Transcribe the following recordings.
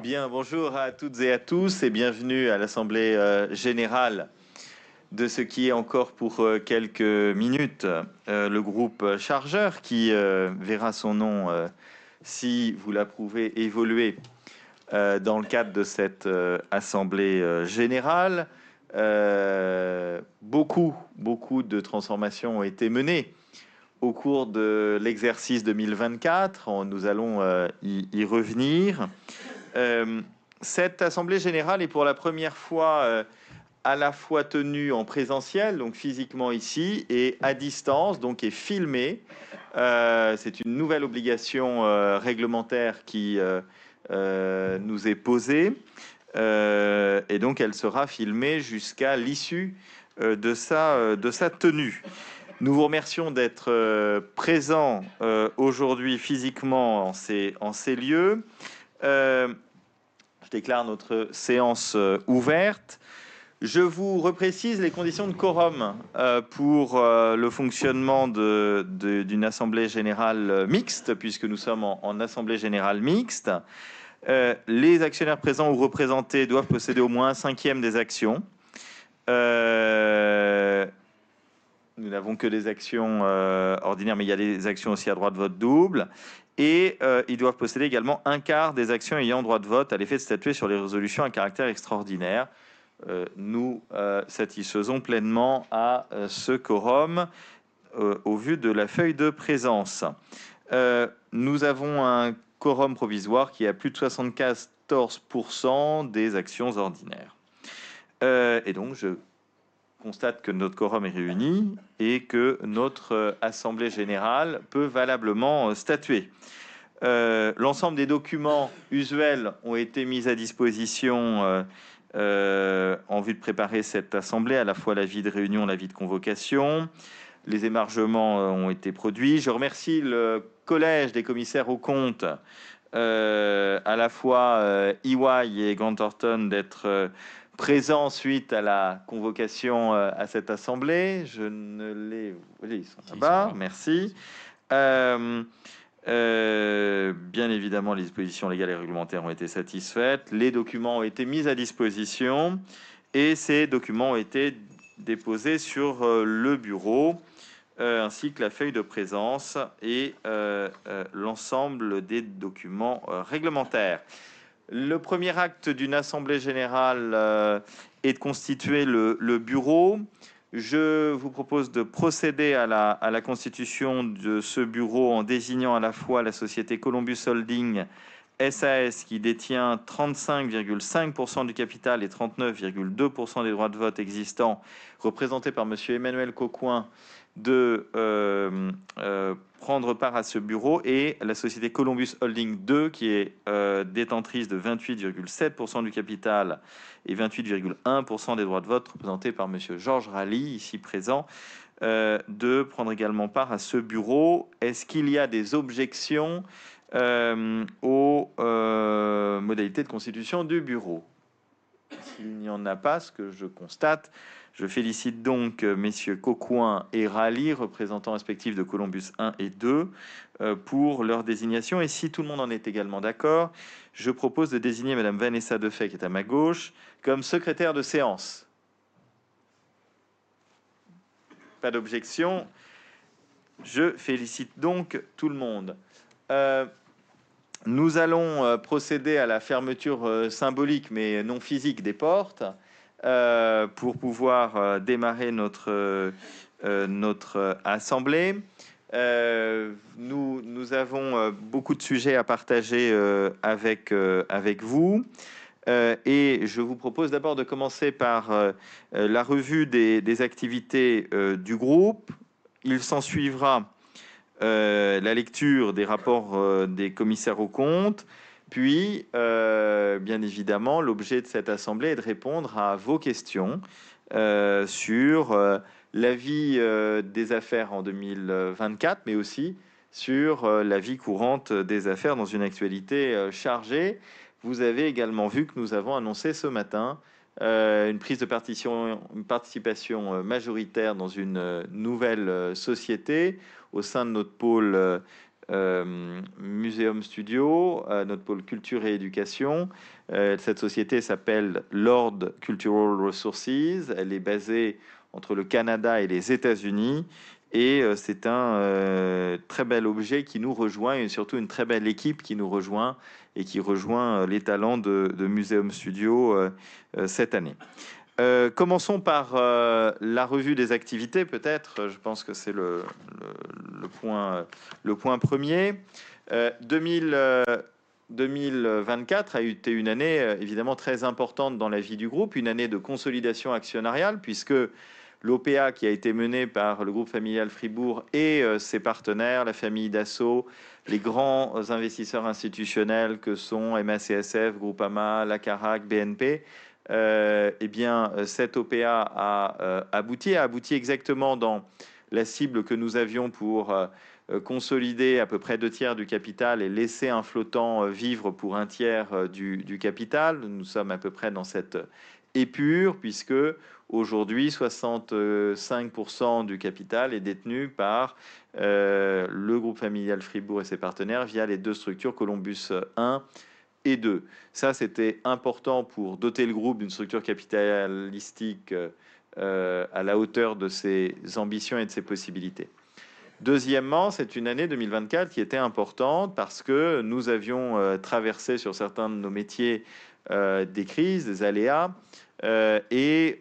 Bien, bonjour à toutes et à tous, et bienvenue à l'assemblée générale de ce qui est encore pour quelques minutes le groupe Chargeurs, qui verra son nom, si vous l'approuvez, évoluer dans le cadre de cette assemblée générale. Beaucoup, beaucoup de transformations ont été menées au cours de l'exercice 2024. Nous allons y revenir. Cette assemblée générale est pour la première fois à la fois tenue en présentiel, donc physiquement ici, et à distance, donc est filmée. C'est une nouvelle obligation réglementaire qui nous est posée, et donc elle sera filmée jusqu'à l'issue de sa tenue. Nous vous remercions d'être présents aujourd'hui physiquement en ces lieux. Je déclare notre séance ouverte. Je vous reprécise les conditions de quorum pour le fonctionnement d'une assemblée générale mixte, puisque nous sommes en assemblée générale mixte. Les actionnaires présents ou représentés doivent posséder au moins un cinquième des actions. Nous n'avons que des actions ordinaires, mais il y a des actions aussi à droit de vote double, et ils doivent posséder également un quart des actions ayant droit de vote à l'effet de statuer sur les résolutions à caractère extraordinaire. Nous satisfaisons pleinement à ce quorum au vu de la feuille de présence. Nous avons un quorum provisoire qui est à plus de 74% des actions ordinaires. Donc, je constate que notre quorum est réuni et que notre assemblée générale peut valablement statuer. L'ensemble des documents usuels ont été mis à disposition en vue de préparer cette assemblée, à la fois l'avis de réunion et l'avis de convocation. Les émargements ont été produits. Je remercie le Collège des commissaires aux comptes, à la fois EY et Gantorton, d'être présents suite à la convocation à cette assemblée. Oui, ils sont là-bas. Merci. Bien évidemment, les dispositions légales et réglementaires ont été satisfaites. Les documents ont été mis à disposition, et ces documents ont été déposés sur le bureau, ainsi que la feuille de présence et l'ensemble des documents réglementaires. Le premier acte d'une assemblée générale est de constituer le bureau. Je vous propose de procéder à la constitution de ce bureau en désignant à la fois la société Columbus Holdings SAS, qui détient 35,5% du capital et 39,2% des droits de vote existants, représentés par Monsieur Emmanuel Coquin, de prendre part à ce bureau, et la société Columbus Holdings II, qui est détentrice de 28,7% du capital et 28,1% des droits de vote, représentée par Monsieur Georges Ralli, ici présent, de prendre également part à ce bureau. Est-ce qu'il y a des objections aux modalités de constitution du bureau? S'il n'y en a pas, ce que je constate, je félicite donc Monsieur Coquin et Rally, représentants respectifs de Columbus I et II, pour leur désignation. Et si tout le monde en est également d'accord, je propose de désigner Madame Vanessa Deffey, qui est à ma gauche, comme secrétaire de séance. Pas d'objection. Je félicite donc tout le monde. Nous allons procéder à la fermeture symbolique, mais non physique, des portes pour pouvoir démarrer notre assemblée. Nous avons beaucoup de sujets à partager avec vous, et je vous propose d'abord de commencer par la revue des activités du groupe. Il s'ensuivra la lecture des rapports des commissaires aux comptes, puis, bien évidemment, l'objet de cette assemblée est de répondre à vos questions sur l'avis des affaires en 2024, mais aussi sur l'avis courant des affaires dans une actualité chargée. Vous avez également vu que nous avons annoncé ce matin une prise de participation majoritaire dans une nouvelle société au sein de notre pôle Museum Studio, notre pôle culture et éducation. Cette société s'appelle Lord Cultural Resources. Elle est basée entre le Canada et les États-Unis, et c'est un très bel objet qui nous rejoint, et surtout une très belle équipe qui nous rejoint et qui rejoint les talents de Museum Studio cette année. Commençons par la revue des activités, peut-être. Je pense que c'est le point premier. 2024 a été une année évidemment très importante dans la vie du groupe, une année de consolidation actionnariale, puisque l'OPA qui a été menée par le groupe familial Fribourg et ses partenaires, la famille Dassault, les grands investisseurs institutionnels que sont MACSF, Groupama, la Carac, BNP. Cette OPA a abouti, a abouti exactement dans la cible que nous avions pour consolider à peu près deux tiers du capital et laisser un flottant libre pour un tiers du capital. Nous sommes à peu près dans cette épure, puisque aujourd'hui, 65% du capital est détenu par le groupe familial Fribourg et ses partenaires via les deux structures Columbus I et II. Ça, c'était important pour doter le groupe d'une structure capitalistique à la hauteur de ses ambitions et de ses possibilités. Deuxièmement, c'est une année 2024 qui était importante parce que nous avions traversé sur certains de nos métiers des crises, des aléas, et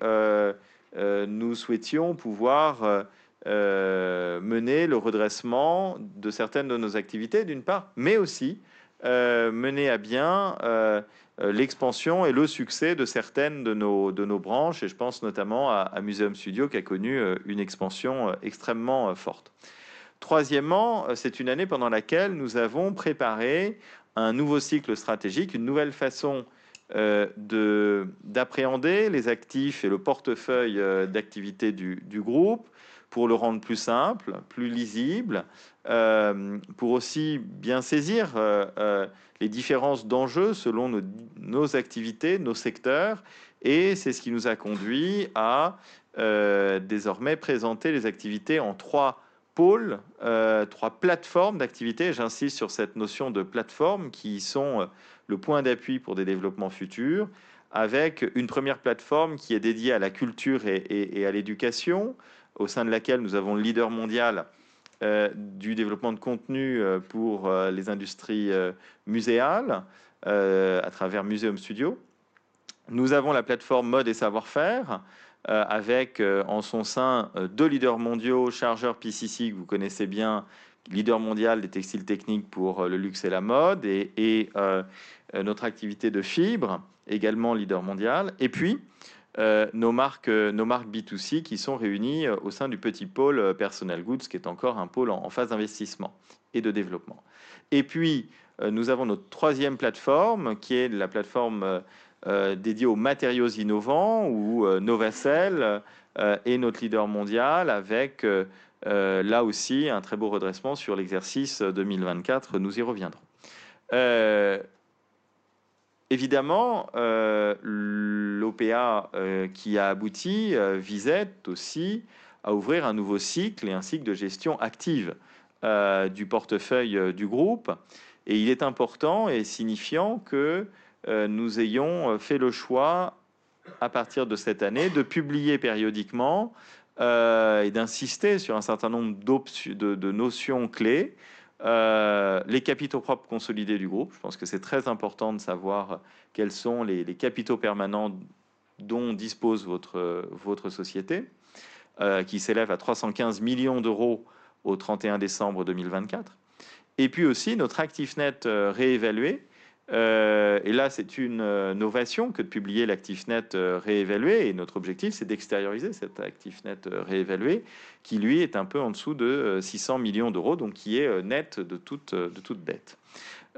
nous souhaitions pouvoir mener le redressement de certaines de nos activités, d'une part, mais aussi mener à bien l'expansion et le succès de certaines de nos branches. Je pense notamment à Museum Studio qui a connu une expansion extrêmement forte. Troisièmement, c'est une année pendant laquelle nous avons préparé un nouveau cycle stratégique, une nouvelle façon d'appréhender les actifs et le portefeuille d'activités du groupe pour le rendre plus simple, plus lisible, pour aussi bien saisir les différences d'enjeux selon nos activités, nos secteurs. C'est ce qui nous a conduits à désormais présenter les activités en trois pôles, trois plateformes d'activités. J'insiste sur cette notion de plateformes qui sont le point d'appui pour des développements futurs, avec une première plateforme qui est dédiée à la culture et à l'éducation, au sein de laquelle nous avons le leader mondial du développement de contenus pour les industries muséales à travers Museum Studio. Nous avons la plateforme mode et savoir-faire, avec en son sein deux leaders mondiaux, Chargeurs PCC, que vous connaissez bien, leader mondial des textiles techniques pour le luxe et la mode, et notre activité de fibre, également leader mondial. Et puis nos marques B2C qui sont réunies au sein du petit pôle Personnel Goods, qui est encore un pôle en phase d'investissement et de développement. Et puis nous avons notre troisième plateforme qui est la plateforme dédiée aux matériaux innovants ou Novacell, et notre leader mondial, avec là aussi un très beau redressement sur l'exercice 2024. Nous y reviendrons. Évidemment, l'OPA qui a abouti visait aussi à ouvrir un nouveau cycle et un cycle de gestion active du portefeuille du groupe. Il est important et signifiant que nous ayons fait le choix, à partir de cette année, de publier périodiquement et d'insister sur un certain nombre de notions clés. Les capitaux propres consolidés du groupe, je pense que c'est très important de savoir quels sont les capitaux permanents dont dispose votre société, qui s'élèvent à €315 millions au 31 décembre 2024. Et puis aussi notre actif net réévalué. C'est une novation que de publier l'actif net réévalué. Notre objectif, c'est d'extérioriser cet actif net réévalué qui est un peu en dessous de €600 millions, donc qui est net de toute dette.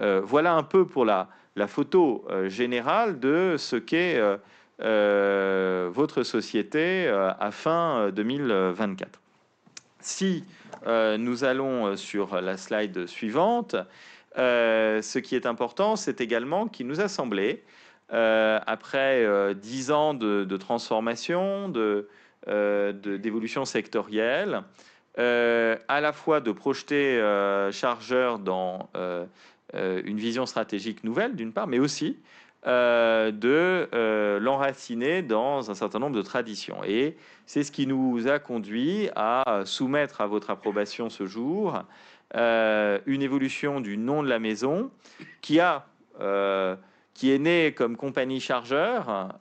Voilà un peu pour la photo générale de ce qu'est votre société à fin 2024. Si nous allons sur la slide suivante, ce qui est important, c'est également qu'il nous a semblé, après dix ans de transformation, d'évolution sectorielle, à la fois de projeter Chargeurs dans une vision stratégique nouvelle, d'une part, mais aussi de l'enraciner dans un certain nombre de traditions. Et c'est ce qui nous a conduits à soumettre à votre approbation ce jour une évolution du nom de la maison qui est née comme Compagnie Chargeurs,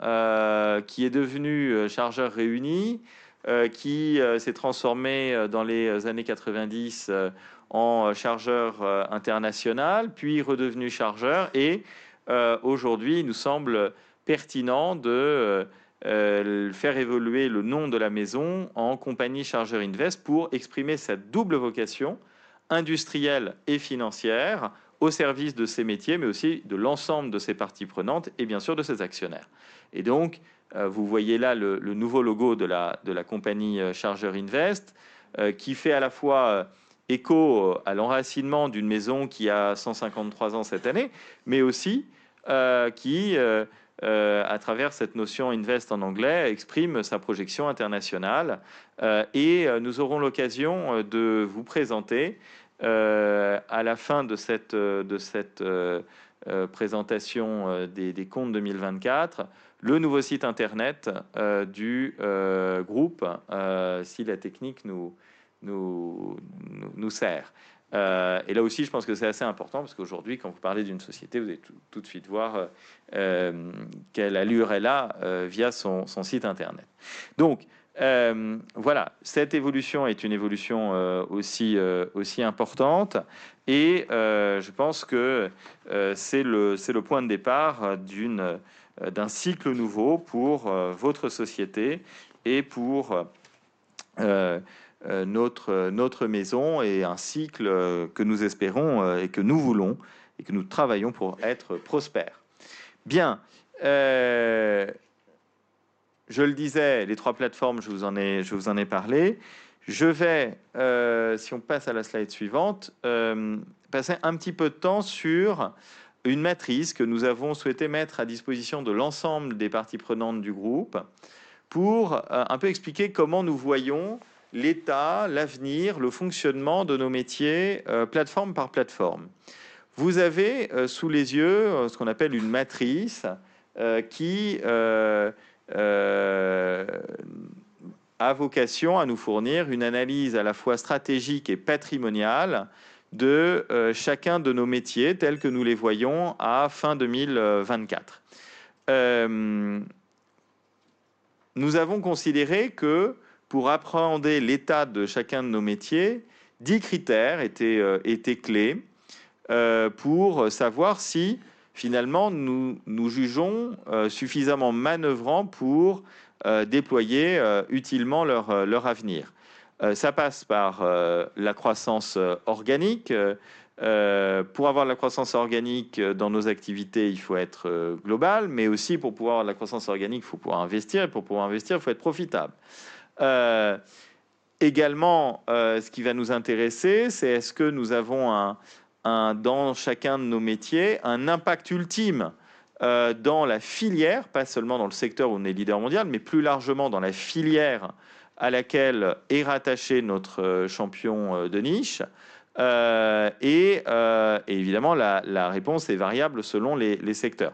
qui est devenue Chargeurs Réunis, qui s'est transformée dans les années 90 en Chargeurs International, puis redevenue Chargeurs. Et aujourd'hui, il nous semble pertinent de faire évoluer le nom de la maison en Compagnie Chargeurs Invest pour exprimer cette double vocation industrielle et financière au service de ses métiers, mais aussi de l'ensemble de ses parties prenantes et, bien sûr, de ses actionnaires. Et donc, vous voyez là le nouveau logo de la Compagnie Chargeurs Invest qui fait à la fois écho à l'enracinement d'une maison qui a 153 ans cette année, mais aussi qui, à travers cette notion Invest en anglais, exprime sa projection internationale. Et nous aurons l'occasion de vous présenter, à la fin de cette présentation des comptes 2024, le nouveau site internet du groupe, si la technique nous sert. Et là aussi, je pense que c'est assez important parce qu'aujourd'hui, quand vous parlez d'une société, vous allez tout de suite voir quelle allure elle a via son site internet. Donc, voilà, cette évolution est une évolution aussi importante. Je pense que c'est le point de départ d'un cycle nouveau pour votre société et pour notre maison, et un cycle que nous espérons et que nous voulons et que nous travaillons pour être prospère. Bien. Je le disais, les trois plateformes, je vous en ai parlé. Je vais, si on passe à la slide suivante, passer un petit peu de temps sur une matrice que nous avons souhaité mettre à disposition de l'ensemble des parties prenantes du groupe pour un peu expliquer comment nous voyons l'état, l'avenir, le fonctionnement de nos métiers, plateforme par plateforme. Vous avez sous les yeux ce qu'on appelle une matrice qui a vocation à nous fournir une analyse à la fois stratégique et patrimoniale de chacun de nos métiers tels que nous les voyons à fin 2024. Nous avons considéré que pour appréhender l'état de chacun de nos métiers, dix critères étaient clés pour savoir si finalement nous nous jugeons suffisamment manœuvrants pour déployer utilement leur avenir. Ça passe par la croissance organique. Pour avoir de la croissance organique dans nos activités, il faut être global, mais aussi pour pouvoir avoir de la croissance organique, il faut pouvoir investir, et pour pouvoir investir, il faut être profitable. Également, ce qui va nous intéresser, c'est est-ce que nous avons dans chacun de nos métiers un impact ultime dans la filière, pas seulement dans le secteur où on est leader mondial, mais plus largement dans la filière à laquelle est rattaché notre champion de niche. Et évidemment, la réponse est variable selon les secteurs.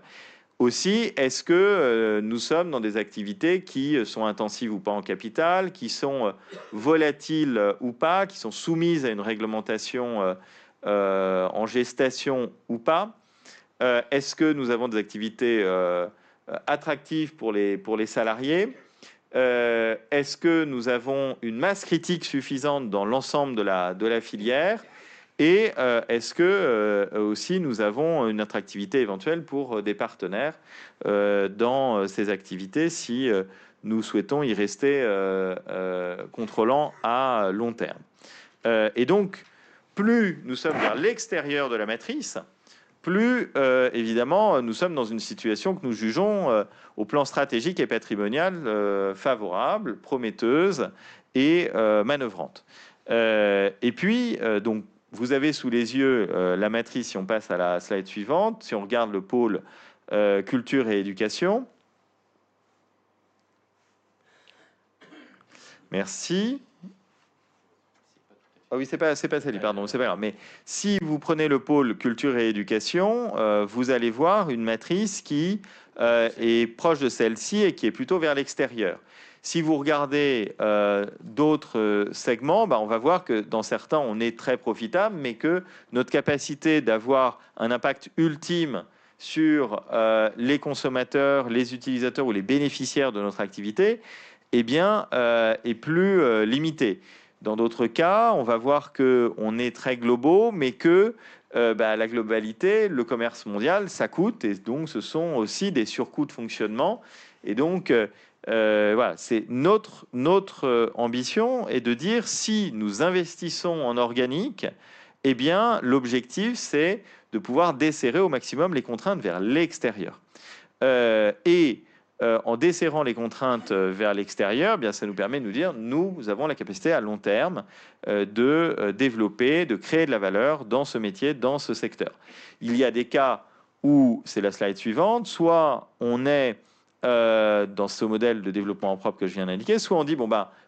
Aussi, est-ce que nous sommes dans des activités qui sont intensives ou pas en capital, qui sont volatiles ou pas, qui sont soumises à une réglementation en gestation ou pas? Est-ce que nous avons des activités attractives pour les salariés? Est-ce que nous avons une masse critique suffisante dans l'ensemble de la filière? Et est-ce que aussi nous avons une attractivité éventuelle pour des partenaires dans ces activités si nous souhaitons y rester contrôlants à long terme? Et donc, plus nous sommes vers l'extérieur de la matrice, plus évidemment nous sommes dans une situation que nous jugeons au plan stratégique et patrimonial favorable, prometteuse et manœuvrante. Et puis, donc vous avez sous les yeux la matrice, si on passe à la slide suivante, si on regarde le pôle culture et éducation. Merci. Oui, ce n'est pas celui, pardon, ce n'est pas grave. Mais si vous prenez le pôle culture et éducation, vous allez voir une matrice qui est proche de celle-ci et qui est plutôt vers l'extérieur. Si vous regardez d'autres segments, on va voir que dans certains, on est très profitable, mais que notre capacité d'avoir un impact ultime sur les consommateurs, les utilisateurs ou les bénéficiaires de notre activité est plus limitée. Dans d'autres cas, on va voir qu'on est très globaux, mais que la globalité, le commerce mondial, ça coûte, et donc ce sont aussi des surcoûts de fonctionnement. C'est notre ambition de dire si nous investissons en organique, bien l'objectif, c'est de pouvoir desserrer au maximum les contraintes vers l'extérieur. En desserrant les contraintes vers l'extérieur, bien ça nous permet de nous dire nous avons la capacité à long terme de développer, de créer de la valeur dans ce métier, dans ce secteur. Il y a des cas où c'est la slide suivante, soit on est dans ce modèle de développement en propre que je viens d'indiquer, soit on dit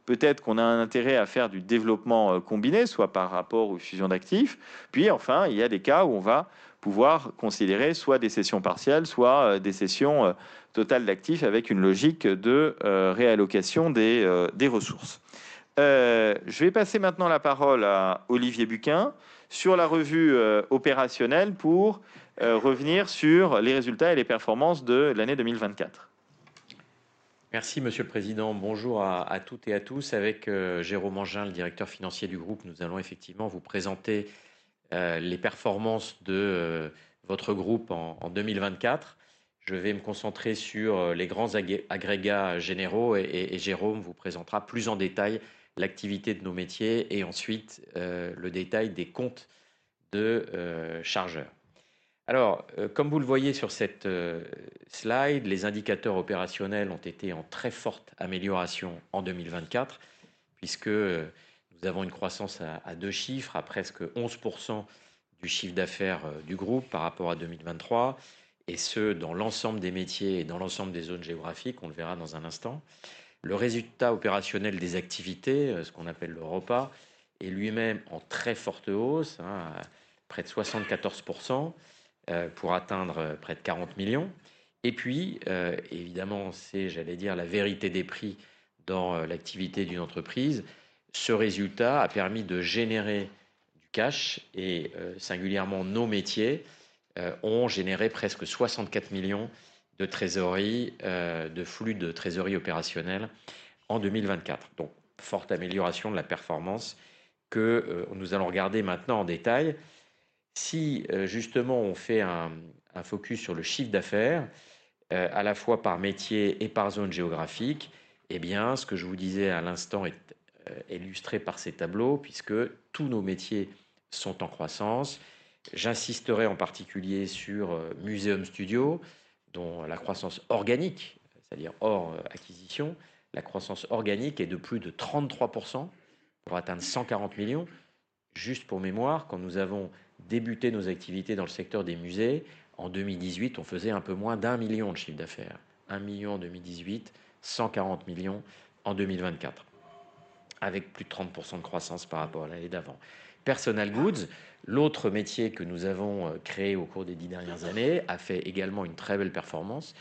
peut-être qu'on a un intérêt à faire du développement combiné, soit par rapport aux fusions d'actifs. Puis enfin, il y a des cas où on va pouvoir considérer soit des cessions partielles, soit des cessions totales d'actifs avec une logique de réallocation des ressources. Je vais passer maintenant la parole à Olivier Bucquin sur la revue opérationnelle pour revenir sur les résultats et les performances de l'année 2024. Merci, Monsieur le Président. Bonjour à toutes et à tous. Avec Jérôme Angin, le Directeur Financier du groupe, nous allons effectivement vous présenter les performances de votre groupe en 2024. Je vais me concentrer sur les grands agrégats généraux et Jérôme vous présentera plus en détail l'activité de nos métiers et ensuite le détail des comptes de Chargeurs. Alors, comme vous le voyez sur cette slide, les indicateurs opérationnels ont été en très forte amélioration en 2024, puisque nous avons une croissance à deux chiffres à presque 11% du chiffre d'affaires du groupe par rapport à 2023, et ce dans l'ensemble des métiers et dans l'ensemble des zones géographiques, on le verra dans un instant. Le résultat opérationnel des activités, ce qu'on appelle le ROPA, est lui-même en très forte hausse, près de 74%, pour atteindre près de €40 millions. Et puis, évidemment, c'est, j'allais dire, la vérité des prix dans l'activité d'une entreprise. Ce résultat a permis de générer du cash et singulièrement nos métiers ont généré presque 64 millions de trésorerie, de flux de trésorerie opérationnelle en 2024. Donc, forte amélioration de la performance que nous allons regarder maintenant en détail. Si justement on fait un focus sur le chiffre d'affaires à la fois par métier et par zone géographique, bien ce que je vous disais à l'instant est illustré par ces tableaux, puisque tous nos métiers sont en croissance. J'insisterai en particulier sur Museum Studio, dont la croissance organique, c'est-à-dire hors acquisition, la croissance organique est de plus de 33% pour atteindre 140 millions. Juste pour mémoire, quand nous avons débuté nos activités dans le secteur des musées, en 2018, on faisait un peu moins d'un million de chiffre d'affaires. Un million en 2018, 140 millions en 2024, avec plus de 30% de croissance par rapport à l'année d'avant. Personnel Goods, l'autre métier que nous avons créé au cours des dix dernières années, a fait également une très belle performance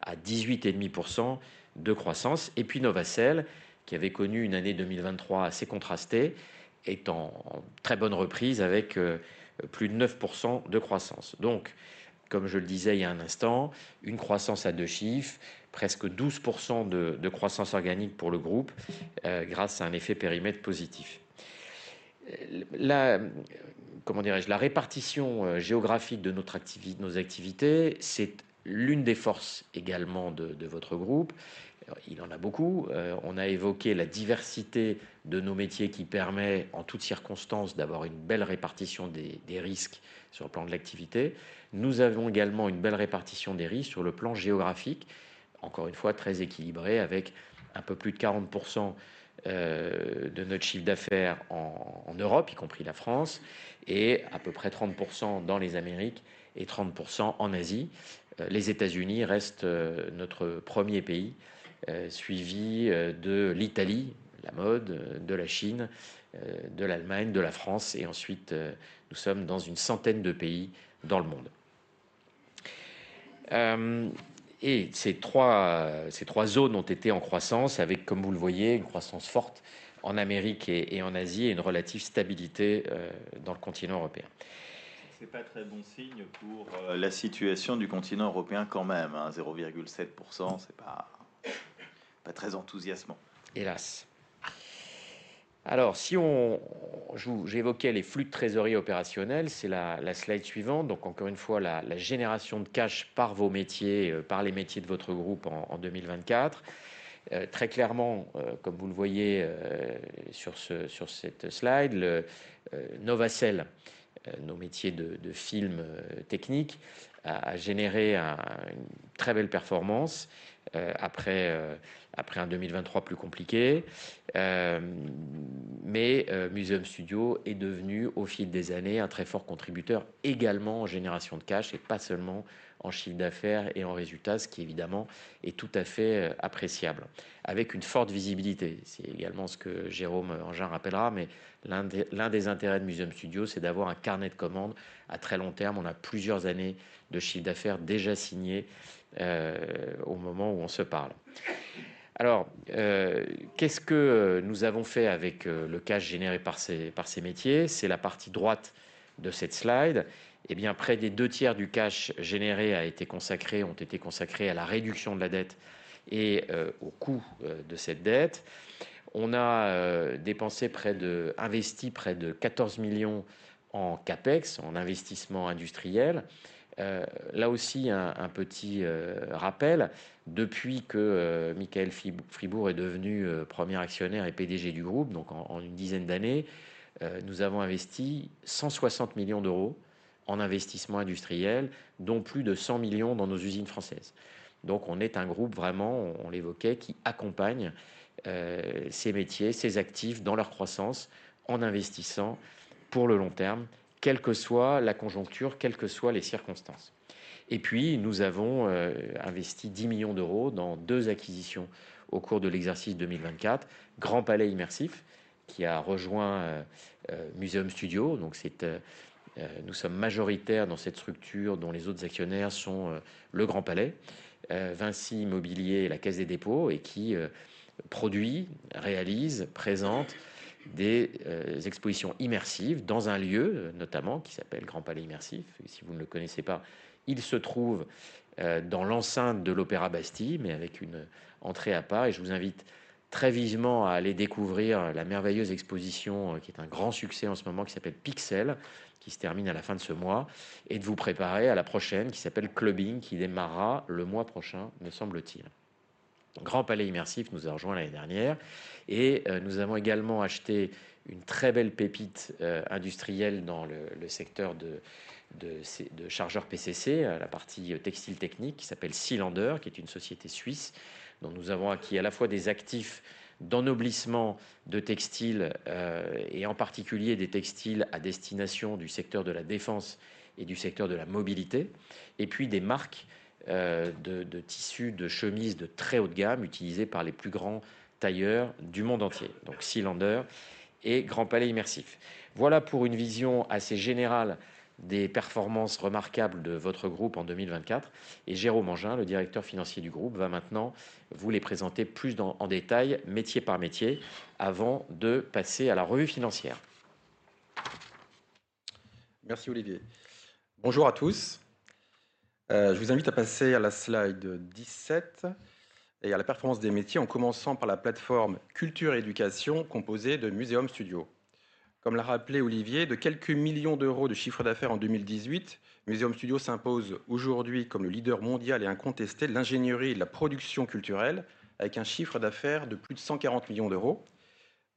à 18,5% de croissance. Et puis Novacell, qui avait connu une année 2023 assez contrastée, est en très bonne reprise avec plus de 9% de croissance. Donc, comme je le disais il y a un instant, une croissance à deux chiffres, presque 12% de croissance organique pour le groupe grâce à un effet périmètre positif. La répartition géographique de nos activités, c'est l'une des forces également de votre groupe. Il y en a beaucoup. On a évoqué la diversité de nos métiers qui permet en toute circonstance d'avoir une belle répartition des risques sur le plan de l'activité. Nous avons également une belle répartition des risques sur le plan géographique, encore une fois très équilibrée, avec un peu plus de 40% de notre chiffre d'affaires en Europe, y compris la France, et à peu près 30% dans les Amériques et 30% en Asie. Les États-Unis restent notre premier pays, suivi de l'Italie, la mode, de la Chine, de l'Allemagne, de la France, et ensuite nous sommes dans une centaine de pays dans le monde. Ces trois zones ont été en croissance avec, comme vous le voyez, une croissance forte en Amérique et en Asie, et une relative stabilité dans le continent européen. Ce n'est pas très bon signe pour la situation du continent européen quand même. 0,7%, ce n'est pas très enthousiasmant. Hélas. Si j'évoquais les flux de trésorerie opérationnelle, c'est la slide suivante. Donc, encore une fois, la génération de cash par vos métiers, par les métiers de votre groupe en 2024. Très clairement, comme vous le voyez sur cette slide, Novacell, nos métiers de films techniques, a généré une très belle performance après un 2023 plus compliqué. Mais Museum Studio est devenu, au fil des années, un très fort contributeur également en génération de cash, et pas seulement en chiffre d'affaires et en résultats, ce qui évidemment est tout à fait appréciable. Avec une forte visibilité, c'est également ce que Jérôme Angin rappellera, mais l'un des intérêts de Museum Studio, c'est d'avoir un carnet de commandes à très long terme. On a plusieurs années de chiffre d'affaires déjà signées au moment où on se parle. Alors, qu'est-ce que nous avons fait avec le cash généré par ces métiers? C'est la partie droite de cette slide. Bien, près des deux tiers du cash généré ont été consacrés à la réduction de la dette et aux coûts de cette dette. On a investi près de 14 millions € en CAPEX, en investissement industriel. Là aussi, un petit rappel, depuis que Michael Fribourg est devenu premier actionnaire et PDG du groupe, donc en une dizaine d'années, nous avons investi 160 millions d'euros en investissement industriel, dont plus de 100 millions € dans nos usines françaises. Donc, on est un groupe vraiment, on l'évoquait, qui accompagne ces métiers, ces actifs dans leur croissance en investissant pour le long terme, quelle que soit la conjoncture, quelles que soient les circonstances. Et puis, nous avons investi 10 millions d'euros dans deux acquisitions au cours de l'exercice 2024, Grand Palais Immersif, qui a rejoint Museum Studio. Donc, nous sommes majoritaires dans cette structure dont les autres actionnaires sont le Grand Palais, Vinci Immobilier et la Caisse des Dépôts, et qui produit, réalise, présente des expositions immersives dans un lieu notamment qui s'appelle Grand Palais Immersif. Si vous ne le connaissez pas, il se trouve dans l'enceinte de l'Opéra Bastille, mais avec une entrée à part. Et je vous invite très vivement à aller découvrir la merveilleuse exposition qui est un grand succès en ce moment, qui s'appelle Pixel, qui se termine à la fin de ce mois, et de vous préparer à la prochaine qui s'appelle Clubbing, qui démarrera le mois prochain, me semble-t-il. Grand Palais Immersif nous a rejoints l'année dernière, et nous avons également acheté une très belle pépite industrielle dans le secteur de Chargeurs PCC, la partie textile technique, qui s'appelle Cilander, qui est une société suisse dont nous avons acquis à la fois des actifs d'ennoblissement de textiles, et en particulier des textiles à destination du secteur de la défense et du secteur de la mobilité, et puis des marques de tissus de chemises de très haute gamme utilisées par les plus grands tailleurs du monde entier. Donc, Cilander et Grand Palais Immersif. Voilà pour une vision assez générale des performances remarquables de votre groupe en 2024. Et Jérôme Angin, le Directeur Financier du groupe, va maintenant vous les présenter plus en détail, métier par métier, avant de passer à la revue financière. Merci, Olivier. Bonjour à tous. Je vous invite à passer à la slide 17 et à la performance des métiers, en commençant par la plateforme culture et éducation composée de Museum Studio. Comme l'a rappelé Olivier, de quelques millions d'euros de chiffre d'affaires en 2018, Museum Studio s'impose aujourd'hui comme le leader mondial et incontesté de l'ingénierie et de la production culturelle, avec un chiffre d'affaires de plus de 140 millions d'euros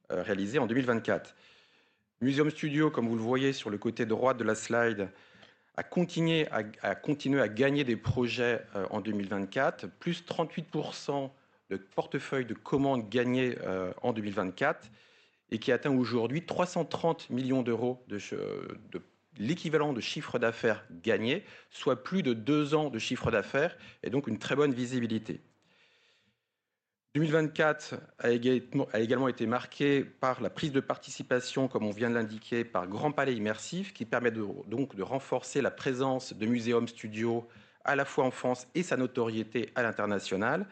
réalisé en 2024. Museum Studio, comme vous le voyez sur le côté droit de la slide, a continué à gagner des projets en 2024, plus 38% de portefeuille de commandes gagnées en 2024, et qui atteint aujourd'hui 330 millions d'euros de l'équivalent de chiffre d'affaires gagné, soit plus de deux ans de chiffre d'affaires, et donc une très bonne visibilité. 2024 a également été marquée par la prise de participation, comme on vient de l'indiquer, par Grand Palais Immersif, qui permet donc de renforcer la présence de Museum Studio à la fois en France et sa notoriété à l'international.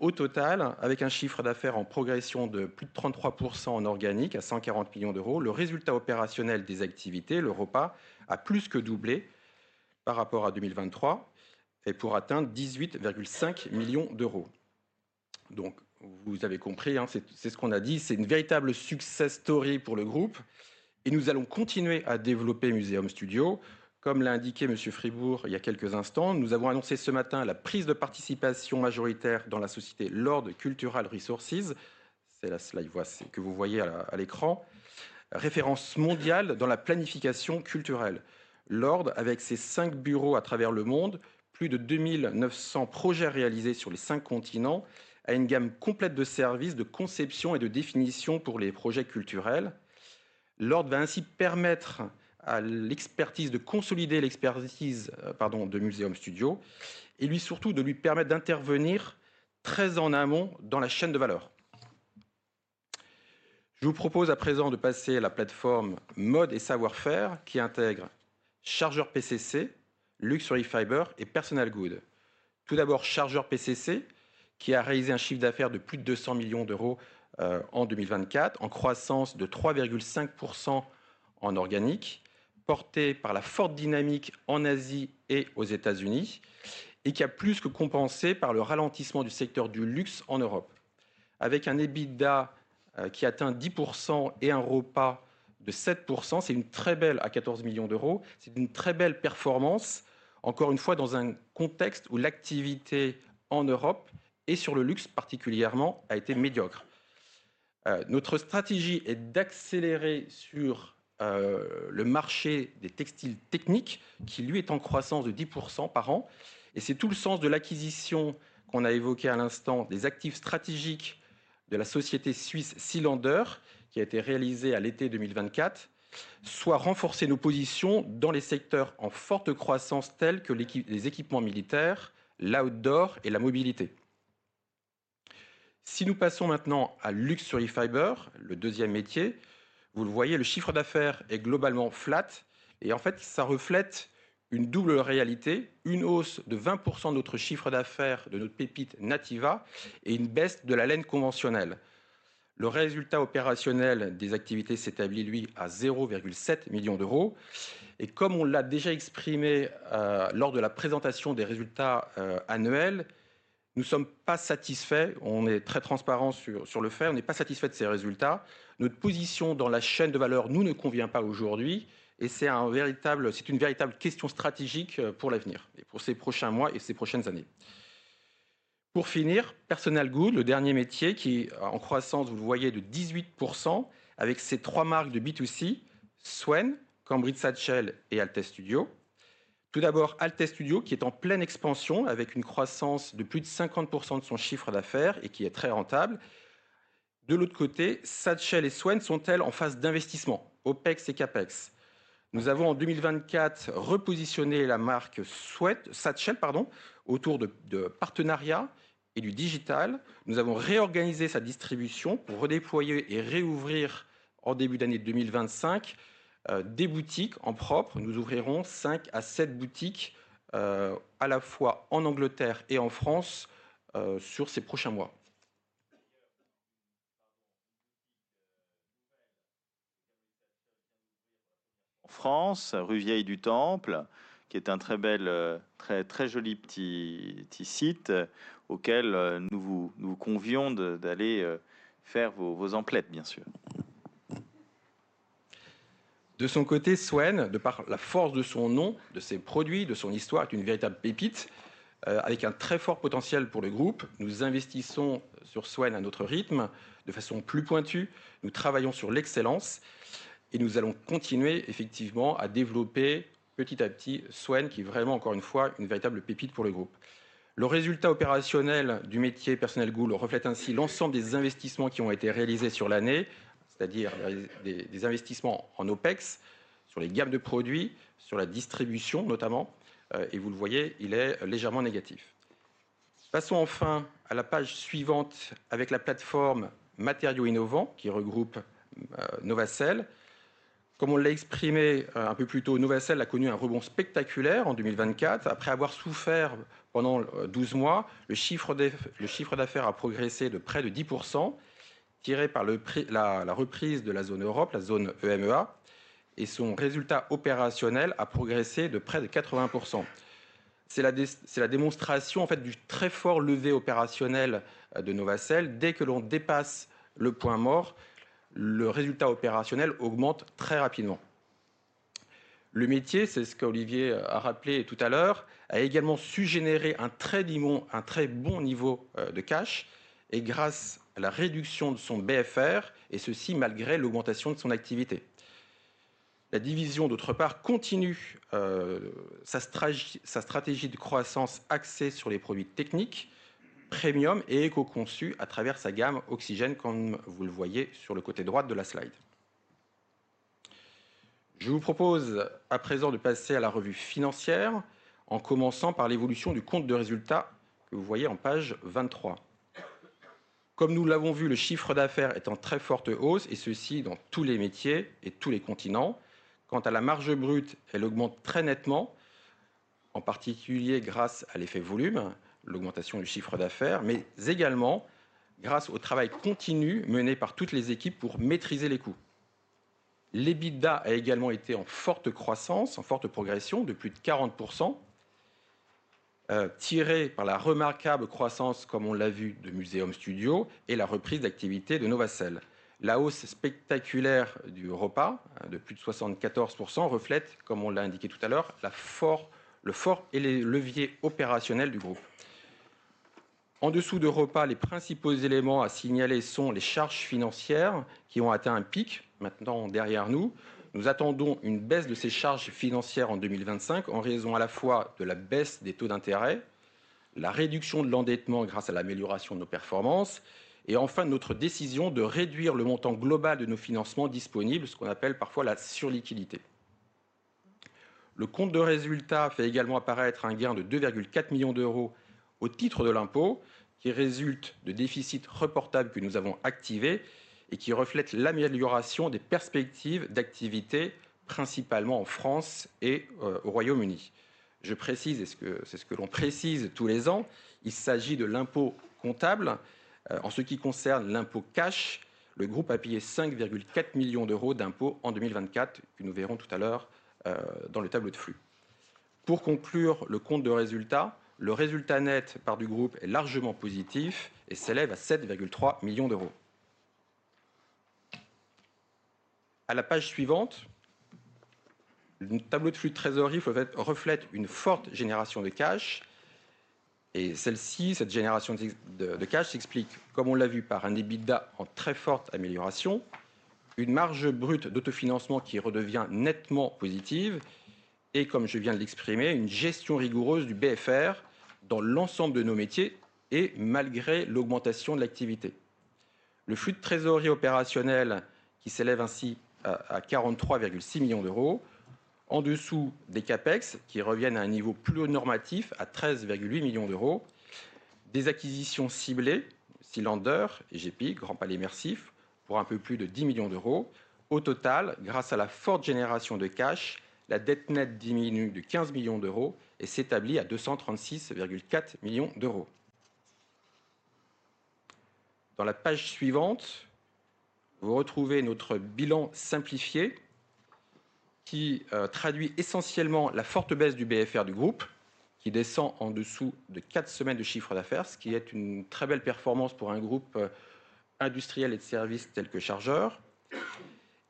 Au total, avec un chiffre d'affaires en progression de plus de 33% en organique à €140 millions, le résultat opérationnel des activités, le ROPA, a plus que doublé par rapport à 2023 et pour atteindre €18,5 millions. Vous avez compris, c'est ce qu'on a dit, c'est une véritable success story pour le groupe, et nous allons continuer à développer Museum Studio, comme l'a indiqué Monsieur Fribourg il y a quelques instants. Nous avons annoncé ce matin la prise de participation majoritaire dans la société Lord Cultural Resources, c'est la slide que vous voyez à l'écran, référence mondiale dans la planification culturelle. Lord, avec ses cinq bureaux à travers le monde, plus de 2 900 projets réalisés sur les cinq continents, a une gamme complète de services, de conception et de définition pour les projets culturels. Lord va ainsi permettre à l'expertise de consolider l'expertise de Museum Studio, et lui surtout de lui permettre d'intervenir très en amont dans la chaîne de valeur. Je vous propose à présent de passer à la plateforme mode et savoir-faire, qui intègre Chargeurs PCC, Luxury Fiber et Personnel Good. Tout d'abord, Chargeurs PCC, qui a réalisé un chiffre d'affaires de plus de 200 millions d'euros en 2024, en croissance de 3,5% en organique, porté par la forte dynamique en Asie et aux États-Unis, et qui a plus que compensé le ralentissement du secteur du luxe en Europe. Avec un EBITDA qui atteint 10% et un ROPA de 7%, c'est une très belle, à 14 millions d'euros, c'est une très belle performance, encore une fois dans un contexte où l'activité en Europe et sur le luxe particulièrement a été médiocre. Notre stratégie est d'accélérer sur le marché des textiles techniques, qui lui est en croissance de 10% par an, et c'est tout le sens de l'acquisition qu'on a évoquée à l'instant des actifs stratégiques de la société suisse Cilander, qui a été réalisée à l'été 2024, soit renforcer nos positions dans les secteurs en forte croissance tels que les équipements militaires, l'outdoor et la mobilité. Si nous passons maintenant à Luxury Fiber, le deuxième métier, vous le voyez, le chiffre d'affaires est globalement flat, et en fait ça reflète une double réalité: une hausse de 20% de notre chiffre d'affaires de notre pépite Nativa, et une baisse de la laine conventionnelle. Le résultat opérationnel des activités s'établit lui à €0,7 million, et comme on l'a déjà exprimé lors de la présentation des résultats annuels, nous ne sommes pas satisfaits, on est très transparents sur le fait, on n'est pas satisfaits de ces résultats. Notre position dans la chaîne de valeur ne nous convient pas aujourd'hui, et c'est une véritable question stratégique pour l'avenir, et pour ces prochains mois et ces prochaines années. Pour finir, Personnel Good, le dernier métier qui est en croissance, vous le voyez, de 18%, avec ses trois marques de B2C, Swen, Cambridge SACELL et Alte Studio. Tout d'abord, Alte Studio qui est en pleine expansion avec une croissance de plus de 50% de son chiffre d'affaires et qui est très rentable. De l'autre côté, SACELL et Swen sont en phase d'investissement au PECS et CAPEX. Nous avons en 2024 repositionné la marque SACELL autour de partenariats et du digital. Nous avons réorganisé sa distribution pour redéployer et réouvrir en début d'année 2025 des boutiques en propre. Nous ouvrirons 5 à 7 boutiques à la fois en Angleterre et en France sur ces prochains mois. En France, Rue Vieille du Temple, qui est un très joli petit site auquel nous vous convions d'aller faire vos emplettes, bien sûr. De son côté, Swen, de par la force de son nom, de ses produits, de son histoire, est une véritable pépite avec un très fort potentiel pour le groupe. Nous investissons sur Swen à notre rythme, de façon plus pointue. Nous travaillons sur l'excellence et nous allons continuer effectivement à développer petit à petit Swen, qui est vraiment, encore une fois, une véritable pépite pour le groupe. Le résultat opérationnel du métier Personnel Good reflète ainsi l'ensemble des investissements qui ont été réalisés sur l'année, c'est-à-dire des investissements en OPEX, sur les gammes de produits, sur la distribution notamment, et vous le voyez, il est légèrement négatif. Passons enfin à la page suivante avec la plateforme Matériaux Innovants, qui regroupe Novacell. Comme on l'a exprimé un peu plus tôt, Novacell a connu un rebond spectaculaire en 2024. Après avoir souffert pendant 12 mois, le chiffre d'affaires a progressé de près de 10%, tiré par la reprise de la zone Europe, la zone EMEA, et son résultat opérationnel a progressé de près de 80%. C'est la démonstration du très fort levier opérationnel de Novacell. Dès que l'on dépasse le point mort, le résultat opérationnel augmente très rapidement. Le métier, c'est ce qu'Olivier a rappelé tout à l'heure, a également su générer un très bon niveau de cash et grâce à la réduction de son BFR, et ceci malgré l'augmentation de son activité. La division, d'autre part, continue sa stratégie de croissance axée sur les produits techniques, premium et éco-conçus à travers sa gamme Oxygène, comme vous le voyez sur le côté droit de la slide. Je vous propose à présent de passer à la revue financière, en commençant par l'évolution du compte de résultat que vous voyez en page 23. Comme nous l'avons vu, le chiffre d'affaires est en très forte hausse, et ceci dans tous les métiers et tous les continents. Quant à la marge brute, elle augmente très nettement, en particulier grâce à l'effet volume, l'augmentation du chiffre d'affaires, mais également grâce au travail continu mené par toutes les équipes pour maîtriser les coûts. L'EBITDA a également été en forte croissance, en forte progression de plus de 40%, tiré par la remarquable croissance, comme on l'a vu, de Museum Studio et la reprise d'activité de Novacell. La hausse spectaculaire du ROPA de plus de 74% reflète, comme on l'a indiqué tout à l'heure, le fort levier opérationnel du groupe. En dessous de ROPA, les principaux éléments à signaler sont les charges financières qui ont atteint un pic. Maintenant, derrière nous, nous attendons une baisse de ces charges financières en 2025, en raison à la fois de la baisse des taux d'intérêt, la réduction de l'endettement grâce à l'amélioration de nos performances, et enfin notre décision de réduire le montant global de nos financements disponibles, ce qu'on appelle parfois la surliquidité. Le compte de résultat fait également apparaître un gain de 2,4 millions d'euros au titre de l'impôt, qui résulte de déficits reportables que nous avons activés et qui reflètent l'amélioration des perspectives d'activité, principalement en France et au Royaume-Uni. Je précise, et c'est ce que l'on précise tous les ans, il s'agit de l'impôt comptable. En ce qui concerne l'impôt cash, le groupe a payé 5,4 millions d'euros d'impôt en 2024, que nous verrons tout à l'heure dans le tableau de flux. Pour conclure le compte de résultat, le résultat net du groupe est largement positif et s'élève à 7,3 millions d'euros. À la page suivante, le tableau de flux de trésorerie reflète une forte génération de cash, et celle-ci, cette génération de cash, s'explique, comme on l'a vu, par un EBITDA en très forte amélioration, une marge brute d'autofinancement qui redevient nettement positive, et comme je viens de l'exprimer, une gestion rigoureuse du BFR dans l'ensemble de nos métiers et malgré l'augmentation de l'activité. Le flux de trésorerie opérationnel qui s'élève ainsi à 43,6 millions d'euros, en dessous des CAPEX qui reviennent à un niveau plus haut normatif à 13,8 millions d'euros, des acquisitions ciblées, Cilander, EGPI, Grand Palais Immersif, pour un peu plus de 10 millions d'euros. Au total, grâce à la forte génération de cash, la dette nette diminue de 15 millions d'euros et s'établit à 236,4 millions d'euros. Dans la page suivante, vous retrouvez notre bilan simplifié, qui traduit essentiellement la forte baisse du BFR du groupe, qui descend en dessous de 4 semaines de chiffre d'affaires, ce qui est une très belle performance pour un groupe industriel et de service tel que Chargeurs,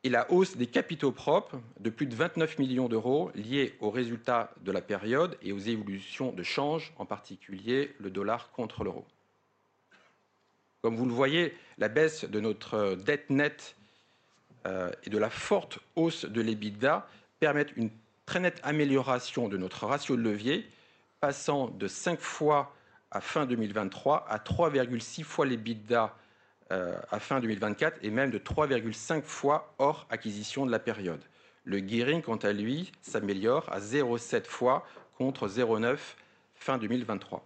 et la hausse des capitaux propres de plus de 29 millions d'euros liée aux résultats de la période et aux évolutions de change, en particulier le dollar contre l'euro. Comme vous le voyez, la baisse de notre dette nette et de la forte hausse de l'EBITDA permettent une très nette amélioration de notre ratio de levier, passant de 5 fois à fin 2023 à 3,6 fois l'EBITDA à fin 2024 et même de 3,5 fois hors acquisition de la période. Le gearing, quant à lui, s'améliore à 0,7 fois contre 0,9 fin 2023.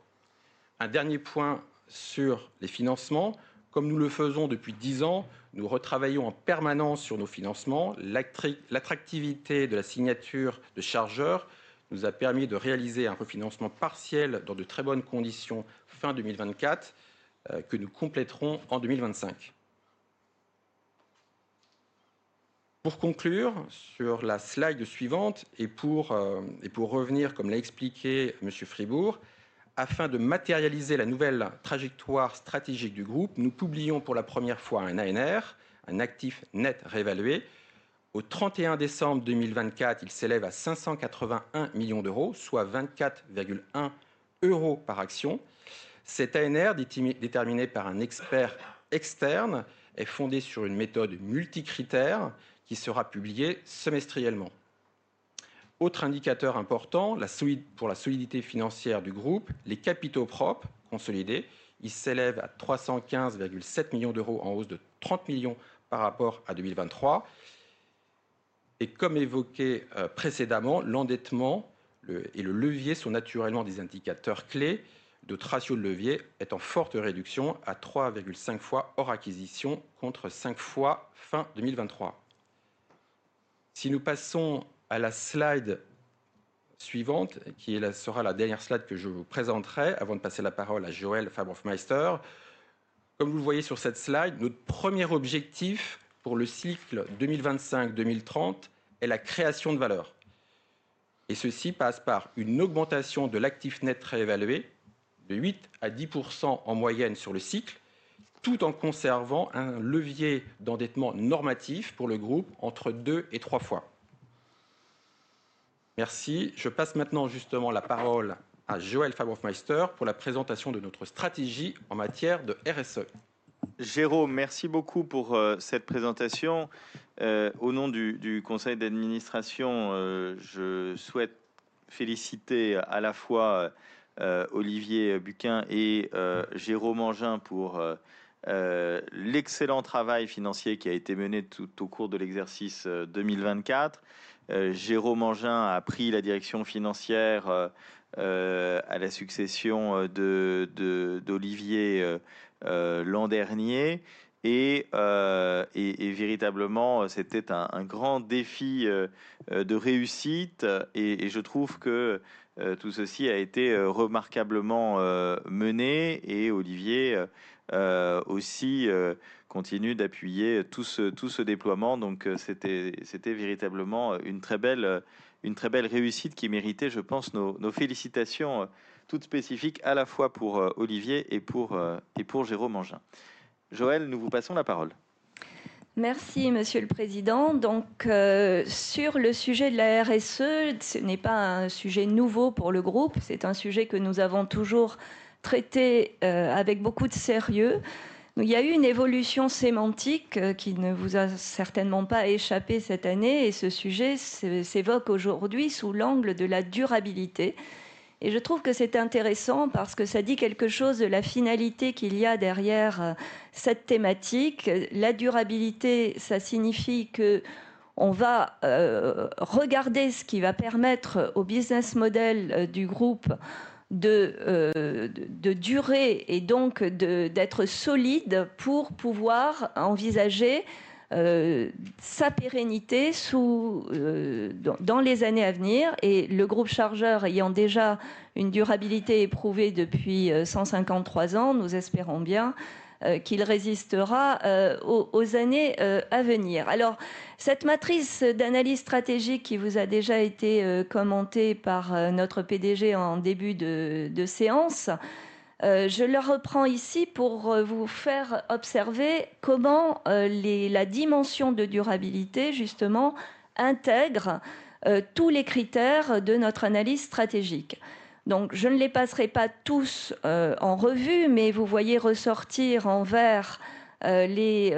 Un dernier point sur les financements. Comme nous le faisons depuis 10 ans, nous retravaillons en permanence sur nos financements. L'attractivité de la signature de Chargeurs nous a permis de réaliser un refinancement partiel dans de très bonnes conditions fin 2024, que nous compléterons en 2025. Pour conclure sur la slide suivante et pour revenir, comme l'a expliqué Monsieur Fribourg, afin de matérialiser la nouvelle trajectoire stratégique du groupe, nous publions pour la première fois un ANR, un actif net réévalué. Au 31 décembre 2024, il s'élève à €581 millions, soit €24,1 par action. Cet ANR, déterminé par un expert externe, est fondé sur une méthode multicritères qui sera publiée semestriellement. Autre indicateur important pour la solidité financière du groupe, les capitaux propres consolidés, ils s'élèvent à €315,7 millions, en hausse de €30 millions par rapport à 2023. Comme évoqué précédemment, l'endettement et le levier sont naturellement des indicateurs clés, notre ratio de levier est en forte réduction à 3,5 fois hors acquisition contre 5 fois fin 2023. Si nous passons à la slide suivante, qui sera la dernière slide que je vous présenterai avant de passer la parole à Joëlle Fabre-Hoffmeister. Comme vous le voyez sur cette slide, notre premier objectif pour le cycle 2025-2030 est la création de valeur. Ceci passe par une augmentation de l'actif net réévalué de 8 à 10% en moyenne sur le cycle, tout en conservant un levier d'endettement normatif pour le groupe entre 2 et 3 fois. Merci. Je passe maintenant justement la parole à Joëlle Fabre-Hoffmeister pour la présentation de notre stratégie en matière de RSE. Jérôme, merci beaucoup pour cette présentation. Au nom du conseil d'administration, je souhaite féliciter à la fois Olivier Bucquin et Jérôme Engin pour l'excellent travail financier qui a été mené tout au cours de l'exercice 2024. Jérôme Engin a pris la direction financière à la succession d'Olivier l'an dernier. Véritablement, c'était un grand défi de réussite. Je trouve que tout ceci a été remarquablement mené. Olivier aussi continue d'appuyer tout ce déploiement. Donc, c'était véritablement une très belle réussite qui méritait, je pense, nos félicitations toutes spécifiques à la fois pour Olivier et pour Jérôme Engin. Joëlle, nous vous passons la parole. Merci, Monsieur le Président. Donc, sur le sujet de la RSE, ce n'est pas un sujet nouveau pour le groupe. C'est un sujet que nous avons toujours traité avec beaucoup de sérieux. Il y a eu une évolution sémantique qui ne vous a certainement pas échappé cette année. Ce sujet s'évoque aujourd'hui sous l'angle de la durabilité. Je trouve que c'est intéressant parce que ça dit quelque chose de la finalité qu'il y a derrière cette thématique. La durabilité, ça signifie qu'on va regarder ce qui va permettre au business model du groupe de durer et donc d'être solide pour pouvoir envisager sa pérennité dans les années à venir. Le groupe Chargeurs, ayant déjà une durabilité éprouvée depuis 153 ans, nous espérons bien qu'il résistera aux années à venir. Alors, cette matrice d'analyse stratégique qui vous a déjà été commentée par notre PDG en début de séance, je la reprends ici pour vous faire observer comment la dimension de durabilité, justement, intègre tous les critères de notre analyse stratégique. Donc, je ne les passerai pas tous en revue, mais vous voyez ressortir en vert les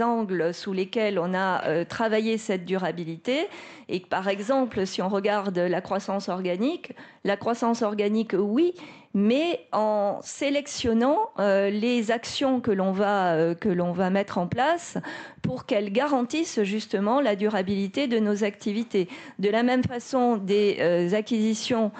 angles sous lesquels on a travaillé cette durabilité. Et par exemple, si on regarde la croissance organique, la croissance organique, oui, mais en sélectionnant les actions que l'on va mettre en place pour qu'elles garantissent justement la durabilité de nos activités. De la même façon, des acquisitions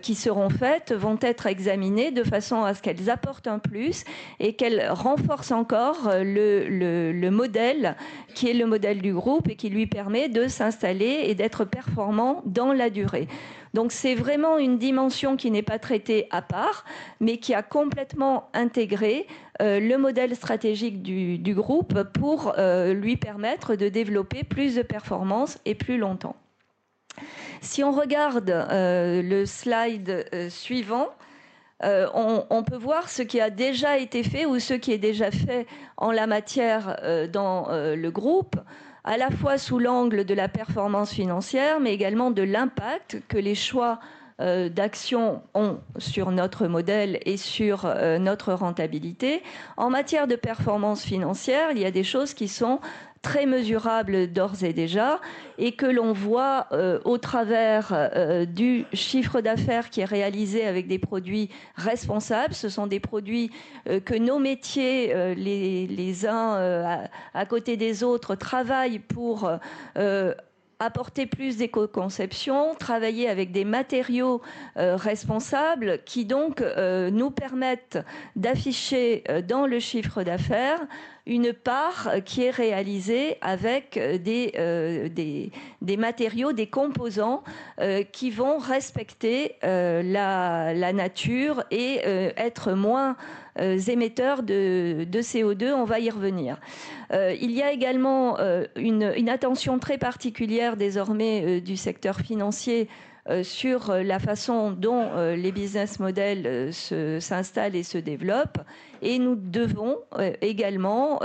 qui seront faites vont être examinées de façon à ce qu'elles apportent un plus et qu'elles renforcent encore le modèle qui est le modèle du groupe et qui lui permet de s'installer et d'être performant dans la durée. Donc, c'est vraiment une dimension qui n'est pas traitée à part, mais qui a complètement intégré le modèle stratégique du groupe pour lui permettre de développer plus de performances et plus longtemps. Si on regarde le slide suivant, on peut voir ce qui a déjà été fait ou ce qui est déjà fait en la matière dans le groupe, à la fois sous l'angle de la performance financière, mais également de l'impact que les choix d'actions ont sur notre modèle et sur notre rentabilité. En matière de performance financière, il y a des choses qui sont très mesurables d'ores et déjà et que l'on voit au travers du chiffre d'affaires qui est réalisé avec des produits responsables. Ce sont des produits que nos métiers, les uns à côté des autres, travaillent pour apporter plus d'éco-conception, travailler avec des matériaux responsables qui donc nous permettent d'afficher dans le chiffre d'affaires une part qui est réalisée avec des matériaux, des composants qui vont respecter la nature et être moins émetteurs de CO2. On va y revenir. Il y a également une attention très particulière désormais du secteur financier sur la façon dont les business models s'installent et se développent. Nous devons également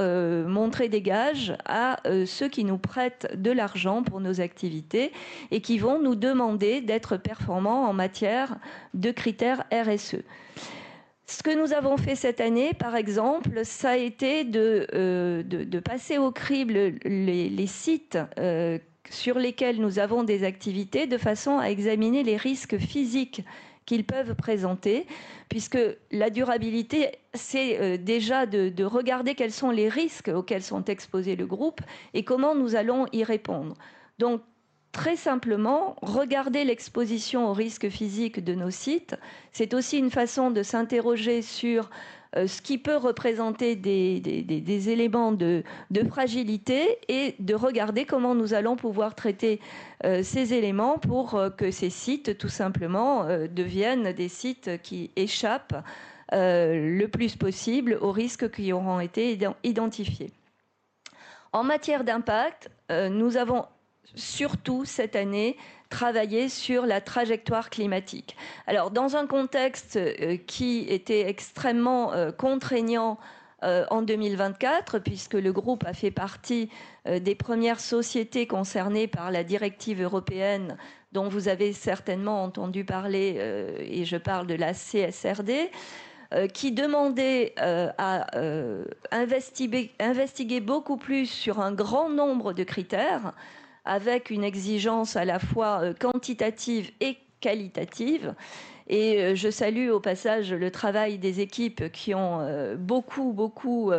montrer des gages à ceux qui nous prêtent de l'argent pour nos activités et qui vont nous demander d'être performants en matière de critères RSE. Ce que nous avons fait cette année, par exemple, ça a été de passer au crible les sites sur lesquels nous avons des activités de façon à examiner les risques physiques qu'ils peuvent présenter, puisque la durabilité, c'est déjà de regarder quels sont les risques auxquels sont exposés le groupe et comment nous allons y répondre. Donc, très simplement, regarder l'exposition aux risques physiques de nos sites, c'est aussi une façon de s'interroger sur ce qui peut représenter des éléments de fragilité et de regarder comment nous allons pouvoir traiter ces éléments pour que ces sites, tout simplement, deviennent des sites qui échappent le plus possible aux risques qui auront été identifiés. En matière d'impact, nous avons surtout cette année travaillé sur la trajectoire climatique. Alors, dans un contexte qui était extrêmement contraignant en 2024, puisque le groupe a fait partie des premières sociétés concernées par la directive européenne dont vous avez certainement entendu parler, et je parle de la CSRD, qui demandait à investiguer beaucoup plus sur un grand nombre de critères, avec une exigence à la fois quantitative et qualitative. Et je salue au passage le travail des équipes qui ont beaucoup, beaucoup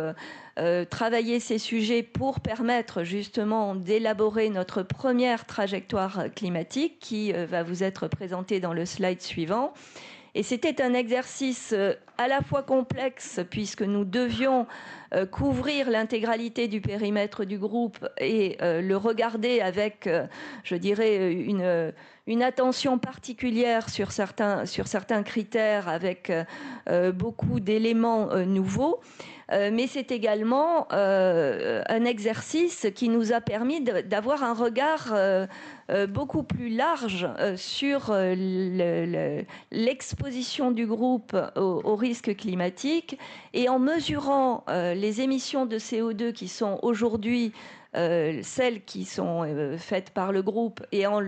travaillé ces sujets pour permettre justement d'élaborer notre première trajectoire climatique qui va vous être présentée dans le slide suivant. Et c'était un exercice à la fois complexe puisque nous devions couvrir l'intégralité du périmètre du groupe et le regarder avec, je dirais, une attention particulière sur certains critères avec beaucoup d'éléments nouveaux. Mais c'est également un exercice qui nous a permis d'avoir un regard beaucoup plus large sur l'exposition du groupe aux risques climatiques. Et en mesurant les émissions de CO2 qui sont aujourd'hui celles qui sont faites par le groupe et en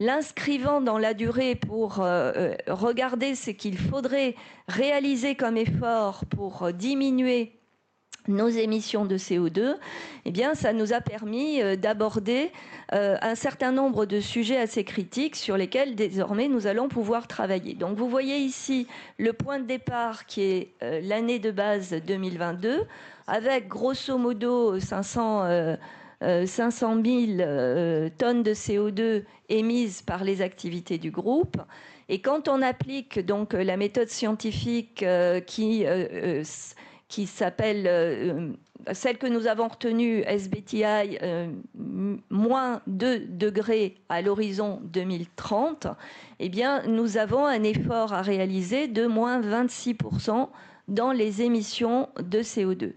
l'inscrivant dans la durée pour regarder ce qu'il faudrait réaliser comme effort pour diminuer nos émissions de CO2, cela nous a permis d'aborder un certain nombre de sujets assez critiques sur lesquels désormais nous allons pouvoir travailler. Vous voyez ici le point de départ qui est l'année de base 2022, avec grosso modo 500 000 tonnes de CO2 émises par les activités du groupe. Et quand on applique la méthode scientifique que nous avons retenue, SBTI, moins 2 degrés à l'horizon 2030, nous avons un effort à réaliser de moins 26% dans les émissions de CO2.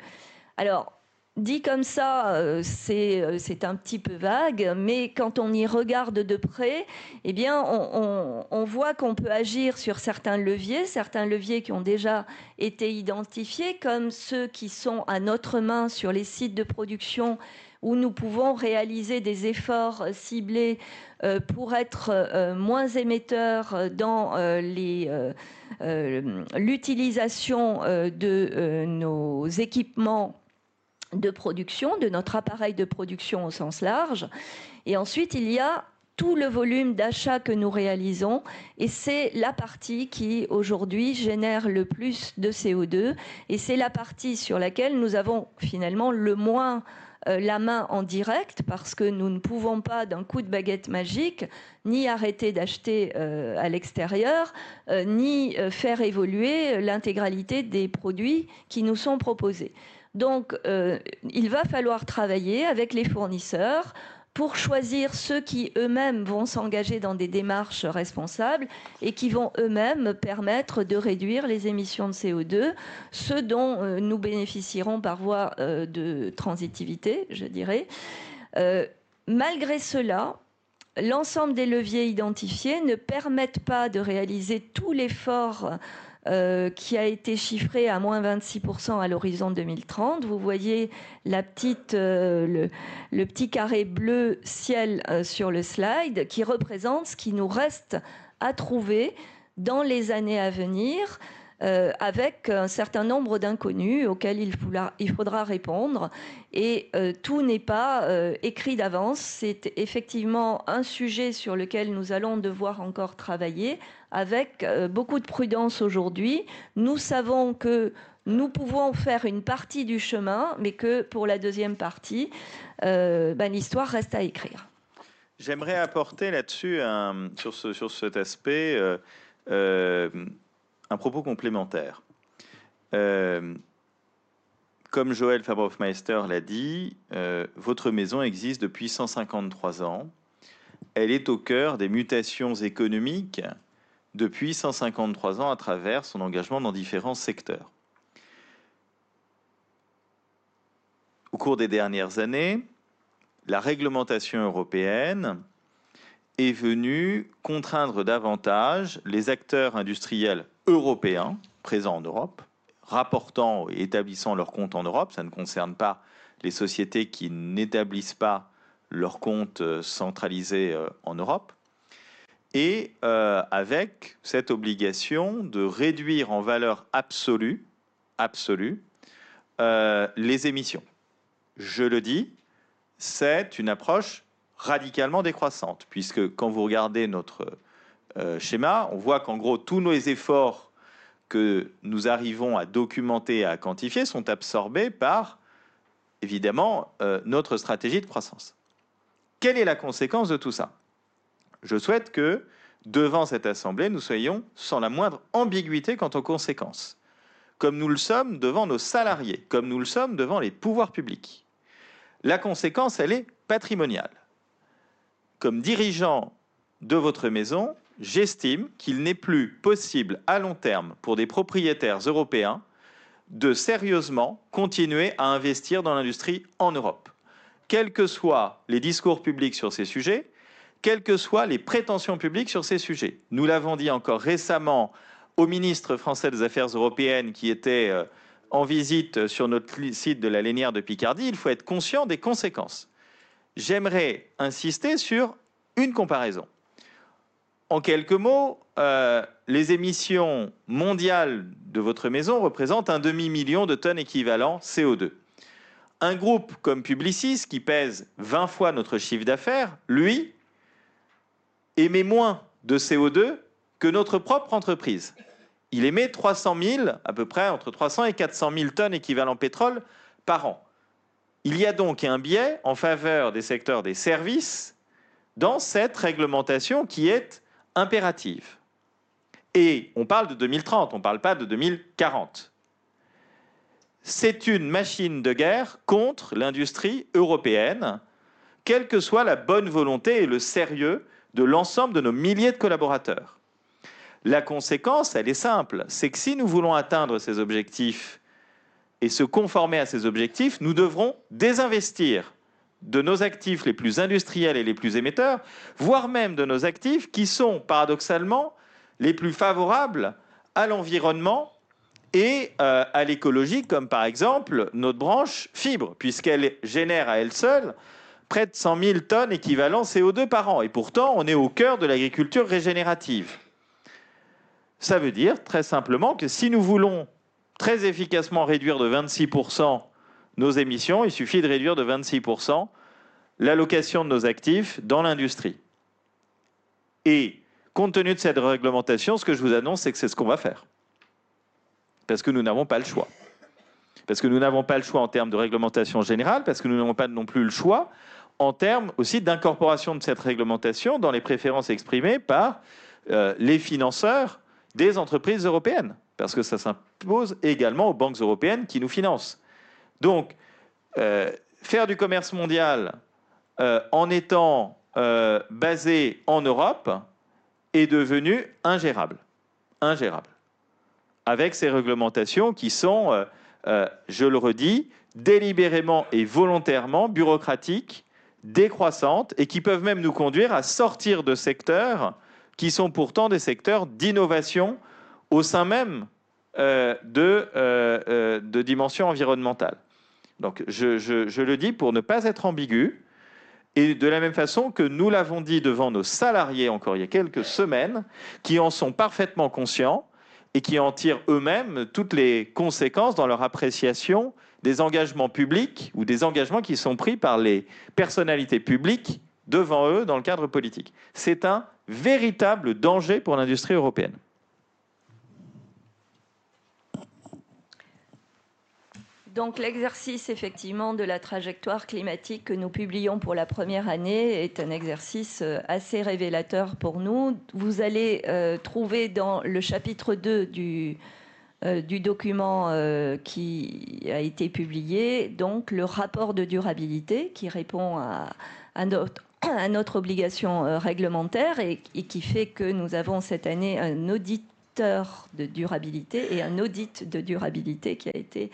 Alors, dit comme ça, c'est un petit peu vague, mais quand on y regarde de près, on voit qu'on peut agir sur certains leviers, certains leviers qui ont déjà été identifiés, comme ceux qui sont à notre main sur les sites de production où nous pouvons réaliser des efforts ciblés pour être moins émetteurs dans l'utilisation de nos équipements de production, de notre appareil de production au sens large. Et ensuite, il y a tout le volume d'achats que nous réalisons, et c'est la partie qui aujourd'hui génère le plus de CO2. Et c'est la partie sur laquelle nous avons finalement le moins la main en direct, parce que nous ne pouvons pas, d'un coup de baguette magique, ni arrêter d'acheter à l'extérieur, ni faire évoluer l'intégralité des produits qui nous sont proposés. Donc, il va falloir travailler avec les fournisseurs pour choisir ceux qui eux-mêmes vont s'engager dans des démarches responsables et qui vont eux-mêmes permettre de réduire les émissions de CO2, ce dont nous bénéficierons par voie de transitivité, je dirais. Malgré cela, l'ensemble des leviers identifiés ne permet pas de réaliser tout l'effort qui a été chiffré à moins 26% à l'horizon 2030. Vous voyez le petit carré bleu ciel sur le slide qui représente ce qui nous reste à trouver dans les années à venir, avec un certain nombre d'inconnues auxquelles il faudra répondre. Et tout n'est pas écrit d'avance. C'est effectivement un sujet sur lequel nous allons devoir encore travailler avec beaucoup de prudence aujourd'hui. Nous savons que nous pouvons faire une partie du chemin, mais que pour la deuxième partie, l'histoire reste à écrire. J'aimerais apporter là-dessus, sur cet aspect, un propos complémentaire. Comme Joëlle Fabre-Hoffmeister l'a dit, votre maison existe depuis 153 ans. Elle est au cœur des mutations économiques depuis 153 ans à travers son engagement dans différents secteurs. Au cours des dernières années, la réglementation européenne est venue contraindre davantage les acteurs industriels européens présents en Europe, rapportant et établissant leurs comptes en Europe. Ça ne concerne pas les sociétés qui n'établissent pas leurs comptes centralisés en Europe. Et avec cette obligation de réduire en valeur absolue, absolue, les émissions. Je le dis, c'est une approche radicalement décroissante, puisque quand vous regardez notre schéma, on voit qu'en gros, tous nos efforts que nous arrivons à documenter et à quantifier sont absorbés par, évidemment, notre stratégie de croissance. Quelle est la conséquence de tout ça ? Je souhaite que, devant cette assemblée, nous soyons sans la moindre ambiguïté quant aux conséquences. Comme nous le sommes devant nos salariés, comme nous le sommes devant les pouvoirs publics. La conséquence, elle est patrimoniale. Comme dirigeant de votre maison, j'estime qu'il n'est plus possible à long terme pour des propriétaires européens de sérieusement continuer à investir dans l'industrie en Europe. Quels que soient les discours publics sur ces sujets, quelles que soient les prétentions publiques sur ces sujets. Nous l'avons dit encore récemment au Ministre français des Affaires européennes qui était en visite sur notre site de la Linière de Picardie, il faut être conscient des conséquences. J'aimerais insister sur une comparaison. En quelques mots, les émissions mondiales de votre maison représentent un demi-million de tonnes équivalent CO2. Un groupe comme Publicis, qui pèse 20 fois notre chiffre d'affaires, lui, émet moins de CO2 que notre propre entreprise. Il émet 300 000, à peu près entre 300 et 400 000 tonnes équivalent pétrole par an. Il y a donc un biais en faveur des secteurs des services dans cette réglementation qui est impérative. On parle de 2030, on ne parle pas de 2040. C'est une machine de guerre contre l'industrie européenne, quelle que soit la bonne volonté et le sérieux de l'ensemble de nos milliers de collaborateurs. La conséquence, elle est simple. C'est que si nous voulons atteindre ces objectifs et se conformer à ces objectifs, nous devrons désinvestir de nos actifs les plus industriels et les plus émetteurs, voire même de nos actifs qui sont paradoxalement les plus favorables à l'environnement et à l'écologie, comme par exemple notre branche fibre, puisqu'elle génère à elle seule près de 100 000 tonnes équivalent CO2 par an. Pourtant, on est au cœur de l'agriculture régénérative. Ça veut dire très simplement que si nous voulons très efficacement réduire de 26% nos émissions, il suffit de réduire de 26% l'allocation de nos actifs dans l'industrie. Et compte tenu de cette réglementation, ce que je vous annonce, c'est que c'est ce qu'on va faire. Parce que nous n'avons pas le choix. Parce que nous n'avons pas le choix en termes de réglementation générale, parce que nous n'avons pas non plus le choix en termes aussi d'incorporation de cette réglementation dans les préférences exprimées par les financeurs des entreprises européennes. Parce que ça s'impose également aux banques européennes qui nous financent. Donc, faire du commerce mondial en étant basé en Europe est devenu ingérable. Ingérable. Avec ces réglementations qui sont, je le redis, délibérément et volontairement bureaucratiques, décroissantes et qui peuvent même nous conduire à sortir de secteurs qui sont pourtant des secteurs d'innovation au sein même de dimensions environnementales. Donc, je le dis pour ne pas être ambigu. Et de la même façon que nous l'avons dit devant nos salariés encore il y a quelques semaines, qui en sont parfaitement conscients et qui en tirent eux-mêmes toutes les conséquences dans leur appréciation des engagements publics ou des engagements qui sont pris par les personnalités publiques devant eux dans le cadre politique. C'est un véritable danger pour l'industrie européenne. Donc, l'exercice effectivement de la trajectoire climatique que nous publions pour la première année est un exercice assez révélateur pour nous. Vous allez trouver dans le chapitre 2 du document qui a été publié, donc le rapport de durabilité qui répond à notre obligation réglementaire et qui fait que nous avons cette année un auditeur de durabilité et un audit de durabilité qui a été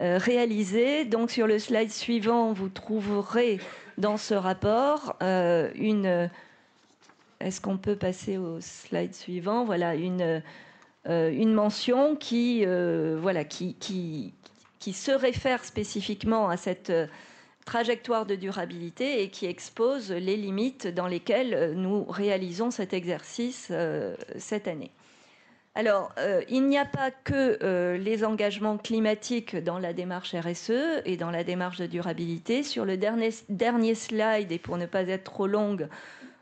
réalisé. Donc, sur le slide suivant, vous trouverez dans ce rapport une... Est-ce qu'on peut passer au slide suivant? Voilà une mention qui se réfère spécifiquement à cette trajectoire de durabilité et qui expose les limites dans lesquelles nous réalisons cet exercice cette année. Il n'y a pas que les engagements climatiques dans la démarche RSE et dans la démarche de durabilité. Sur le dernier slide, et pour ne pas être trop longue,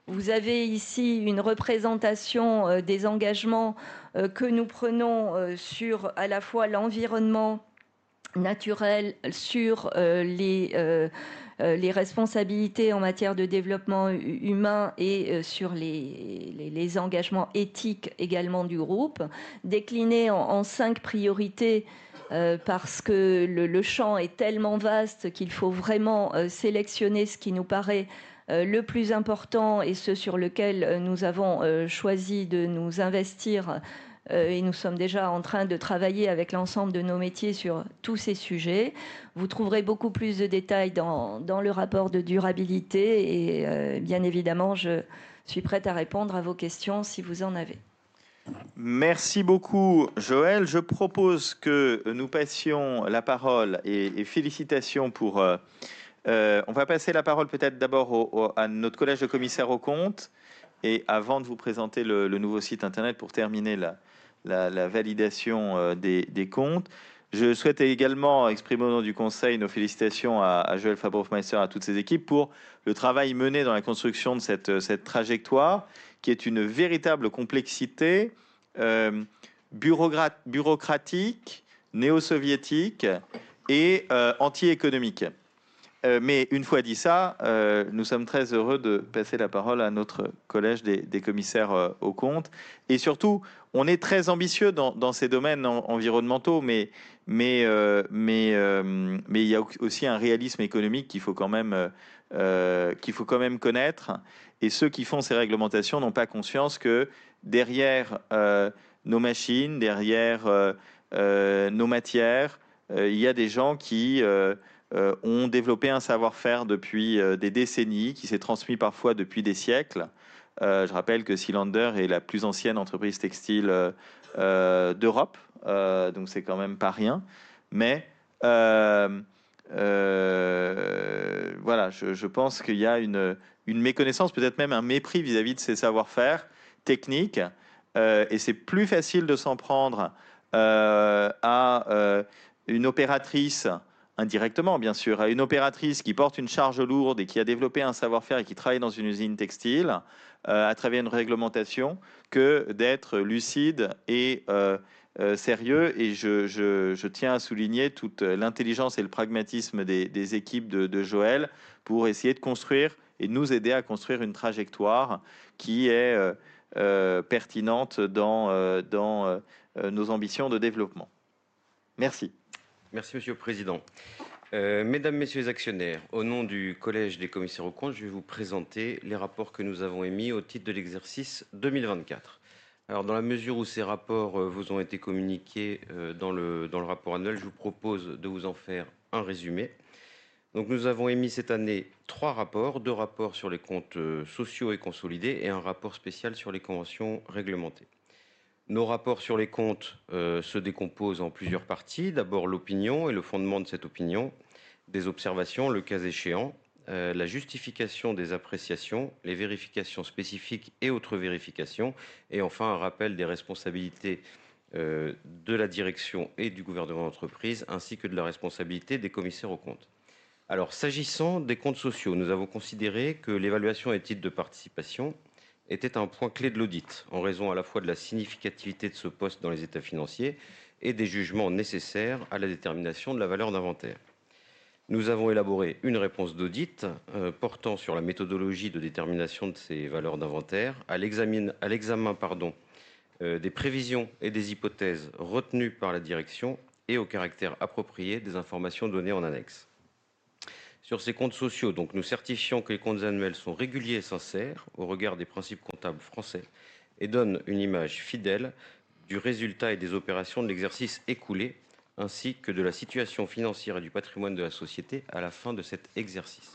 vous avez ici une représentation des engagements que nous prenons sur à la fois l'environnement naturel, sur les responsabilités en matière de développement humain et sur les engagements éthiques également du groupe, déclinés en cinq priorités parce que le champ est tellement vaste qu'il faut vraiment sélectionner ce qui nous paraît le plus important et ce sur lequel nous avons choisi de nous investir. Nous sommes déjà en train de travailler avec l'ensemble de nos métiers sur tous ces sujets. Vous trouverez beaucoup plus de détails dans le rapport de durabilité. Bien évidemment, je suis prête à répondre à vos questions si vous en avez. Merci beaucoup, Joël. Je propose que nous passions la parole. Félicitations pour... On va passer la parole peut-être d'abord à notre collège de commissaires aux comptes. Et avant de vous présenter le nouveau site internet pour terminer la validation des comptes, je souhaitais également exprimer au nom du conseil nos félicitations à Joëlle Fabre-Hoffmeister et à toutes ses équipes pour le travail mené dans la construction de cette trajectoire qui est une véritable complexité bureaucratique, néo-soviétique et anti-économique. Mais une fois dit ça, nous sommes très heureux de passer la parole à notre collègue des commissaires aux comptes. Et surtout, on est très ambitieux dans ces domaines environnementaux, mais il y a aussi un réalisme économique qu'il faut quand même connaître. Et ceux qui font ces réglementations n'ont pas conscience que derrière nos machines, derrière nos matières, il y a des gens qui ont développé un savoir-faire depuis des décennies, qui s'est transmis parfois depuis des siècles. Je rappelle que Cilander est la plus ancienne entreprise textile d'Europe. Donc, ce n'est quand même pas rien. Mais voilà, je pense qu'il y a une méconnaissance, peut-être même un mépris vis-à-vis de ces savoir-faire techniques. Et c'est plus facile de s'en prendre à une opératrice, indirectement bien sûr, à une opératrice qui porte une charge lourde et qui a développé un savoir-faire et qui travaille dans une usine textile à travers une réglementation que d'être lucide et sérieux. Et je tiens à souligner toute l'intelligence et le pragmatisme des équipes de Joël pour essayer de construire et de nous aider à construire une trajectoire qui est pertinente dans nos ambitions de développement. Merci. Merci, Monsieur le Président. Mesdames, Messieurs les actionnaires, au nom du collège des commissaires aux comptes, je vais vous présenter les rapports que nous avons émis au titre de l'exercice 2024. Alors, dans la mesure où ces rapports vous ont été communiqués dans le rapport annuel, je vous propose de vous en faire un résumé. Donc, nous avons émis cette année trois rapports: deux rapports sur les comptes sociaux et consolidés et un rapport spécial sur les conventions réglementées. Nos rapports sur les comptes se décomposent en plusieurs parties. D'abord, l'opinion et le fondement de cette opinion, des observations, le cas échéant, la justification des appréciations, les vérifications spécifiques et autres vérifications, et enfin un rappel des responsabilités de la direction et du gouvernement d'entreprise, ainsi que de la responsabilité des commissaires aux comptes. Alors, s'agissant des comptes sociaux, nous avons considéré que l'évaluation à titre de participation était un point clé de l'audit en raison à la fois de la significativité de ce poste dans les états financiers et des jugements nécessaires à la détermination de la valeur d'inventaire. Nous avons élaboré une réponse d'audit portant sur la méthodologie de détermination de ces valeurs d'inventaire, à l'examen des prévisions et des hypothèses retenues par la direction et au caractère approprié des informations données en annexe. Sur ces comptes sociaux, donc, nous certifions que les comptes annuels sont réguliers et sincères au regard des principes comptables français et donnent une image fidèle du résultat et des opérations de l'exercice écoulé, ainsi que de la situation financière et du patrimoine de la société à la fin de cet exercice.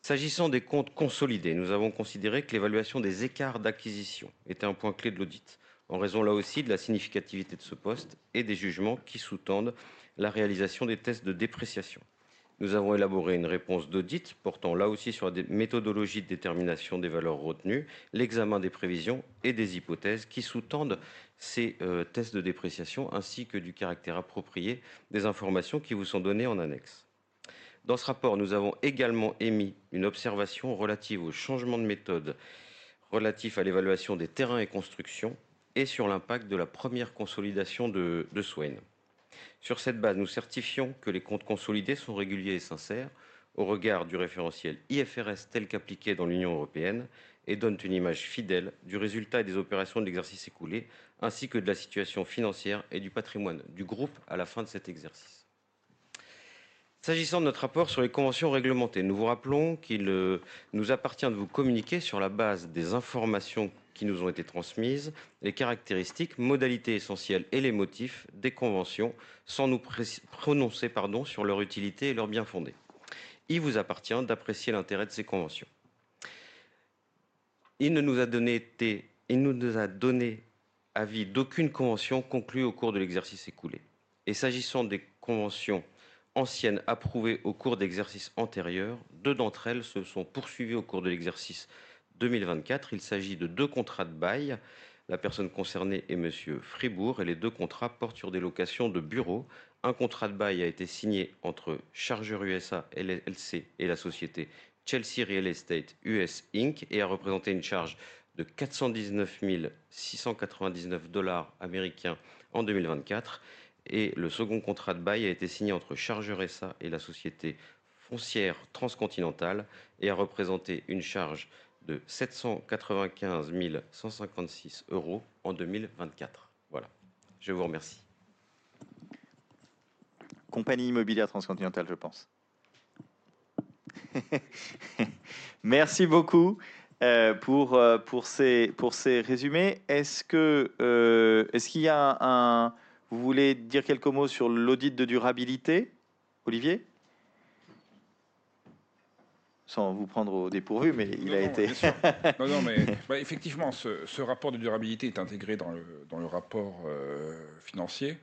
S'agissant des comptes consolidés, nous avons considéré que l'évaluation des écarts d'acquisition était un point clé de l'audit en raison là aussi de la significativité de ce poste et des jugements qui sous-tendent la réalisation des tests de dépréciation. Nous avons élaboré une réponse d'audit portant là aussi sur la méthodologie de détermination des valeurs retenues, l'examen des prévisions et des hypothèses qui sous-tendent ces tests de dépréciation, ainsi que du caractère approprié des informations qui vous sont données en annexe. Dans ce rapport, nous avons également émis une observation relative au changement de méthode relatif à l'évaluation des terrains et constructions et sur l'impact de la première consolidation de Swaine. Sur cette base, nous certifions que les comptes consolidés sont réguliers et sincères au regard du référentiel IFRS tel qu'appliqué dans l'Union européenne et donnent une image fidèle du résultat et des opérations de l'exercice écoulé, ainsi que de la situation financière et du patrimoine du groupe à la fin de cet exercice. S'agissant de notre rapport sur les conventions réglementées, nous vous rappelons qu'il nous appartient de vous communiquer sur la base des informations qui nous ont été transmises, les caractéristiques, modalités essentielles et les motifs des conventions sans nous prononcer sur leur utilité et leur bien-fondé. Il vous appartient d'apprécier l'intérêt de ces conventions. Il ne nous a été donné avis d'aucune convention conclue au cours de l'exercice écoulé. S'agissant des conventions anciennes approuvées au cours d'exercices antérieurs, deux d'entre elles se sont poursuivies au cours de l'exercice 2024. Il s'agit de deux contrats de bail. La personne concernée est Monsieur Fribourg et les deux contrats portent sur des locations de bureaux. Un contrat de bail a été signé entre Chargeurs USA LLC et la société Chelsea Real Estate US Inc. et a représenté une charge de $419,699 en 2024. Et le second contrat de bail a été signé entre Chargeurs USA et la Compagnie Immobilière Transcontinentale et a représenté une charge de 795 156 € en 2024. Voilà, je vous remercie. Compagnie Immobilière Transcontinentale, je pense. Merci beaucoup pour ces résumés. Est-ce qu'il y a un... Vous voulez dire quelques mots sur l'audit de durabilité, Olivier ? Sans vous prendre au dépourvu, mais il a été... Non, non, mais effectivement, ce rapport de durabilité est intégré dans le rapport financier.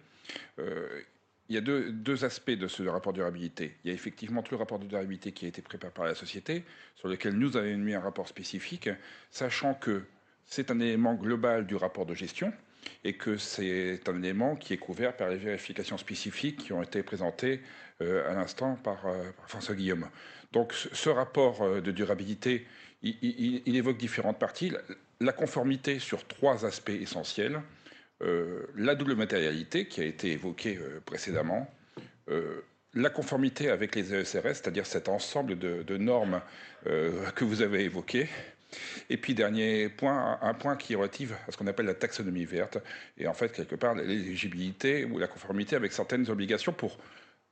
Il y a deux aspects de ce rapport de durabilité. Il y a effectivement tout le rapport de durabilité qui a été préparé par la société, sur lequel nous avons émis un rapport spécifique, sachant que c'est un élément global du rapport de gestion et que c'est un élément qui est couvert par les vérifications spécifiques qui ont été présentées à l'instant par François Guillaume. Donc, ce rapport de durabilité évoque différentes parties. La conformité sur trois aspects essentiels: la double matérialité qui a été évoquée précédemment, la conformité avec les ESRS, c'est-à-dire cet ensemble de normes que vous avez évoquées. Et puis, dernier point, un point qui est relatif à ce qu'on appelle la taxonomie verte. Et en fait, quelque part, l'éligibilité ou la conformité avec certaines obligations pour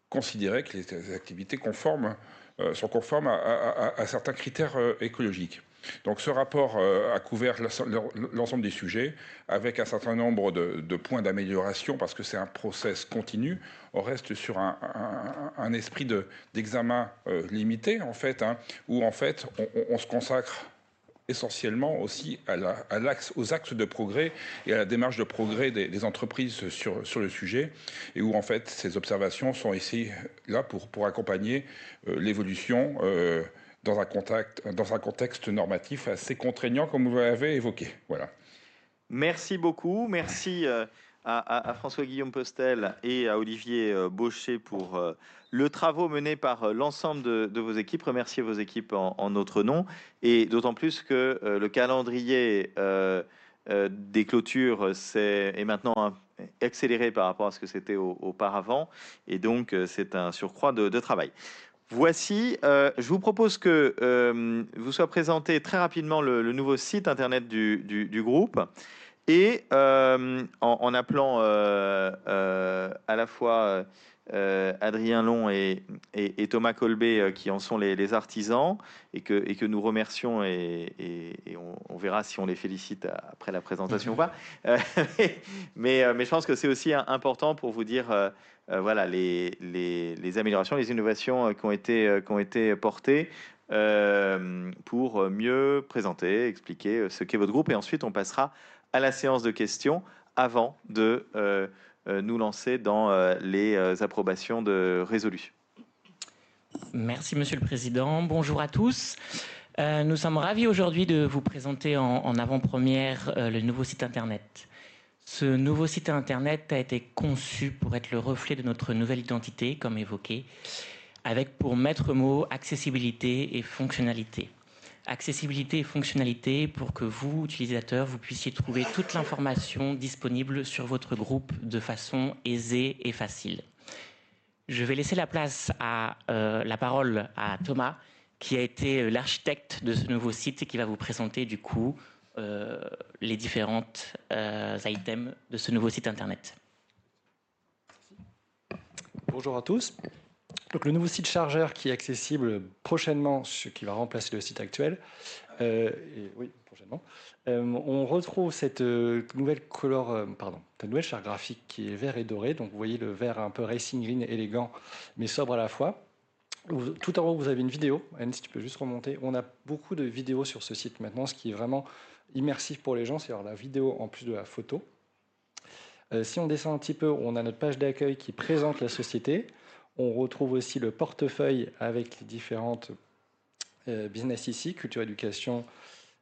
considérer que les activités sont conformes à certains critères écologiques. Donc, ce rapport a couvert l'ensemble des sujets avec un certain nombre de points d'amélioration parce que c'est un processus continu. On reste sur un esprit d'examen limité, en fait, où en fait on se consacre essentiellement aussi aux axes de progrès et à la démarche de progrès des entreprises sur le sujet et où en fait ces observations sont ici là pour accompagner l'évolution dans un contexte normatif assez contraignant, comme vous l'avez évoqué. Voilà. Merci beaucoup. Merci à François-Guillaume Postel et à Olivier Boucher pour le travail mené par l'ensemble de vos équipes. Remerciez vos équipes en notre nom. Et d'autant plus que le calendrier des clôtures est maintenant accéléré par rapport à ce que c'était auparavant. Et donc, c'est un surcroît de travail. Voici, je vous propose que vous soit présenté très rapidement le nouveau site internet du groupe. Et en appelant à la fois Adrien Loron et Thomas Colbert, qui en sont les artisans, et que nous remercions, et on verra si on les félicite après la présentation ou pas. Mais je pense que c'est aussi important pour vous dire voilà les améliorations, les innovations qui ont été portées pour mieux présenter, expliquer ce qu'est votre groupe. Et ensuite, on passera à la séance de questions avant de nous lancer dans les approbations de résolutions. Merci, Monsieur le Président. Bonjour à tous. Nous sommes ravis aujourd'hui de vous présenter en avant-première le nouveau site internet. Ce nouveau site internet a été conçu pour être le reflet de notre nouvelle identité, comme évoqué, avec pour maître mot, accessibilité et fonctionnalités. Accessibilité et fonctionnalités pour que vous, utilisateurs, vous puissiez trouver toute l'information disponible sur votre groupe de façon aisée et facile. Je vais laisser la place à la parole à Thomas, qui a été l'architecte de ce nouveau site et qui va vous présenter du coup les différents items de ce nouveau site internet. Bonjour à tous. Donc, le nouveau site Chargeurs, qui est accessible prochainement, ce qui va remplacer le site actuel. Oui, prochainement. On retrouve cette nouvelle couleur, pardon, cette nouvelle charte graphique qui est vert et doré. Donc, vous voyez le vert un peu racing green, élégant, mais sobre à la fois. Tout en haut, vous avez une vidéo. Anne, si tu peux juste remonter. On a beaucoup de vidéos sur ce site maintenant, ce qui est vraiment immersif pour les gens. C'est-à-dire la vidéo en plus de la photo. Si on descend un petit peu, on a notre page d'accueil qui présente la société. On retrouve aussi le portefeuille avec les différents business ici: culture, éducation.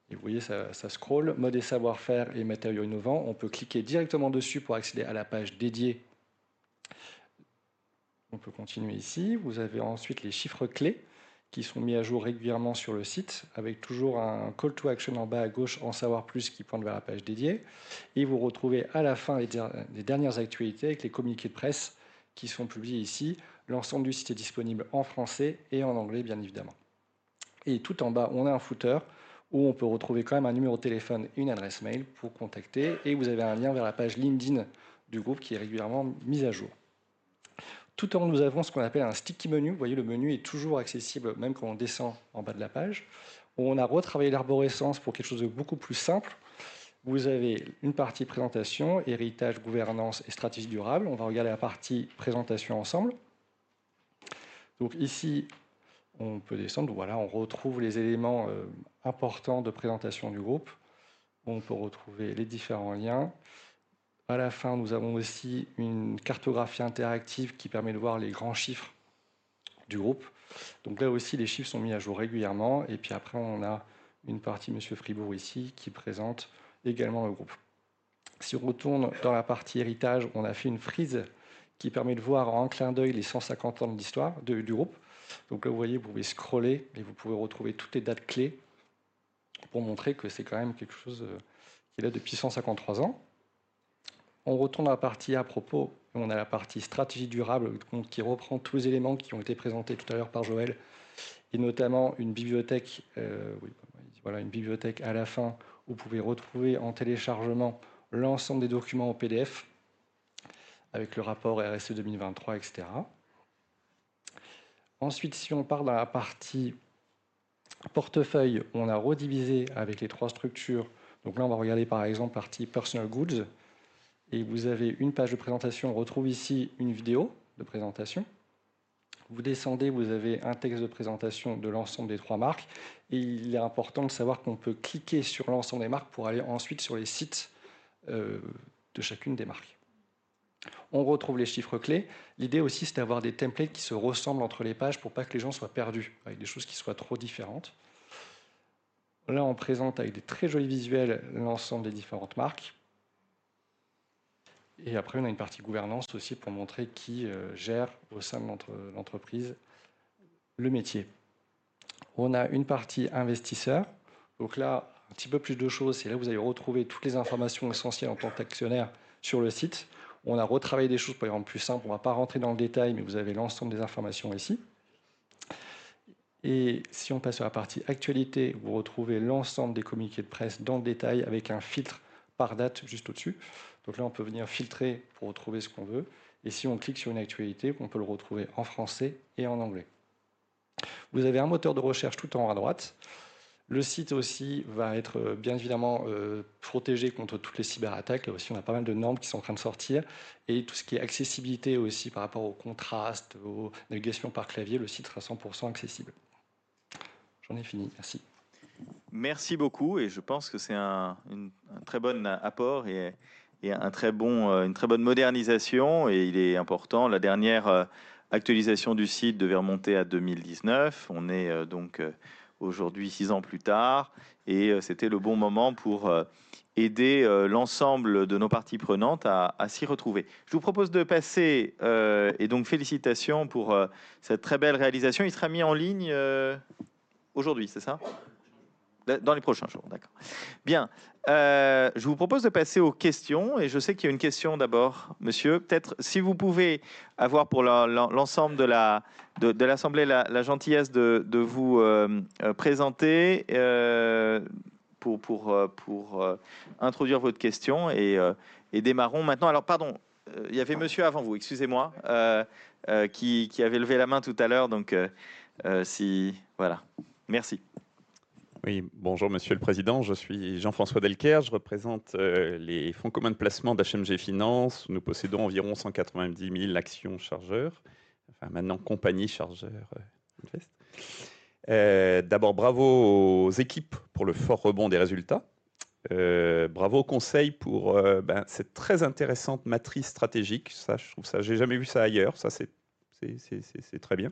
Et vous voyez, ça scrolle. Mode et savoir-faire et matériaux innovants. On peut cliquer directement dessus pour accéder à la page dédiée. On peut continuer ici. Vous avez ensuite les chiffres clés qui sont mis à jour régulièrement sur le site, avec toujours un call to action en bas à gauche, « en savoir plus », qui pointe vers la page dédiée. Et vous retrouvez à la fin les dernières actualités avec les communiqués de presse qui sont publiés ici. L'ensemble du site est disponible en français et en anglais, bien évidemment. Tout en bas, on a un footer où on peut retrouver quand même un numéro de téléphone et une adresse mail pour contacter. Et vous avez un lien vers la page LinkedIn du groupe qui est régulièrement mise à jour. Tout en haut, nous avons ce qu'on appelle un sticky menu. Vous voyez, le menu est toujours accessible, même quand on descend en bas de la page. On a retravaillé l'arborescence pour quelque chose de beaucoup plus simple. Vous avez une partie présentation, héritage, gouvernance et stratégie durable. On va regarder la partie présentation ensemble. Donc ici, on peut descendre. Voilà, on retrouve les éléments importants de présentation du groupe. On peut retrouver les différents liens. À la fin, nous avons aussi une cartographie interactive qui permet de voir les grands chiffres du groupe. Donc là aussi, les chiffres sont mis à jour régulièrement. Et puis après, on a une partie Monsieur Fribourg ici qui présente également le groupe. Si on retourne dans la partie héritage, on a fait une frise qui permet de voir en clin d'œil les 150 ans de l'histoire du groupe. Donc là, vous voyez, vous pouvez scroller et vous pouvez retrouver toutes les dates clés pour montrer que c'est quand même quelque chose qui est là depuis 153 ans. On retourne dans la partie à propos. On a la partie stratégie durable qui reprend tous les éléments qui ont été présentés tout à l'heure par Joël. Et notamment une bibliothèque, oui, voilà, une bibliothèque à la fin où vous pouvez retrouver en téléchargement l'ensemble des documents en PDF avec le rapport RSE 2023, etc. Ensuite, si on part dans la partie portefeuille, on a redivisé avec les trois structures. Donc là, on va regarder par exemple la partie personal goods. Et vous avez une page de présentation. On retrouve ici une vidéo de présentation. Vous descendez, vous avez un texte de présentation de l'ensemble des trois marques. Et il est important de savoir qu'on peut cliquer sur l'ensemble des marques pour aller ensuite sur les sites de chacune des marques. On retrouve les chiffres clés. L'idée aussi, c'est d'avoir des templates qui se ressemblent entre les pages pour ne pas que les gens soient perdus avec des choses qui soient trop différentes. Là, on présente avec des très jolis visuels l'ensemble des différentes marques. Et après, on a une partie gouvernance aussi pour montrer qui gère au sein de l'entreprise le métier. On a une partie investisseur. Donc là, un petit peu plus de choses. Et là, vous allez retrouver toutes les informations essentielles en tant qu'actionnaire sur le site. On a retravaillé des choses pour les rendre plus simples. On ne va pas rentrer dans le détail, mais vous avez l'ensemble des informations ici. Et si on passe sur la partie actualité, vous retrouvez l'ensemble des communiqués de presse dans le détail avec un filtre par date juste au-dessus. Donc là, on peut venir filtrer pour retrouver ce qu'on veut. Et si on clique sur une actualité, on peut la retrouver en français et en anglais. Vous avez un moteur de recherche tout en haut à droite. Le site aussi va être bien évidemment protégé contre toutes les cyberattaques. Là aussi, on a pas mal de normes qui sont en train de sortir. Et tout ce qui est accessibilité aussi par rapport au contraste, aux navigations par clavier, le site sera 100% accessible. J'en ai fini, merci. Merci beaucoup. Et je pense que c'est un très bon apport et une très bonne modernisation. Et il est important, la dernière actualisation du site devait remonter à 2019. On est donc aujourd'hui six ans plus tard. Et c'était le bon moment pour aider l'ensemble de nos parties prenantes à s'y retrouver. Je vous propose de passer, et donc félicitations pour cette très belle réalisation. Il sera mis en ligne aujourd'hui, c'est ça? Dans les prochains jours. Dans les prochains jours, d'accord. Bien. Je vous propose de passer aux questions. Et je sais qu'il y a une question d'abord, Monsieur. Peut-être si vous pouvez avoir pour l'ensemble de l'assemblée la gentillesse de vous présenter pour introduire votre question. Et démarrons maintenant. Alors pardon, il y avait Monsieur avant vous, excusez-moi, qui avait levé la main tout à l'heure. Donc si, voilà. Merci. Oui, bonjour Monsieur le Président. Je suis Jean-François Delcaire. Je représente les fonds communs de placement d'HMG Finance. Nous possédons environ 190 000 actions Chargeurs. Enfin, maintenant Compagnie Chargeurs Invest. D'abord, bravo aux équipes pour le fort rebond des résultats. Bravo au conseil pour cette très intéressante matrice stratégique. Ça, je trouve ça, je n'ai jamais vu ça ailleurs. Ça, c'est très bien.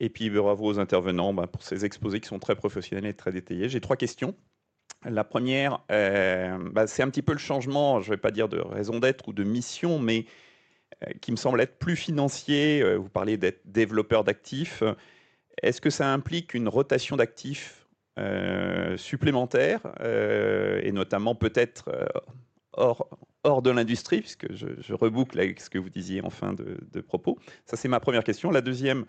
Et puis, bravo aux intervenants pour ces exposés qui sont très professionnels et très détaillés. J'ai trois questions. La première, c'est un petit peu le changement, je ne vais pas dire de raison d'être ou de mission, mais qui me semble être plus financier. Vous parliez d'être développeur d'actifs. Est-ce que ça implique une rotation d'actifs supplémentaires et notamment peut-être hors de l'industrie? Puisque je reboucle avec ce que vous disiez en fin de propos. Ça, c'est ma première question. La deuxième,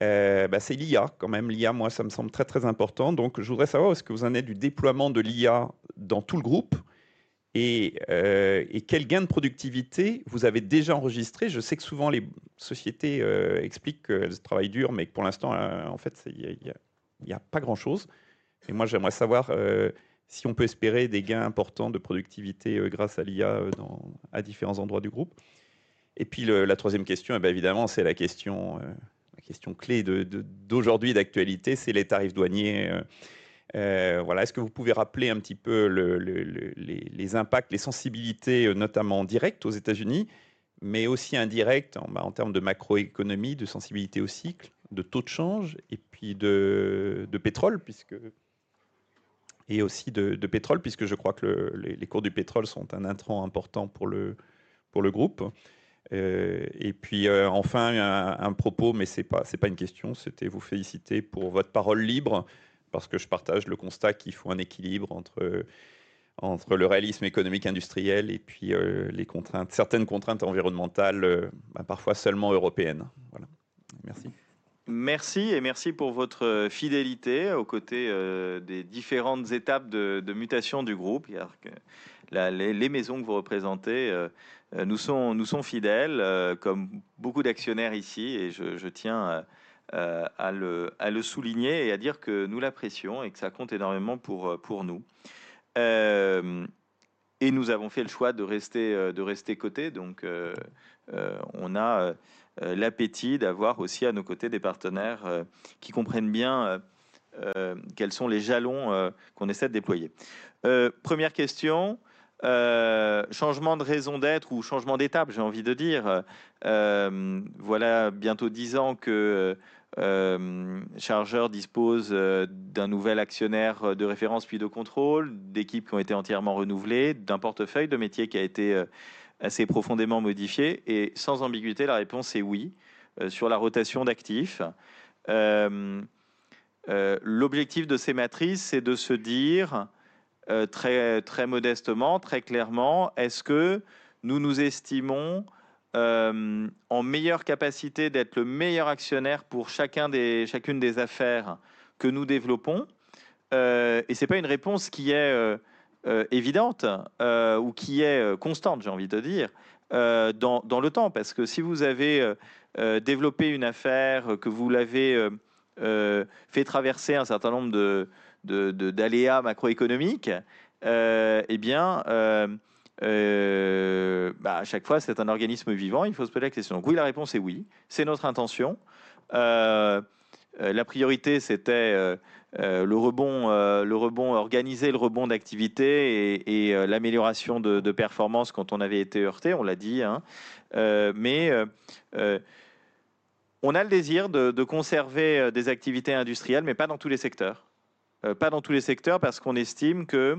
c'est l'IA quand même. L'IA, moi, ça me semble très très important. Donc, je voudrais savoir où est-ce que vous en êtes du déploiement de l'IA dans tout le groupe. Et quel gain de productivité vous avez déjà enregistré? Je sais que souvent, les sociétés expliquent qu'elles travaillent dur, mais que pour l'instant, en fait, il n'y a pas grand-chose. Et moi, j'aimerais savoir si on peut espérer des gains importants de productivité grâce à l'IA dans différents endroits du groupe. Et puis, la troisième question, bien évidemment, c'est la question clé d'aujourd'hui, d'actualité, c'est les tarifs douaniers. Voilà, est-ce que vous pouvez rappeler un petit peu les impacts, les sensibilités, notamment directes aux États-Unis, mais aussi indirectes en termes de macroéconomie, de sensibilité au cycle, de taux de change et puis de pétrole, puisque je crois que les cours du pétrole sont un intrant important pour le groupe. Et puis enfin, un propos, mais ce n'est pas une question, c'était vous féliciter pour votre parole libre, parce que je partage le constat qu'il faut un équilibre entre le réalisme économique industriel et puis certaines contraintes environnementales, parfois seulement européennes. Voilà, merci. Merci et merci pour votre fidélité aux côtés des différentes étapes de mutation du groupe. Il y a les maisons que vous représentez nous sont fidèles, comme beaucoup d'actionnaires ici, et je tiens à le souligner et à dire que nous l'apprécions et que ça compte énormément pour nous. Et nous avons fait le choix de rester de rester côté. Donc, on a l'appétit d'avoir aussi à nos côtés des partenaires qui comprennent bien quels sont les jalons qu'on essaie de déployer. Première question, changement de raison d'être ou changement d'étape, j'ai envie de dire. Voilà bientôt dix ans que Chargeurs dispose d'un nouvel actionnaire de référence, puis de contrôle, d'équipes qui ont été entièrement renouvelées, d'un portefeuille de métiers qui a été assez profondément modifié. Et sans ambiguïté, la réponse est oui, sur la rotation d'actifs. L'objectif de ces matrices, c'est de se dire très modestement, très clairement, est-ce que nous nous estimons en meilleure capacité d'être le meilleur actionnaire pour chacune des affaires que nous développons? Ce n'est pas une réponse qui est évidente ou qui est constante dans le temps. Parce que si vous avez développé une affaire, que vous l'avez fait traverser un certain nombre d'aléas macroéconomiques, bien, à chaque fois, c'est un organisme vivant, il faut se poser la question. Donc oui, la réponse est oui. C'est notre intention. La priorité, c'était le rebond organisé, le rebond d'activité et l'amélioration de performance quand on avait été heurté, on l'a dit. Mais nous avons le désir de conserver des activités industrielles, mais pas dans tous les secteurs. Pas dans tous les secteurs parce que nous estimons que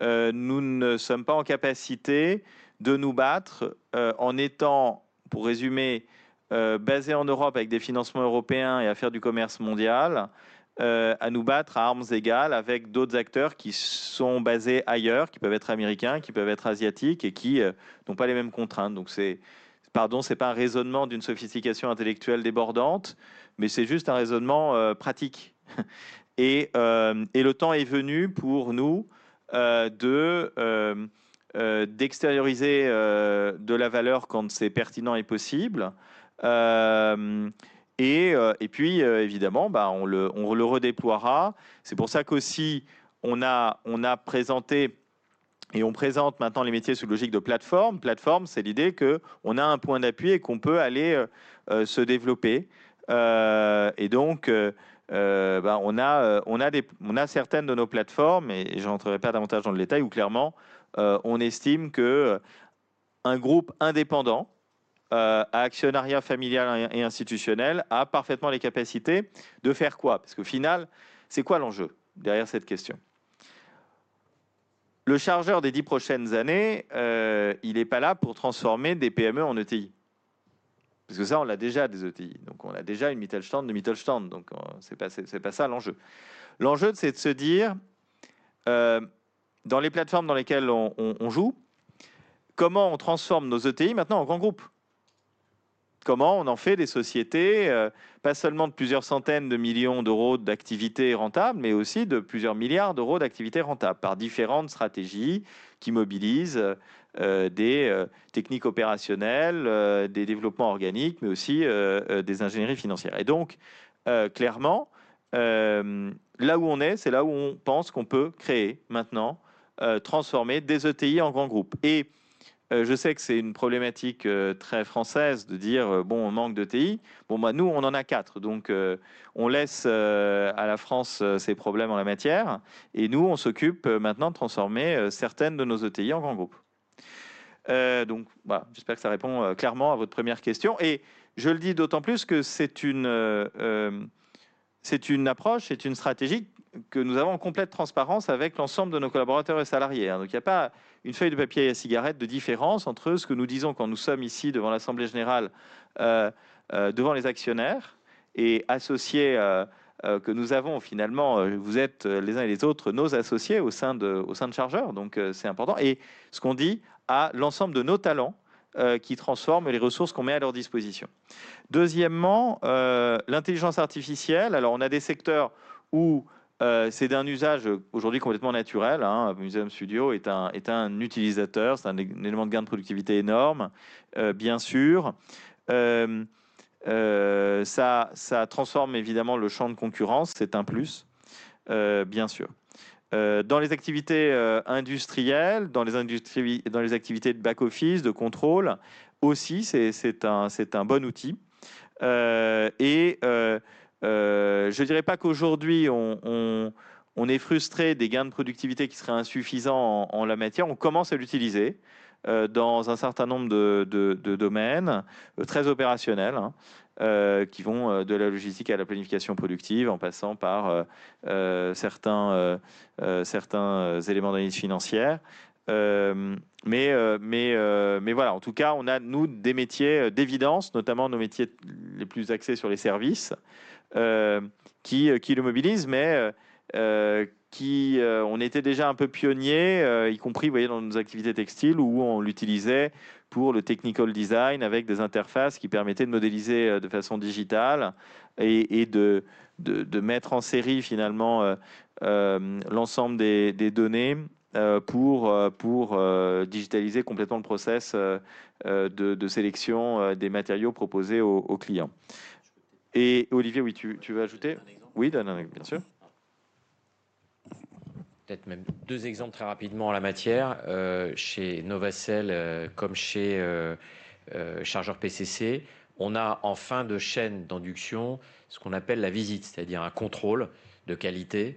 nous ne sommes pas en capacité de nous battre en étant, pour résumer, basés en Europe avec des financements européens et à faire du commerce mondial, à nous battre à armes égales avec d'autres acteurs qui sont basés ailleurs, qui peuvent être américains, qui peuvent être asiatiques et qui n'ont pas les mêmes contraintes. Donc ce n'est pas un raisonnement d'une sophistication intellectuelle débordante, mais c'est juste un raisonnement pratique. Et le temps est venu pour nous d'extérioriser de la valeur quand c'est pertinent et possible. Et puis évidemment, nous le redéploierons. C'est pour ça qu'aussi on a présenté et on présente maintenant les métiers sous logique de plateforme. Plateforme, c'est l'idée qu'on a un point d'appui et qu'on peut aller se développer. Et donc on a des plateformes, et je n'entrerai pas davantage dans le détail, où clairement on estime qu'un groupe indépendant à actionnariat familial et institutionnel a parfaitement les capacités de faire quoi? Parce qu'au final, c'est quoi l'enjeu derrière cette question? Le chargeur des dix prochaines années, il n'est pas là pour transformer des PME en ETI. Parce que ça, on l'a déjà des ETI. Donc on a déjà une Mittelstand de Mittelstand. Donc ce n'est pas ça l'enjeu. L'enjeu, c'est de se dire, dans les plateformes dans lesquelles on joue, comment on transforme nos ETI maintenant en grands groupes? Comment on en fait des sociétés, pas seulement de plusieurs centaines de millions d'euros d'activité rentable, mais aussi de plusieurs milliards d'euros d'activité rentable, par différentes stratégies qui mobilisent des techniques opérationnelles, des développements organiques, mais aussi des ingénieries financières. Et donc, clairement, là où on est, c'est là où on pense qu'on peut créer maintenant, transformer des ETI en grands groupes. Et je sais que c'est une problématique très française de dire, bon, on manque d'ETI. Bon, moi, nous, on en a quatre. Donc on laisse à la France ses problèmes en la matière. Et nous, on s'occupe maintenant de transformer certaines de nos ETI en grands groupes. Donc voilà, j'espère que ça répond clairement à votre première question. Et je le dis d'autant plus que c'est une approche, c'est une stratégie que nous avons en complète transparence avec l'ensemble de nos collaborateurs et salariés. Donc il n'y a pas une feuille de papier à cigarette de différence entre ce que nous disons quand nous sommes ici devant l'assemblée générale, devant les actionnaires et associés que nous avons finalement, vous êtes les uns et les autres nos associés au sein de Chargeurs. Donc c'est important. Et ce qu'on dit à l'ensemble de nos talents qui transforment les ressources qu'on met à leur disposition. Deuxièmement, l'intelligence artificielle. Alors on a des secteurs où c'est d'un usage aujourd'hui complètement naturel. Museum Studio est un utilisateur, c'est un élément de gain de productivité énorme, bien sûr. Ça transforme évidemment le champ de concurrence, c'est un plus, bien sûr. Dans les activités industrielles, dans les activités de back office, de contrôle aussi, c'est un bon outil. Et je ne dirais pas qu'aujourd'hui on est frustré des gains de productivité qui seraient insuffisants en la matière. On commence à l'utiliser dans un certain nombre de domaines très opérationnels, qui vont de la logistique à la planification productive, en passant par certains éléments d'analyse financière. Mais voilà, en tout cas, on a nous des métiers d'évidence, notamment nos métiers les plus axés sur les services, qui le mobilisent, mais qui on était déjà un peu pionniers, y compris, vous voyez, dans nos activités textiles où on l'utilisait pour le technical design avec des interfaces qui permettaient de modéliser de façon digitale et de mettre en série finalement l'ensemble des données pour digitaliser complètement le process de sélection des matériaux proposés aux clients. Je peux... Et Olivier, oui, tu veux ajouter? Oui, bien sûr. Peut-être même deux exemples très rapidement en la matière. Chez Novacel, comme chez Chargeurs PCC, on a en fin de chaîne d'induction ce qu'on appelle la visite, c'est-à-dire un contrôle de qualité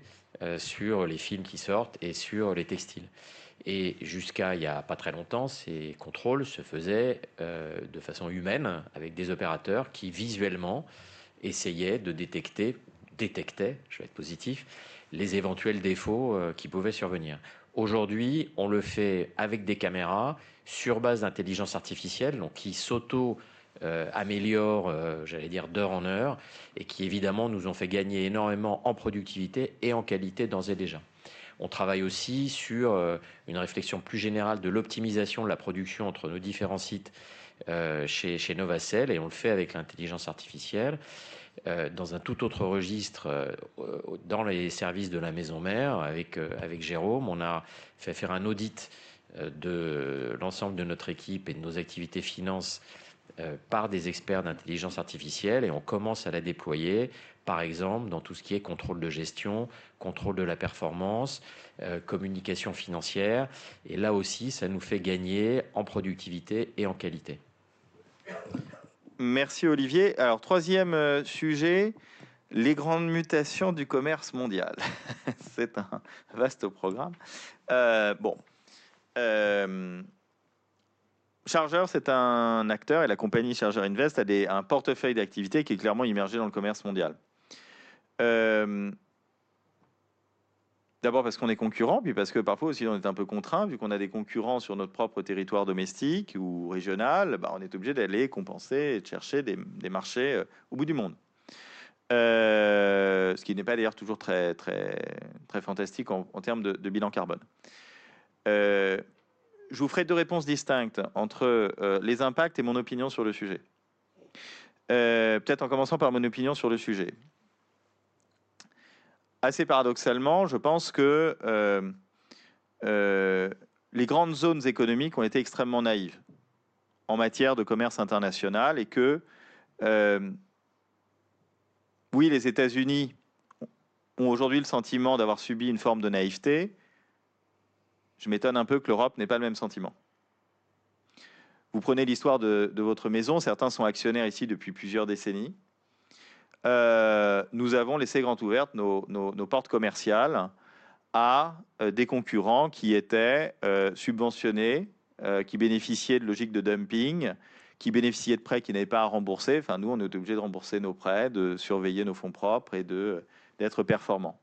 sur les films qui sortent et sur les textiles. Et jusqu'à il n'y a pas très longtemps, ces contrôles se faisaient de façon humaine avec des opérateurs qui visuellement essayaient de détecter, détectaient, je vais être positif, les éventuels défauts qui pouvaient survenir. Aujourd'hui, on le fait avec des caméras sur base d'intelligence artificielle, donc qui s'auto-améliore, j'allais dire, d'heure en heure, et qui, évidemment, nous ont fait gagner énormément en productivité et en qualité d'ores et déjà. On travaille aussi sur une réflexion plus générale de l'optimisation de la production entre nos différents sites chez Novacel, et on le fait avec l'intelligence artificielle. Dans un tout autre registre, dans les services de la maison mère, avec Jérôme, on a fait faire un audit de l'ensemble de notre équipe et de nos activités finance par des experts d'intelligence artificielle, et on commence à la déployer, par exemple, dans tout ce qui est contrôle de gestion, contrôle de la performance, communication financière, et là aussi, ça nous fait gagner en productivité et en qualité. Merci, Olivier. Alors, troisième sujet, les grandes mutations du commerce mondial. C'est un vaste programme. Bon, Chargeurs, c'est un acteur, et la compagnie Charger Invest a un portefeuille d'activités qui est clairement immergé dans le commerce mondial. D'abord parce qu'on est concurrent, puis parce que parfois aussi on est un peu contraint, vu qu'on a des concurrents sur notre propre territoire domestique ou régional, on est obligé d'aller compenser et de chercher des marchés au bout du monde. Ce qui n'est pas d'ailleurs toujours très fantastique en termes de bilan carbone. Je vous ferai deux réponses distinctes entre les impacts et mon opinion sur le sujet. Peut-être en commençant par mon opinion sur le sujet. Assez paradoxalement, je pense que les grandes zones économiques ont été extrêmement naïves en matière de commerce international et que, oui, les États-Unis ont aujourd'hui le sentiment d'avoir subi une forme de naïveté. Je m'étonne un peu que l'Europe n'ait pas le même sentiment. Vous prenez l'histoire de votre maison, certains sont actionnaires ici depuis plusieurs décennies. Nous avons laissé grande ouverte nos portes commerciales à des concurrents qui étaient subventionnés, qui bénéficiaient de logiques de dumping, qui bénéficiaient de prêts qu'ils n'avaient pas à rembourser. Enfin, nous, on était obligé de rembourser nos prêts, de surveiller nos fonds propres et d'être performants.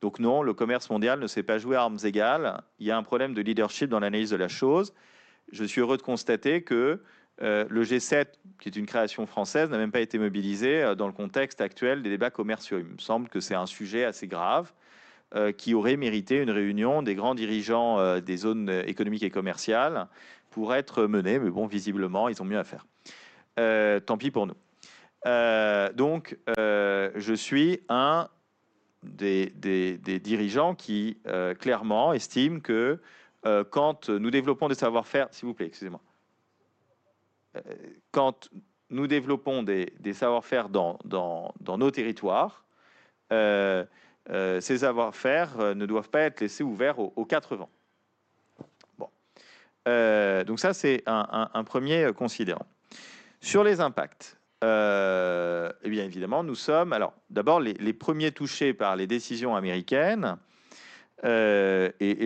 Donc non, le commerce mondial ne s'est pas joué à armes égales. Il y a un problème de leadership dans l'analyse de la chose. Je suis heureux de constater que le G7, qui est une création française, n'a même pas été mobilisé dans le contexte actuel des débats commerciaux. Il me semble que c'est un sujet assez grave qui aurait mérité une réunion des grands dirigeants des zones économiques et commerciales pour être menée. Mais bon, visiblement, ils ont mieux à faire. Tant pis pour nous. Je suis un des dirigeants qui clairement estime que quand nous développons des savoir-faire, s'il vous plaît, excusez-moi. Quand nous développons des savoir-faire dans nos territoires, ces savoir-faire ne doivent pas être laissés ouverts aux quatre vents. Bon, donc ça, c'est un premier considérant. Sur les impacts, bien évidemment, nous sommes, alors d'abord les premiers touchés par les décisions américaines. Et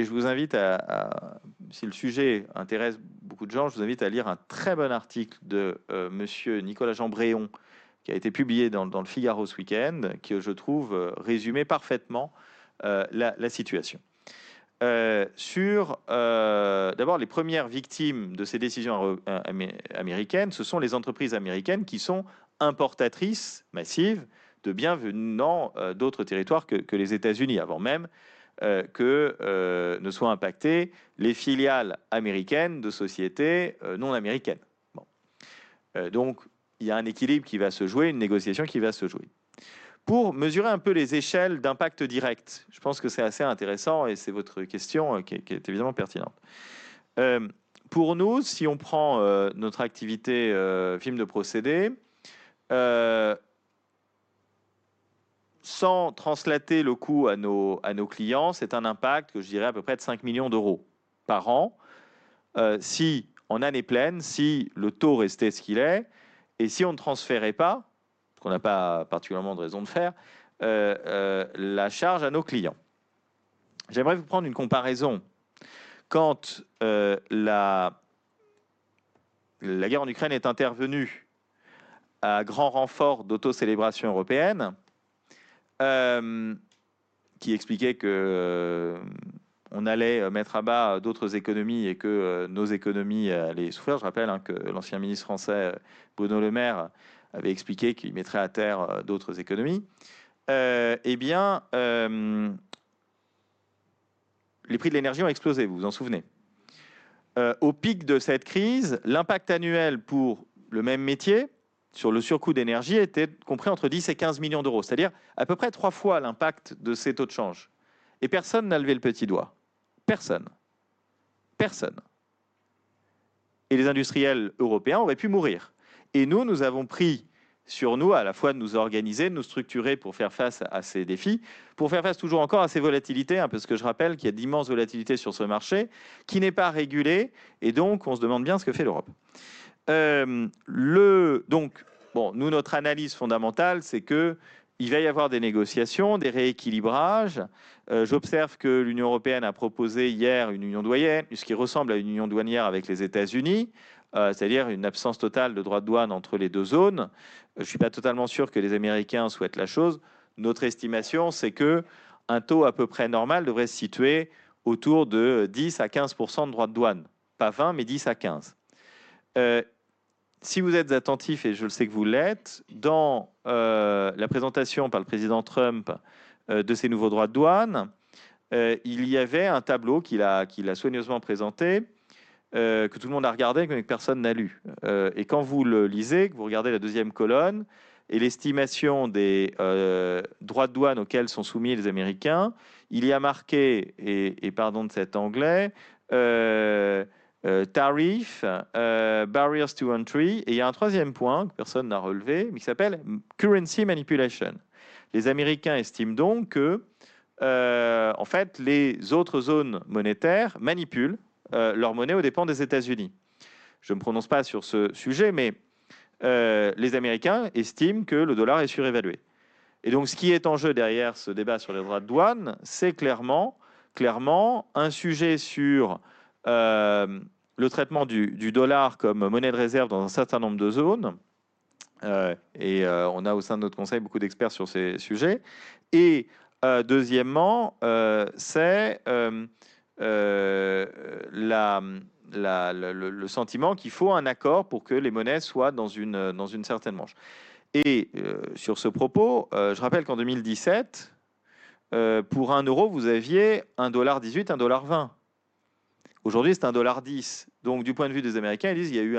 je vous invite à, si le sujet intéresse beaucoup de gens, je vous invite à lire un très bon article de Monsieur Nicolas Jambréon, qui a été publié dans le Figaro ce week-end, qui je trouve résumait parfaitement la situation. D'abord, les premières victimes de ces décisions américaines, ce sont les entreprises américaines qui sont importatrices massives de biens venant d'autres territoires que les États-Unis, avant même que ne soient impactées les filiales américaines de sociétés non américaines. Donc il y a un équilibre qui va se jouer, une négociation qui va se jouer. Pour mesurer un peu les échelles d'impact direct, je pense que c'est assez intéressant et c'est votre question qui est évidemment pertinente. Pour nous, si on prend notre activité film de procédé, sans translater le coût à nos clients, c'est un impact que je dirais à peu près de 5 millions d'euros par an, si en année pleine, si le taux restait ce qu'il est, et si on ne transférait pas, ce qu'on n'a pas particulièrement de raison de faire, la charge à nos clients. J'aimerais vous prendre une comparaison. Quand la guerre en Ukraine est intervenue à grand renfort d'autocélébration européenne, qui expliquait qu'on allait mettre à bas d'autres économies et que nos économies allaient souffrir, je rappelle que l'ancien ministre français, Bruno Le Maire, avait expliqué qu'il mettrait à terre d'autres économies. Bien, les prix de l'énergie ont explosé, vous vous en souvenez. Au pic de cette crise, l'impact annuel pour le même métier sur le surcoût d'énergie était compris entre 10 et 15 millions d'euros, c'est-à-dire à peu près trois fois l'impact de ces taux de change. Et personne n'a levé le petit doigt. Personne. Personne. Et les industriels européens auraient pu mourir. Et nous, nous avons pris sur nous à la fois de nous organiser, de nous structurer pour faire face à ces défis, pour faire face toujours encore à ces volatilités, parce que je rappelle qu'il y a d'immenses volatilités sur ce marché, qui n'est pas régulé, et donc on se demande bien ce que fait l'Europe. Donc, bon, nous, notre analyse fondamentale, c'est qu'il va y avoir des négociations, des rééquilibrages. J'observe que l'Union européenne a proposé hier une union douanière, ce qui ressemble à une union douanière avec les États-Unis, c'est-à-dire une absence totale de droits de douane entre les deux zones. Je ne suis pas totalement sûr que les Américains souhaitent la chose. Notre estimation, c'est qu'un taux à peu près normal devrait se situer autour de 10 à 15% de droits de douane. Pas 20%, mais 10 à 15%. Si vous êtes attentif, et je le sais que vous l'êtes, dans la présentation par le président Trump de ces nouveaux droits de douane, il y avait un tableau qu'il a soigneusement présenté, que tout le monde a regardé, mais que personne n'a lu. Et quand vous le lisez, que vous regardez la deuxième colonne, et l'estimation des droits de douane auxquels sont soumis les Américains, il y a marqué, et pardon de cet anglais, tarif, barriers to entry, et il y a un troisième point que personne n'a relevé, mais qui s'appelle currency manipulation. Les Américains estiment donc qu'en fait, les autres zones monétaires manipulent leur monnaie aux dépens des États-Unis. Je ne me prononce pas sur ce sujet, mais les Américains estiment que le dollar est surévalué. Et donc, ce qui est en jeu derrière ce débat sur les droits de douane, c'est clairement un sujet sur le traitement du dollar comme monnaie de réserve dans un certain nombre de zones. Et on a au sein de notre conseil beaucoup d'experts sur ces sujets. Et deuxièmement, c'est le sentiment qu'il faut un accord pour que les monnaies soient dans une certaine manche. Et sur ce propos, je rappelle qu'en 2017, pour 1 euro, vous aviez $1,18, $1,20. Aujourd'hui, c'est $1,10. Donc, du point de vue des Américains, ils disent qu'il y a eu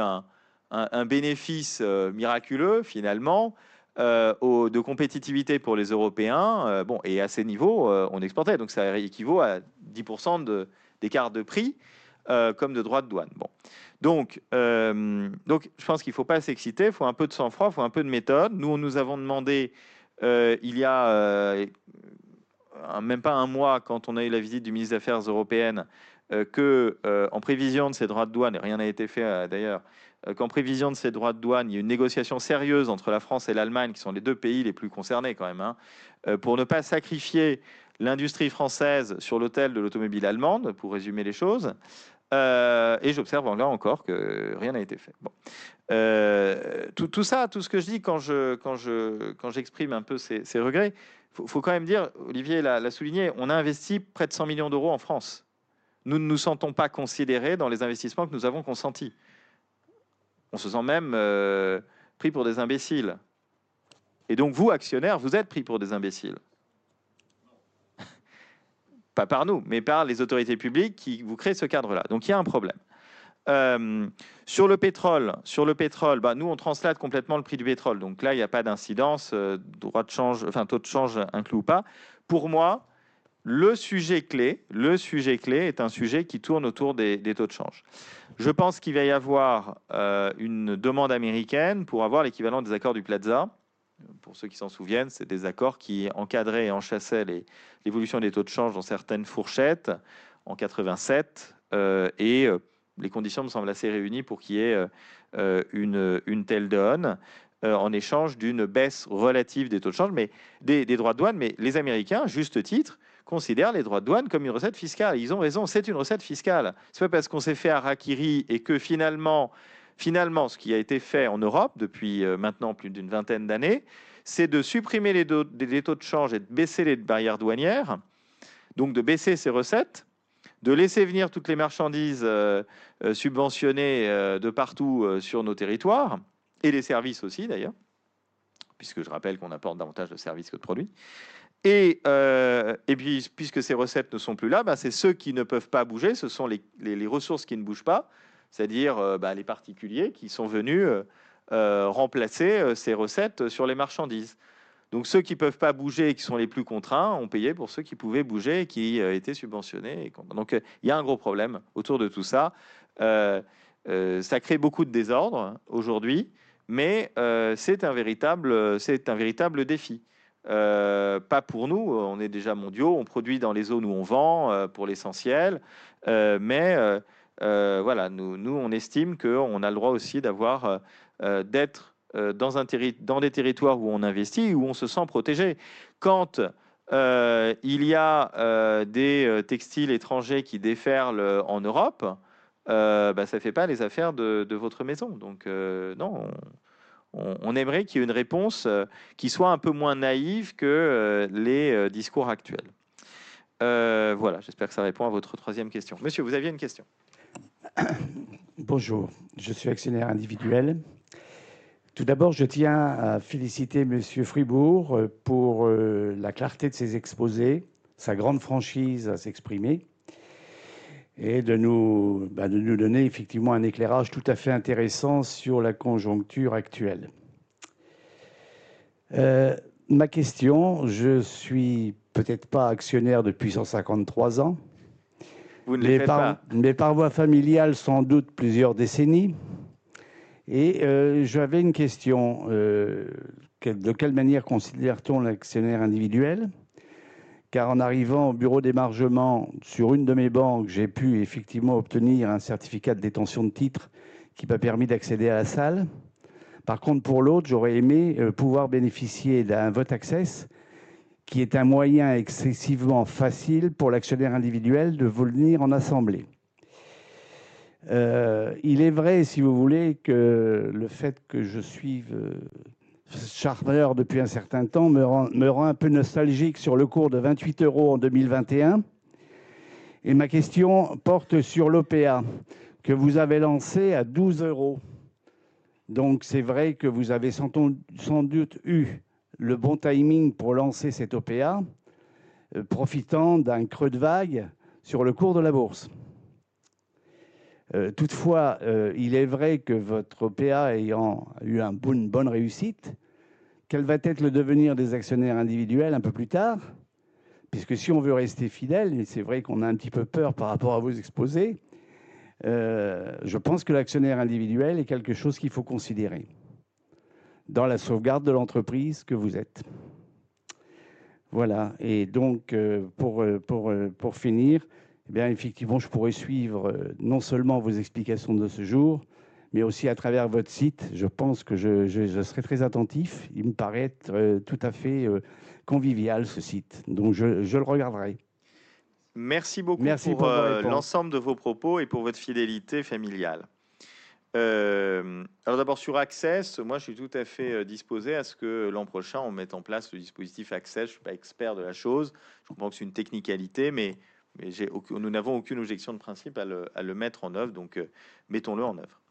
un bénéfice miraculeux, finalement, de compétitivité pour les Européens. Et à ces niveaux, on exportait, donc ça équivaut à 10% d'écart de prix comme de droits de douane. Donc je pense qu'il ne faut pas s'exciter, il faut un peu de sang-froid, il faut un peu de méthode. Nous, on nous avons demandé il y a même pas un mois, quand on a eu la visite du ministre des Affaires européennes, qu'en prévision de ces droits de douane, et rien n'a été fait d'ailleurs, qu'en prévision de ces droits de douane, il y ait une négociation sérieuse entre la France et l'Allemagne, qui sont les deux pays les plus concernés quand même, pour ne pas sacrifier l'industrie française sur l'autel de l'automobile allemande, pour résumer les choses. Et j'observe là encore que rien n'a été fait. Tout ça, tout ce que je dis quand j'exprime un peu ces regrets, il faut quand même dire, Olivier l'a souligné, on a investi près de €100 millions en France. Nous ne nous sentons pas considérés dans les investissements que nous avons consentis. On se sent même pris pour des imbéciles. Et donc, vous, actionnaires, vous êtes pris pour des imbéciles. Pas par nous, mais par les autorités publiques qui vous créent ce cadre-là. Donc, il y a un problème. Sur le pétrole, nous, on translate complètement le prix du pétrole. Donc là, il n'y a pas d'incidence, droits de change, taux de change inclus ou pas. Pour moi, le sujet clé est un sujet qui tourne autour des taux de change. Je pense qu'il va y avoir une demande américaine pour avoir l'équivalent des accords du Plaza. Pour ceux qui s'en souviennent, c'est des accords qui encadraient et enchâssaient l'évolution des taux de change dans certaines fourchettes en 1987. Et les conditions me semblent assez réunies pour qu'il y ait une telle donne en échange d'une baisse relative des taux de change. Mais des droits de douane, mais les Américains, à juste titre, considèrent les droits de douane comme une recette fiscale. Ils ont raison, c'est une recette fiscale. Ce n'est pas parce qu'on s'est fait à Hakiri et que finalement, ce qui a été fait en Europe depuis maintenant plus d'une vingtaine d'années, c'est de supprimer les taux de change et de baisser les barrières douanières, donc de baisser ces recettes, de laisser venir toutes les marchandises subventionnées de partout sur nos territoires, et les services aussi d'ailleurs, puisque je rappelle qu'on importe davantage de services que de produits. Et puis puisque ces recettes ne sont plus là, ce sont ceux qui ne peuvent pas bouger, ce sont les ressources qui ne bougent pas, c'est-à-dire les particuliers qui sont venus remplacer ces recettes sur les marchandises. Donc ceux qui ne peuvent pas bouger et qui sont les plus contraints ont payé pour ceux qui pouvaient bouger et qui étaient subventionnés. Donc il y a un gros problème autour de tout ça. Ça crée beaucoup de désordre aujourd'hui, mais c'est un véritable défi. Pas pour nous, on est déjà mondiaux, on produit dans les zones où on vend pour l'essentiel, mais voilà, nous on estime qu'on a le droit aussi d'avoir d'être dans des territoires où on investit, où on se sent protégé. Quand il y a des textiles étrangers qui déferlent en Europe, bah ça ne fait pas les affaires de votre maison. Donc non, on aimerait qu'il y ait une réponse qui soit un peu moins naïve que les discours actuels. Voilà, j'espère que ça répond à votre troisième question. Monsieur, vous aviez une question. Bonjour, je suis actionnaire individuel. Tout d'abord, je tiens à féliciter Monsieur Fribourg pour la clarté de ses exposés, sa grande franchise à s'exprimer et de nous donner effectivement un éclairage tout à fait intéressant sur la conjoncture actuelle. Ma question, je ne suis peut-être pas actionnaire depuis 153 ans, mais par voie familiale sans doute plusieurs décennies. J'avais une question: de quelle manière considère-t-on l'actionnaire individuel? Car en arrivant au bureau d'émargement sur une de mes banques, j'ai pu effectivement obtenir un certificat de détention de titres qui m'a permis d'accéder à la salle. Par contre, pour l'autre, j'aurais aimé pouvoir bénéficier d'un vote access, qui est un moyen excessivement facile pour l'actionnaire individuel de venir en assemblée. Il est vrai, si vous voulez, que le fait que je suis actionnaire depuis un certain temps me rend un peu nostalgique sur le cours de 28 € en 2021. Et ma question porte sur l'OPA que vous avez lancée à 12 euros. C'est vrai que vous avez sans doute eu le bon timing pour lancer cette OPA, profitant d'un creux de vague sur le cours de la bourse. Toutefois, il est vrai que votre OPA ayant eu une bonne réussite, quel va être le devenir des actionnaires individuels un peu plus tard? Puisque si on veut rester fidèle, et c'est vrai qu'on a un petit peu peur par rapport à vos exposés, je pense que l'actionnaire individuel est quelque chose qu'il faut considérer dans la sauvegarde de l'entreprise que vous êtes. Voilà, et donc pour finir, bien effectivement, je pourrais suivre non seulement vos explications de ce jour, mais aussi à travers votre site. Je pense que je serais très attentif. Il me paraît être tout à fait convivial, ce site. Je le regarderai. Merci beaucoup pour l'ensemble de vos propos et pour votre fidélité familiale. Alors d'abord, sur Access, moi je suis tout à fait disposé à ce que l'an prochain on mette en place le dispositif Access. Je ne suis pas expert de la chose. Je comprends que c'est une technicité, mais nous n'avons aucune objection de principe à le mettre en œuvre. Donc mettons-le en œuvre.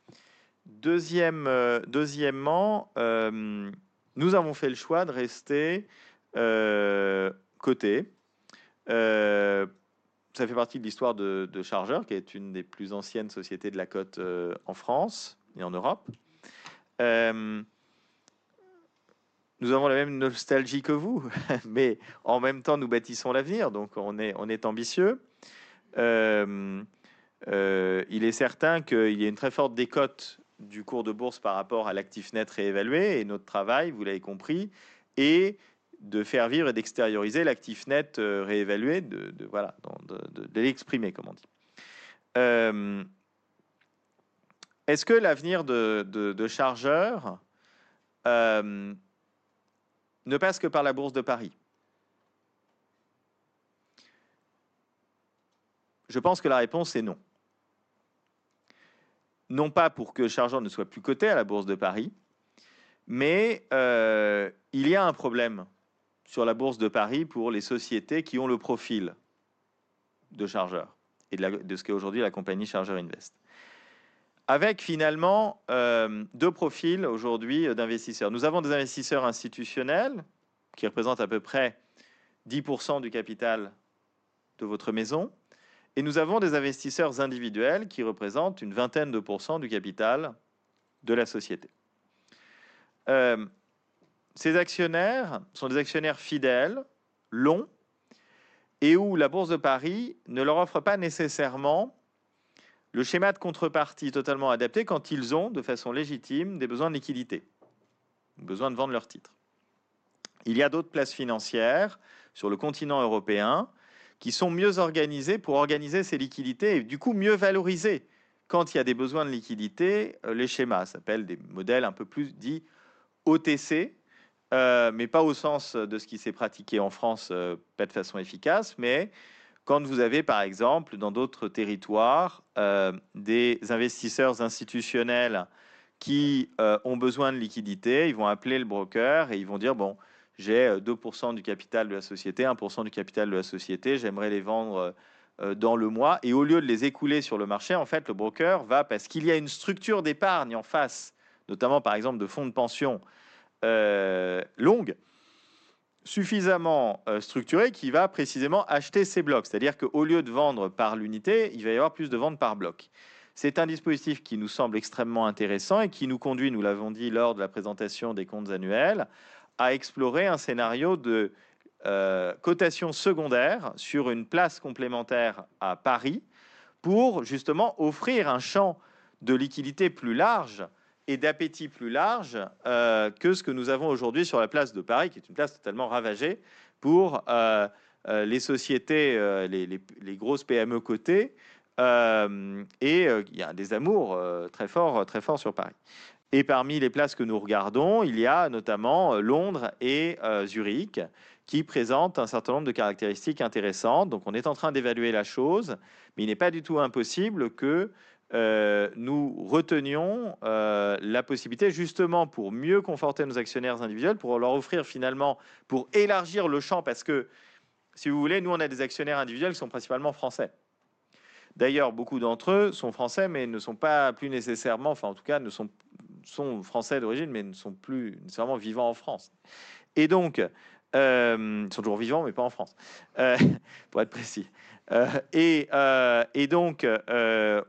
Deuxièmement, nous avons fait le choix de rester cotés. Ça fait partie de l'histoire de Chargeurs, qui est une des plus anciennes sociétés de la cote en France et en Europe. Nous avons la même nostalgie que vous, mais en même temps, nous bâtissons l'avenir. Donc on est ambitieux. Il est certain qu'il y a une très forte décote du cours de bourse par rapport à l'actif net réévalué. Et notre travail, vous l'avez compris, est de faire vivre et d'extérioriser l'actif net réévalué, de l'exprimer, comme on dit. Est-ce que l'avenir de Chargeur ne passe que par la Bourse de Paris? Je pense que la réponse est non. Non pas pour que Chargeur ne soit plus coté à la Bourse de Paris, mais il y a un problème sur la Bourse de Paris pour les sociétés qui ont le profil de Chargeur et de ce qu'est aujourd'hui la compagnie Chargeur Invest. Avec finalement deux profils aujourd'hui d'investisseurs. Nous avons des investisseurs institutionnels qui représentent à peu près 10% du capital de votre maison. Et nous avons des investisseurs individuels qui représentent une vingtaine de pour cents du capital de la société. Ces actionnaires sont des actionnaires fidèles, longs, et où la Bourse de Paris ne leur offre pas nécessairement le schéma de contrepartie totalement adapté quand ils ont, de façon légitime, des besoins de liquidités, besoin de vendre leurs titres. Il y a d'autres places financières sur le continent européen qui sont mieux organisées pour organiser ces liquidités et, du coup, mieux valoriser. Quand il y a des besoins de liquidités, les schémas, ça s'appelle des modèles un peu plus dits OTC, mais pas au sens de ce qui s'est pratiqué en France, pas de façon efficace. Mais quand vous avez, par exemple, dans d'autres territoires, des investisseurs institutionnels qui ont besoin de liquidités, ils vont appeler le broker et ils vont dire: « Bon, j'ai 2% du capital de la société, 1% du capital de la société, j'aimerais les vendre dans le mois. » Et au lieu de les écouler sur le marché, en fait, le broker va, parce qu'il y a une structure d'épargne en face, notamment, par exemple, de fonds de pension longue, suffisamment structurée, qui va précisément acheter ces blocs. C'est-à-dire qu'au lieu de vendre par l'unité, il va y avoir plus de ventes par bloc. C'est un dispositif qui nous semble extrêmement intéressant et qui nous conduit, nous l'avons dit lors de la présentation des comptes annuels, à explorer un scénario de cotation secondaire sur une place complémentaire à Paris pour justement offrir un champ de liquidités plus large et d'appétit plus large que ce que nous avons aujourd'hui sur la place de Paris, qui est une place totalement ravagée pour les sociétés, les grosses PME cotées. Et il y a des amours très forts, très forts sur Paris. Et parmi les places que nous regardons, il y a notamment Londres et Zurich qui présentent un certain nombre de caractéristiques intéressantes. Donc on est en train d'évaluer la chose, mais il n'est pas du tout impossible que nous retenions la possibilité, justement pour mieux conforter nos actionnaires individuels, pour leur offrir finalement, pour élargir le champ, parce que si vous voulez, nous, on a des actionnaires individuels qui sont principalement français. D'ailleurs, beaucoup d'entre eux sont français, mais ne sont pas plus nécessairement, enfin en tout cas, ne sont français d'origine, mais ne sont plus nécessairement vivants en France. Et donc ils sont toujours vivants, mais pas en France, pour être précis. Et donc,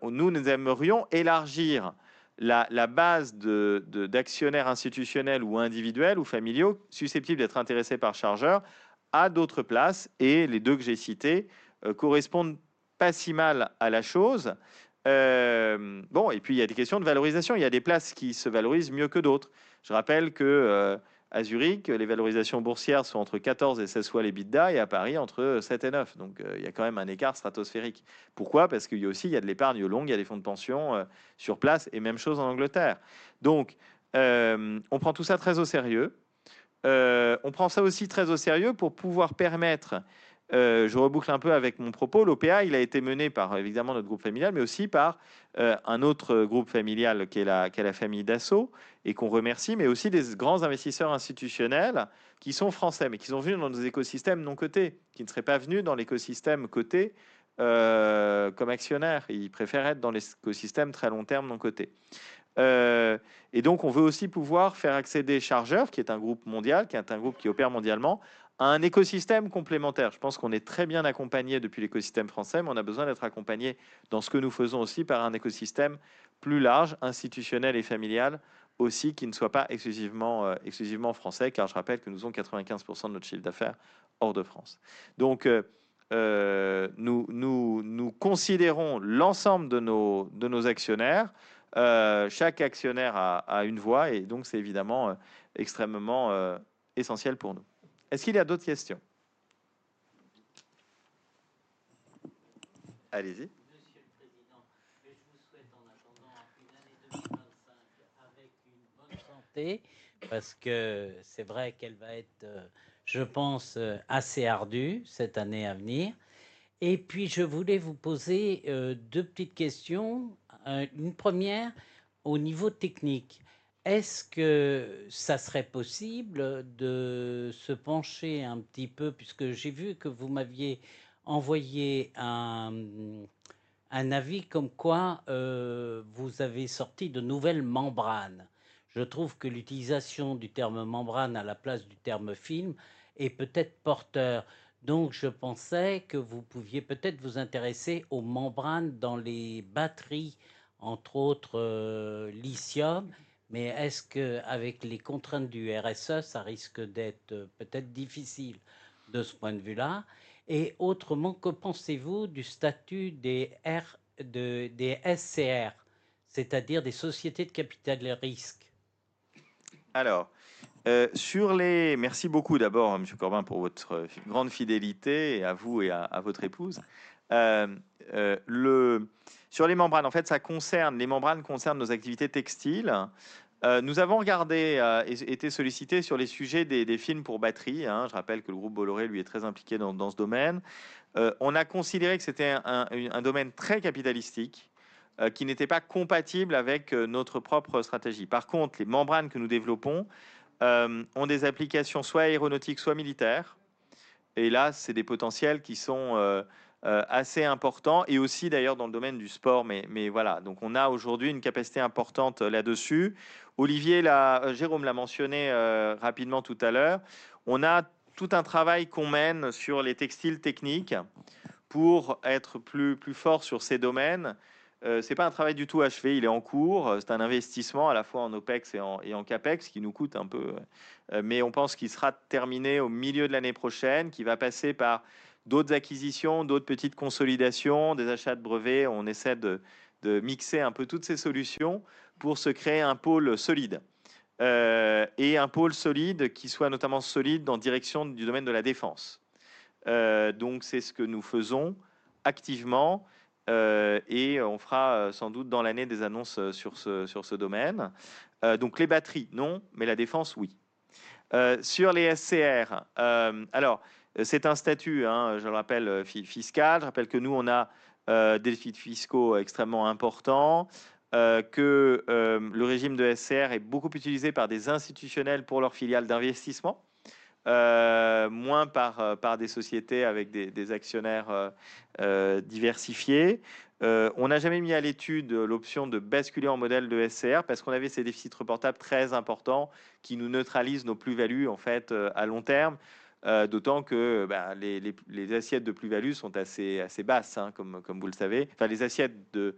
nous aimerions élargir la base d'actionnaires institutionnels ou individuels ou familiaux susceptibles d'être intéressés par Chargeurs à d'autres places. Et les deux que j'ai cités correspondent pas si mal à la chose. Bon, et puis il y a des questions de valorisation. Il y a des places qui se valorisent mieux que d'autres. Je rappelle qu'à Zurich, les valorisations boursières sont entre 14 et 16 fois l'EBITDA et à Paris, entre 7 et 9. Donc il y a quand même un écart stratosphérique. Pourquoi? Parce qu'il y a aussi de l'épargne longue, il y a des fonds de pension sur place, et même chose en Angleterre. Donc on prend tout ça très au sérieux. On prend ça aussi très au sérieux pour pouvoir permettre, je reboucle un peu avec mon propos, l'OPA, il a été mené par évidemment notre groupe familial, mais aussi par un autre groupe familial qui est la famille Dassault, et qu'on remercie, mais aussi des grands investisseurs institutionnels qui sont français, mais qui sont venus dans nos écosystèmes non cotés, qui ne seraient pas venus dans l'écosystème coté comme actionnaires. Ils préfèrent être dans l'écosystème très long terme non coté. Et donc on veut aussi pouvoir faire accéder Chargeur, qui est un groupe mondial, qui est un groupe qui opère mondialement, à un écosystème complémentaire. Je pense qu'on est très bien accompagné depuis l'écosystème français, mais on a besoin d'être accompagné dans ce que nous faisons aussi par un écosystème plus large, institutionnel et familial aussi, qui ne soit pas exclusivement français, car je rappelle que nous avons 95% de notre chiffre d'affaires hors de France. Donc nous nous considérons l'ensemble de nos actionnaires. Chaque actionnaire a une voix et donc c'est évidemment extrêmement essentiel pour nous. Est-ce qu'il y a d'autres questions? Allez-y. Monsieur le Président, je vous souhaite en attendant une année 2025 avec une bonne santé, parce que c'est vrai qu'elle va être, je pense, assez ardue cette année à venir. Et puis je voulais vous poser deux petites questions. Une première, au niveau technique, est-ce que ça serait possible de se pencher un petit peu, puisque j'ai vu que vous m'aviez envoyé un avis comme quoi vous avez sorti de nouvelles membranes? Je trouve que l'utilisation du terme membrane à la place du terme film est peut-être porteur. Donc je pensais que vous pouviez peut-être vous intéresser aux membranes dans les batteries, entre autres lithium. Mais est-ce qu'avec les contraintes du RSE, ça risque d'être peut-être difficile de ce point de vue-là? Et autrement, que pensez-vous du statut des SCR, c'est-à-dire des sociétés de capital-risque? Alors, merci beaucoup d'abord, Monsieur Corbin, pour votre grande fidélité, et à vous et à votre épouse. Sur les membranes, en fait, ça concerne... Les membranes concernent nos activités textiles. Nous avons regardé et été sollicités sur les sujets des films pour batteries. Je rappelle que le groupe Bolloré lui est très impliqué dans ce domaine. On a considéré que c'était un domaine très capitalistique qui n'était pas compatible avec notre propre stratégie. Par contre, les membranes que nous développons ont des applications soit aéronautiques, soit militaires. Et là, c'est des potentiels qui sont assez importants, et aussi d'ailleurs dans le domaine du sport. Mais voilà, donc on a aujourd'hui une capacité importante là-dessus. Olivier l'a, Jérôme l'a mentionné rapidement tout à l'heure, on a tout un travail qu'on mène sur les textiles techniques pour être plus fort sur ces domaines. Ce n'est pas un travail du tout achevé, il est en cours. C'est un investissement à la fois en OPEX et en CAPEX, qui nous coûte un peu, mais on pense qu'il sera terminé au milieu de l'année prochaine, qui va passer par d'autres acquisitions, d'autres petites consolidations, des achats de brevets. On essaie de mixer un peu toutes ces solutions pour se créer un pôle solide. Et un pôle solide qui soit notamment solide dans la direction du domaine de la défense. Donc c'est ce que nous faisons activement, et on fera sans doute dans l'année des annonces sur ce domaine. Donc les batteries, non, mais la défense, oui. Sur les SCR, alors c'est un statut, je le rappelle, fiscal. Je rappelle que nous avons des déficits fiscaux extrêmement importants, que le régime de SCR est beaucoup plus utilisé par des institutionnels pour leurs filiales d'investissement, moins par des sociétés avec des actionnaires diversifiés. Nous n'avons jamais mis à l'étude l'option de basculer en modèle de SCR, parce que nous avions ces déficits reportables très importants qui nous neutralisent nos plus-values, en fait, à long terme. D'autant que les assiettes de plus-value sont assez basses, comme vous le savez. Enfin, les assiettes de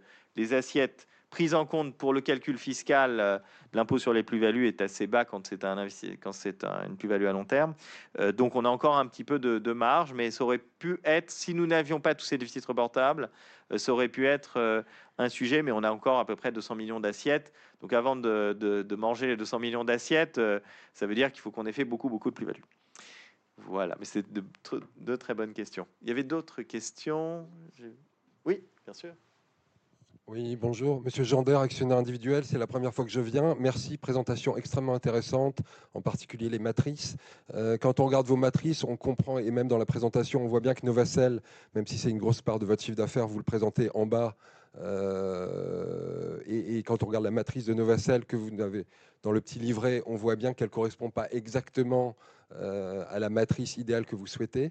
prise en compte pour le calcul fiscal, l'impôt sur les plus-values est assez bas quand c'est une plus-value à long terme. Donc on a encore un petit peu de marge, mais ça aurait pu être, si nous n'avions pas tous ces déficits reportables, ça aurait pu être un sujet, mais on a encore à peu près 200 millions d'assiettes. Donc avant de manger les 200 millions d'assiettes, ça veut dire qu'il faut qu'on ait fait beaucoup, beaucoup de plus-values. Voilà, mais c'est de très bonnes questions. Il y avait d'autres questions? Oui, bien sûr. Oui, bonjour. Monsieur Gender, actionnaire individuel, c'est la première fois que je viens. Merci, présentation extrêmement intéressante, en particulier les matrices. Quand on regarde vos matrices, on comprend, et même dans la présentation, on voit bien que Novacel, même si c'est une grosse part de votre chiffre d'affaires, vous le présentez en bas. Et quand on regarde la matrice de Novacel que vous avez dans le petit livret, on voit bien qu'elle ne correspond pas exactement à la matrice idéale que vous souhaitez.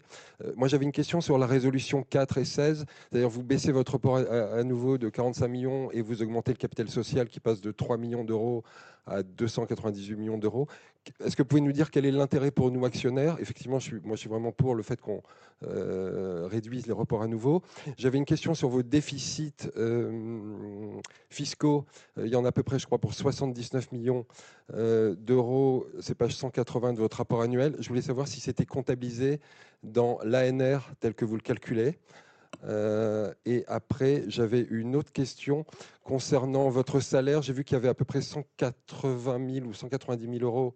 Moi, j'avais une question sur la résolution 4 et 16, c'est-à-dire que vous baissez votre port à nouveau de €45 millions et vous augmentez le capital social qui passe de €3 millions à €298 millions. Est-ce que vous pouvez nous dire quel est l'intérêt pour nous, actionnaires? Effectivement, moi, je suis vraiment pour le fait qu'on réduise les reports à nouveau. J'avais une question sur vos déficits fiscaux. Il y en a à peu près, je crois, pour €79 millions, c'est page 180 de votre rapport annuel. Je voulais savoir si c'était comptabilisé dans l'ANR tel que vous le calculez. Et après, j'avais une autre question concernant votre salaire. J'ai vu qu'il y avait à peu près €180 000 ou €190 000,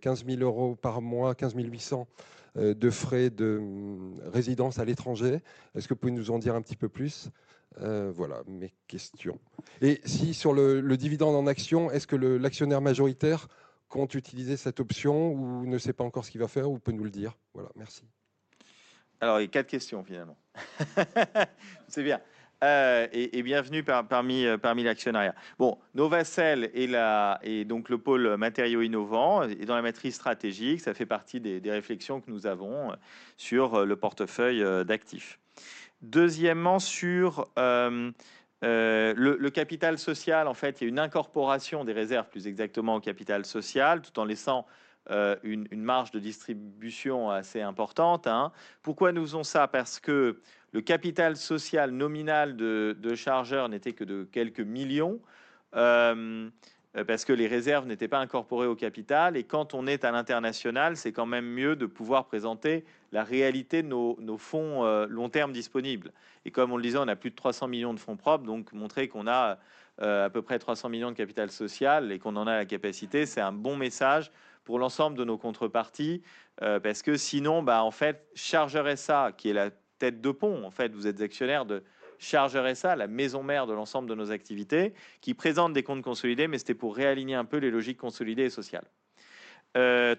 €15 000 par mois, €15 800 de frais de résidence à l'étranger. Est-ce que vous pouvez nous en dire un petit peu plus? Voilà, mes questions. Et si sur le dividende en actions, est-ce que l'actionnaire majoritaire compte utiliser cette option ou ne sait pas encore ce qu'il va faire ou peut nous le dire? Voilà, merci. Alors, il y a quatre questions, finalement. C'est bien. Et bienvenue parmi l'actionnariat. Bon, Novacel et le pôle matériaux innovants et dans la matrice stratégique, ça fait partie des réflexions que nous avons sur le portefeuille d'actifs. Deuxièmement, sur le capital social, en fait, il y a une incorporation des réserves, plus exactement au capital social, tout en laissant une marge de distribution assez importante. Pourquoi nous faisons ça? Parce que le capital social nominal de Chargeur n'était que de quelques millions, parce que les réserves n'étaient pas incorporées au capital. Et quand on est à l'international, c'est quand même mieux de pouvoir présenter la réalité de nos fonds long terme disponibles. Et comme on le disait, on a plus de €300 millions de fonds propres, donc montrer qu'on a à peu près €300 millions de capital social et qu'on en a la capacité, c'est un bon message pour l'ensemble de nos contreparties. Parce que sinon, en fait, Chargeur SA, qui est la tête de pont, en fait, vous êtes actionnaire de Chargeur SA, la maison mère de l'ensemble de nos activités, qui présente des comptes consolidés, mais c'était pour réaligner un peu les logiques consolidées et sociales.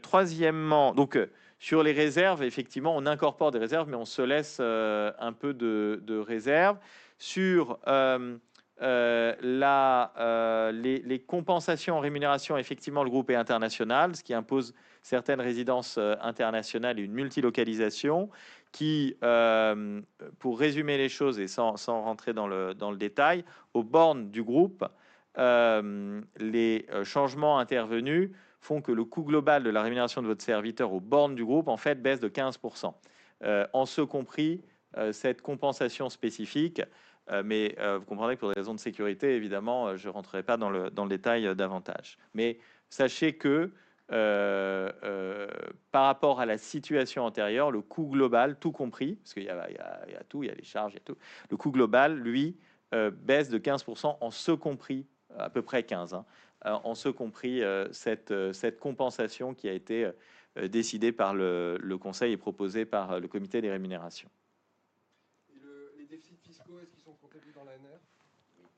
Troisièmement, donc sur les réserves, effectivement, on incorpore des réserves, mais on se laisse un peu de réserves. Sur les compensations en rémunération, effectivement, le groupe est international, ce qui impose certaines résidences internationales et une multilocalisation qui, pour résumer les choses et sans rentrer dans le détail, aux bornes du groupe, les changements intervenus font que le coût global de la rémunération de votre serviteur aux bornes du groupe, en fait, baisse de 15%. En ce compris, cette compensation spécifique, mais vous comprendrez que pour des raisons de sécurité, évidemment, je ne rentrerai pas dans le détail davantage. Mais sachez que par rapport à la situation antérieure, le coût global, tout compris, parce qu'il y a tout, il y a les charges, il y a tout, le coût global, lui, baisse de 15% en ce compris, à peu près 15%, en ce compris cette compensation qui a été décidée par le Conseil et proposée par le Comité des rémunérations. Et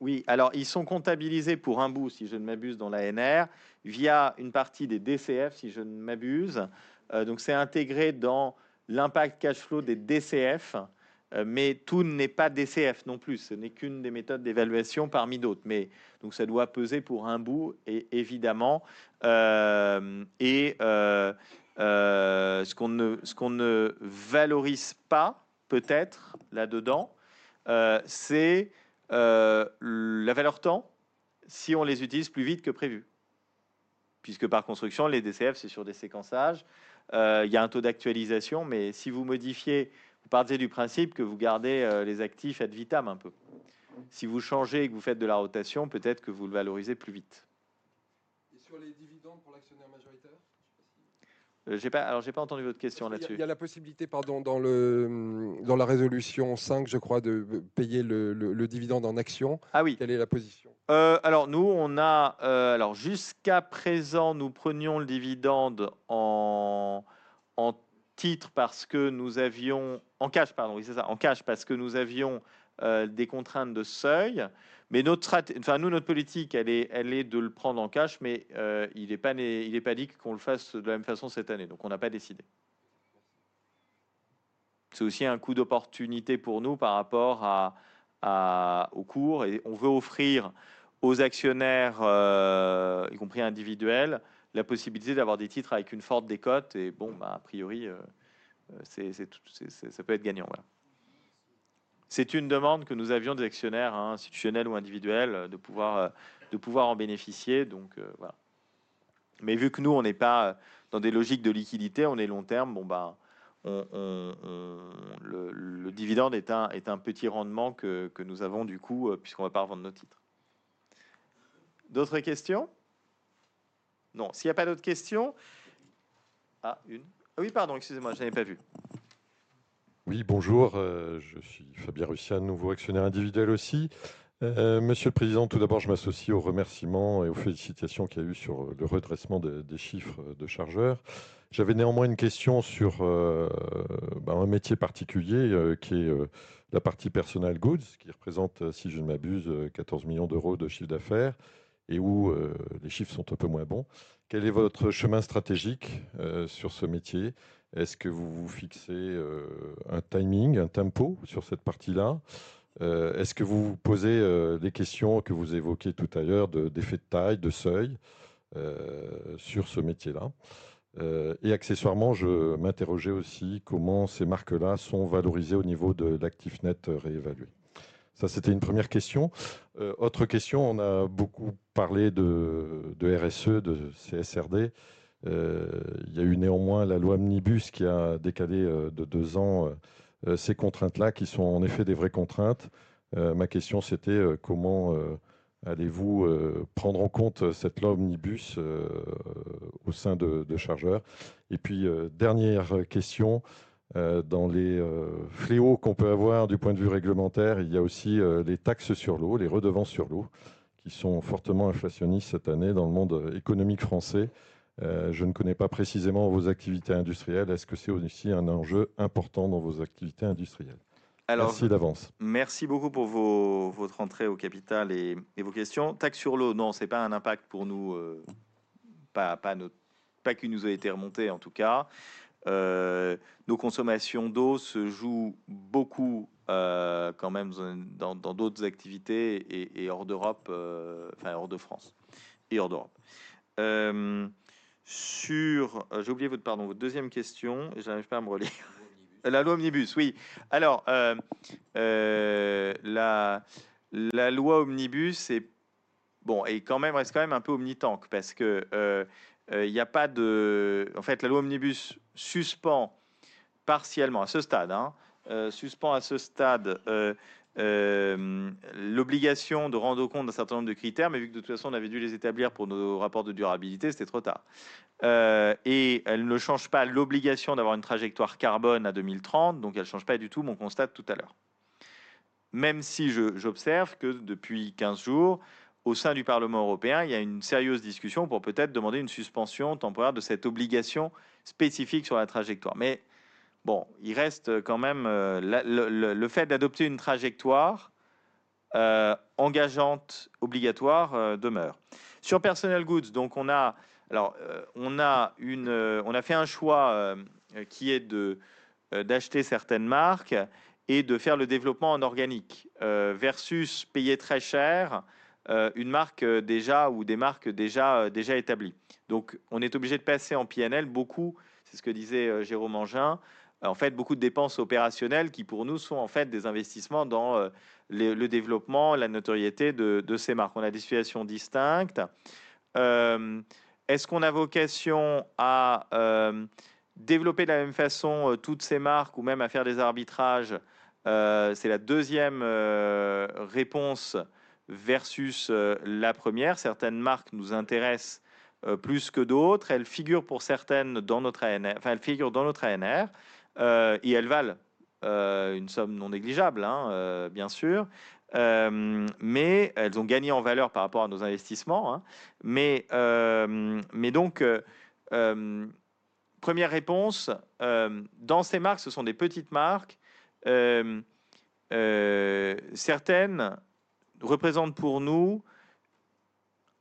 les déficits fiscaux, est-ce qu'ils sont comptabilisés dans l'ANR? Oui, alors ils sont comptabilisés pour un bout, si je ne m'abuse, dans l'ANR, via une partie des DCF, si je ne m'abuse. Donc c'est intégré dans l'impact cash flow des DCF, mais tout n'est pas DCF non plus. Ce n'est qu'une des méthodes d'évaluation parmi d'autres. Mais donc ça doit peser pour un bout, et évidemment. Et ce qu'on ne valorise pas, peut-être, là-dedans, c'est la valeur temps, si on les utilise plus vite que prévu. Puisque par construction, les DCF, c'est sur des séquençages. Il y a un taux d'actualisation, mais si vous modifiez, vous partez du principe que vous gardez les actifs ad vitam un peu. Si vous changez et que vous faites de la rotation, peut-être que vous le valorisez plus vite. Et sur les dividendes pour l'actionnaire majoritaire? Je ne sais pas si... Je n'ai pas entendu votre question là-dessus. Il y a la possibilité, pardon, dans la résolution 5, je crois, de payer le dividende en actions. Oui, quelle est la position? Alors nous, on a... Alors jusqu'à présent, nous prenions le dividende en titre parce que nous avions... En cash, pardon, oui, c'est ça, en cash, parce que nous avions des contraintes de seuil. Mais notre... Enfin, nous, notre politique, elle est de le prendre en cash, mais il n'est pas dit qu'on le fasse de la même façon cette année. Donc on n'a pas décidé. Merci. C'est aussi un coût d'opportunité pour nous par rapport au cours. On veut offrir aux actionnaires, y compris individuels, la possibilité d'avoir des titres avec une forte décote. Et bon, a priori, c'est ça peut être gagnant. Voilà. C'est une demande que nous avions des actionnaires, institutionnels ou individuels, de pouvoir en bénéficier. Donc voilà. Mais vu que nous, on n'est pas dans des logiques de liquidité, on est long terme, bon ben le dividende est un petit rendement que nous avons du coup, puisqu'on ne va pas revendre nos titres. D'autres questions? Non, s'il n'y a pas d'autres questions. Une. Oui, pardon, excusez-moi, je n'avais pas vu. Oui, bonjour, je suis Fabien Rucian, nouveau actionnaire individuel aussi. Monsieur le Président, tout d'abord, je m'associe au remerciement et aux félicitations qu'il y a eu sur le redressement des chiffres de Chargeurs. J'avais néanmoins une question sur un métier particulier qui est la partie Personal Goods, qui représente, si je ne m'abuse, 14 millions d'euros de chiffre d'affaires, et où les chiffres sont un peu moins bons. Quel est votre chemin stratégique sur ce métier? Est-ce que vous vous fixez un timing, un tempo sur cette partie-là? Est-ce que vous vous posez les questions que vous évoquiez tout à l'heure d'effet de taille, de seuil sur ce métier-là? Et accessoirement, je m'interrogeais aussi comment ces marques-là sont valorisées au niveau de l'actif net réévalué. Ça, c'était une première question. Autre question, on a beaucoup parlé de RSE, de CSRD. Il y a eu néanmoins la loi Omnibus qui a décalé de deux ans ces contraintes-là, qui sont en effet des vraies contraintes. Ma question, c'était comment allez-vous prendre en compte cette loi Omnibus au sein de Chargeurs? Et puis, dernière question, dans les fléaux qu'on peut avoir du point de vue réglementaire, il y a aussi les taxes sur l'eau, les redevances sur l'eau, qui sont fortement inflationnistes cette année dans le monde économique français. Je ne connais pas précisément vos activités industrielles. Est-ce que c'est aussi un enjeu important dans vos activités industrielles? Merci d'avance. Merci beaucoup pour votre entrée au capital et vos questions. Taxes sur l'eau, non, ce n'est pas un impact pour nous, pas qui nous a été remonté en tout cas. Nos consommations d'eau se jouent beaucoup quand même dans d'autres activités et hors d'Europe, enfin hors de France et hors d'Europe. Sur... J'ai oublié votre pardon votre deuxième question, je n'arrive pas à me relire. La loi Omnibus, oui. Alors, la loi Omnibus, c'est... Bon, et quand même, elle reste quand même un peu omni-tank, parce qu'il n'y a pas de... En fait, la loi Omnibus suspend partiellement, à ce stade, suspend à ce stade l'obligation de rendre compte d'un certain nombre de critères, mais vu que de toute façon, on avait dû les établir pour nos rapports de durabilité, c'était trop tard. Et elle ne change pas l'obligation d'avoir une trajectoire carbone à 2030, donc elle ne change pas du tout mon constat de tout à l'heure. Même si j'observe que depuis 15 jours, au sein du Parlement européen, il y a une sérieuse discussion pour peut-être demander une suspension temporaire de cette obligation spécifique sur la trajectoire. Mais bon, il reste quand même le fait d'adopter une trajectoire engageante, obligatoire, demeure. Sur personal goods, donc on a... Alors, on a une... On a fait un choix qui est d'acheter certaines marques et de faire le développement en organique, versus payer très cher une marque déjà ou des marques déjà établies. Donc, on est obligé de passer en PNL, beaucoup, c'est ce que disait Jérôme Engin, en fait, beaucoup de dépenses opérationnelles qui, pour nous, sont en fait des investissements dans le développement, la notoriété de ces marques. On a des situations distinctes. Est-ce qu'on a vocation à développer de la même façon toutes ces marques ou même à faire des arbitrages? C'est la deuxième réponse versus la première. Certaines marques nous intéressent plus que d'autres. Elles figurent pour certaines dans notre ANR, enfin, elles figurent dans notre ANR et elles valent une somme non négligeable, bien sûr, mais elles ont gagné en valeur par rapport à nos investissements. Hein, mais donc, première réponse, dans ces marques, ce sont des petites marques. Certaines représentent pour nous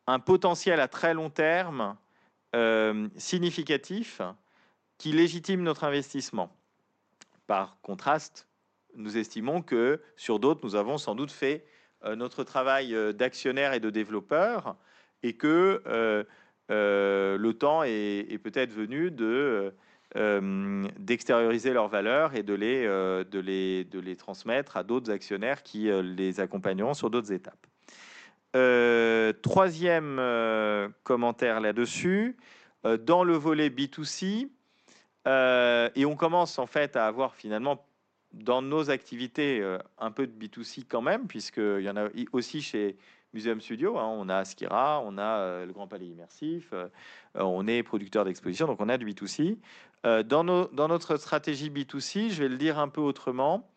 un potentiel à très long terme significatif qui légitime notre investissement. Par contraste, nous estimons que sur d'autres, nous avons sans doute fait notre travail d'actionnaire et de développeur et que le temps est peut-être venu d'extérioriser leurs valeurs et de les transmettre à d'autres actionnaires qui les accompagneront sur d'autres étapes. Troisième commentaire là-dessus, dans le volet B2C, et on commence en fait à avoir finalement dans nos activités un peu de B2C quand même, puisqu'il y en a aussi chez Museum Studio, on a Skira, on a le Grand Palais Immersif, on est producteur d'exposition, donc on a du B2C. Dans notre stratégie B2C, je vais le dire un peu autrement,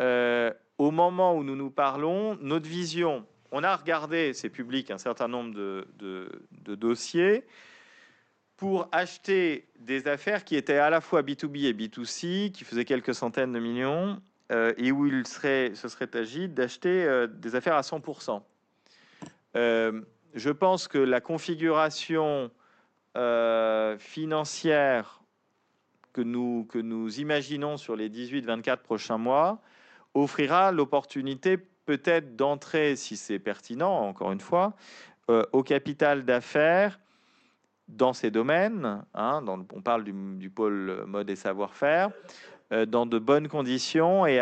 au moment où nous nous parlons, notre vision, on a regardé, c'est public, un certain nombre de dossiers pour acheter des affaires qui étaient à la fois B2B et B2C, qui faisaient quelques centaines de millions et où il serait agile d'acheter des affaires à 100%. Je pense que la configuration financière que nous imaginons sur les 18-24 prochains mois offrira l'opportunité peut-être d'entrer, si c'est pertinent, encore une fois, au capital d'affaires dans ces domaines. On parle du pôle mode et savoir-faire, dans de bonnes conditions et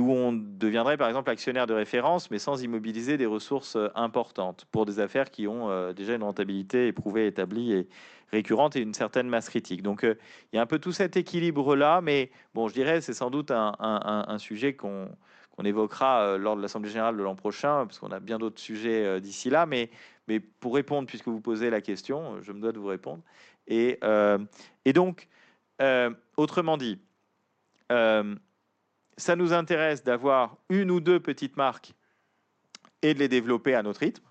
où on deviendrait, par exemple, actionnaire de référence, mais sans immobiliser des ressources importantes pour des affaires qui ont déjà une rentabilité éprouvée, établie et récurrente et une certaine masse critique. Donc, il y a un peu tout cet équilibre-là, mais bon, je dirais que c'est sans doute un sujet qu'on évoquera lors de l'assemblée générale de l'an prochain, parce qu'on a bien d'autres sujets d'ici là. Mais pour répondre, puisque vous posez la question, je me dois de vous répondre. Autrement dit, ça nous intéresse d'avoir une ou deux petites marques et de les développer à notre rythme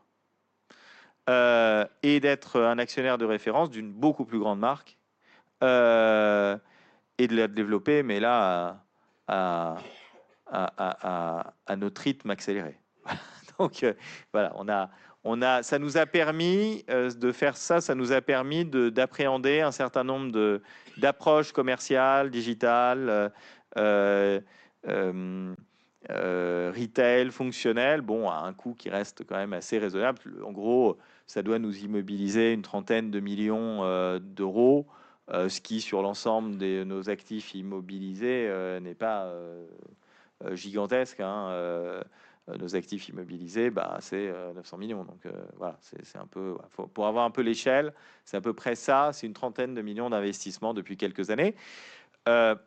et d'être un actionnaire de référence d'une beaucoup plus grande marque et de la développer, mais là, à notre rythme accéléré. Voilà, ça nous a permis de faire ça, ça nous a permis d'appréhender un certain nombre d'approches commerciales, digitales, retail, fonctionnelles, à un coût qui reste quand même assez raisonnable. En gros, ça doit nous immobiliser une trentaine de millions d'euros, ce qui, sur l'ensemble de nos actifs immobilisés, n'est pas gigantesque. Nos actifs immobilisés, c'est €900 millions. Donc voilà, c'est un peu... Pour avoir un peu l'échelle, c'est à peu près ça. C'est une trentaine de millions d'investissements depuis quelques années. On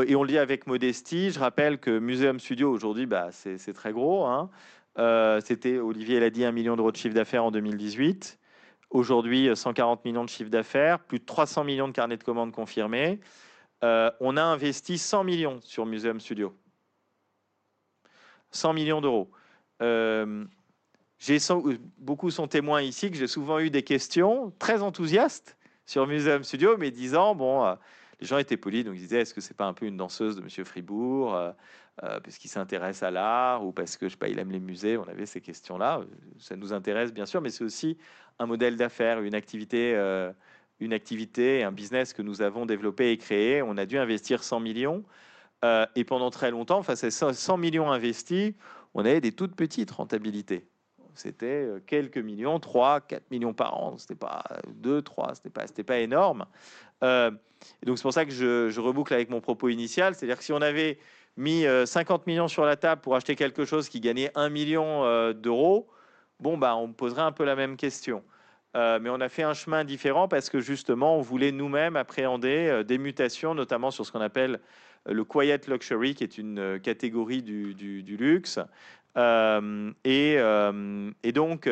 le dit avec modestie, je rappelle que Museum Studio, aujourd'hui, c'est très gros. C'était, Olivier l'a dit, €1 million de chiffre d'affaires en 2018. Aujourd'hui, €140 millions de chiffre d'affaires, plus de €300 millions de carnets de commandes confirmés. On a investi €100 millions sur Museum Studio. €100 millions. J'ai beaucoup de témoins ici que j'ai souvent eu des questions très enthousiastes sur Museum Studio, mais disant, bon, les gens étaient polis, donc ils disaient, est-ce que ce n'est pas un peu une danseuse de M. Fribourg, parce qu'il s'intéresse à l'art ou parce qu'il aime les musées? On avait ces questions-là. Ça nous intéresse, bien sûr, mais c'est aussi un modèle d'affaires, une activité, une activité et un business que nous avons développé et créé. On a dû investir €100 millions. Et pendant très longtemps, face à €100 millions investis, on avait des toutes petites rentabilités. C'était quelques millions, €3, €4 millions par an. Ce n'était pas €2, €3, ce n'était pas énorme. Donc c'est pour ça que je reboucle avec mon propos initial, c'est-à-dire que si on avait mis €50 millions sur la table pour acheter quelque chose qui gagnait €1 million, bon, ben on me poserait un peu la même question. Mais on a fait un chemin différent parce que justement, on voulait nous-mêmes appréhender des mutations, notamment sur ce qu'on appelle le quiet luxury, qui est une catégorie du luxe. Et donc,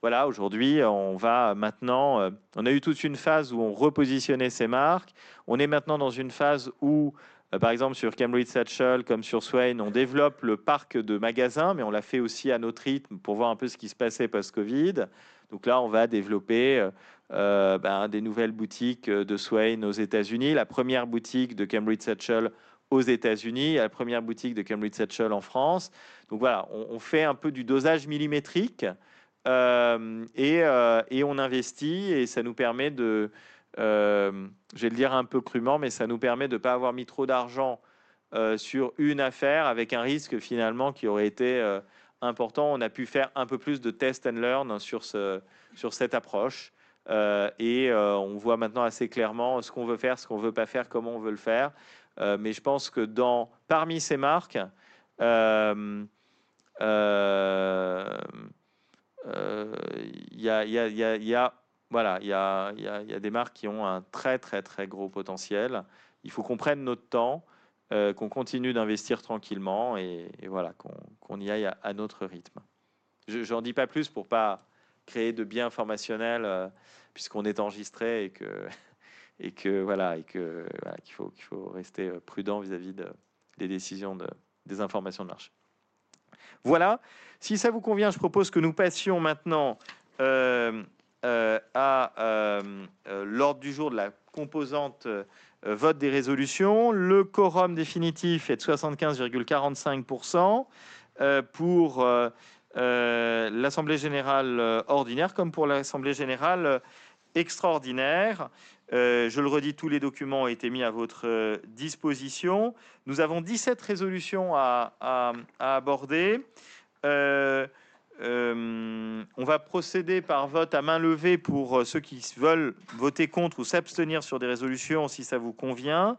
voilà, aujourd'hui, on va maintenant... On a eu toute une phase où on repositionnait ces marques. On est maintenant dans une phase où, par exemple, sur Cambridge Satchel, comme sur Swaine, on développe le parc de magasins, mais on l'a fait aussi à notre rythme pour voir un peu ce qui se passait post-Covid. Donc là, on va développer des nouvelles boutiques de Swaine aux États-Unis, la première boutique de Cambridge Satchel aux États-Unis, la première boutique de Cambridge Satchel en France. Donc voilà, on fait un peu du dosage millimétrique et on investit et ça nous permet de... Je vais le dire un peu crûment, mais ça nous permet de ne pas avoir mis trop d'argent sur une affaire avec un risque finalement qui aurait été important. On a pu faire un peu plus de test and learn sur cette approche. Et on voit maintenant assez clairement ce qu'on veut faire, ce qu'on ne veut pas faire, comment on veut le faire. Mais je pense que parmi ces marques, il y a des marques qui ont un très, très, très gros potentiel. Il faut qu'on prenne notre temps, qu'on continue d'investir tranquillement et qu'on y aille à notre rythme. Je n'en dis pas plus pour ne pas créer de biais informationnel puisqu'on est enregistré et qu'il faut rester prudent vis-à-vis des décisions des informations de marché. Voilà, si ça vous convient, je propose que nous passions maintenant à l'ordre du jour de la composante vote des résolutions. Le quorum définitif est de 75,45% pour l'assemblée générale ordinaire comme pour l'assemblée générale extraordinaire. Je le redis, tous les documents ont été mis à votre disposition. Nous avons 17 résolutions à aborder. On va procéder par vote à main levée pour ceux qui veulent voter contre ou s'abstenir sur des résolutions si ça vous convient.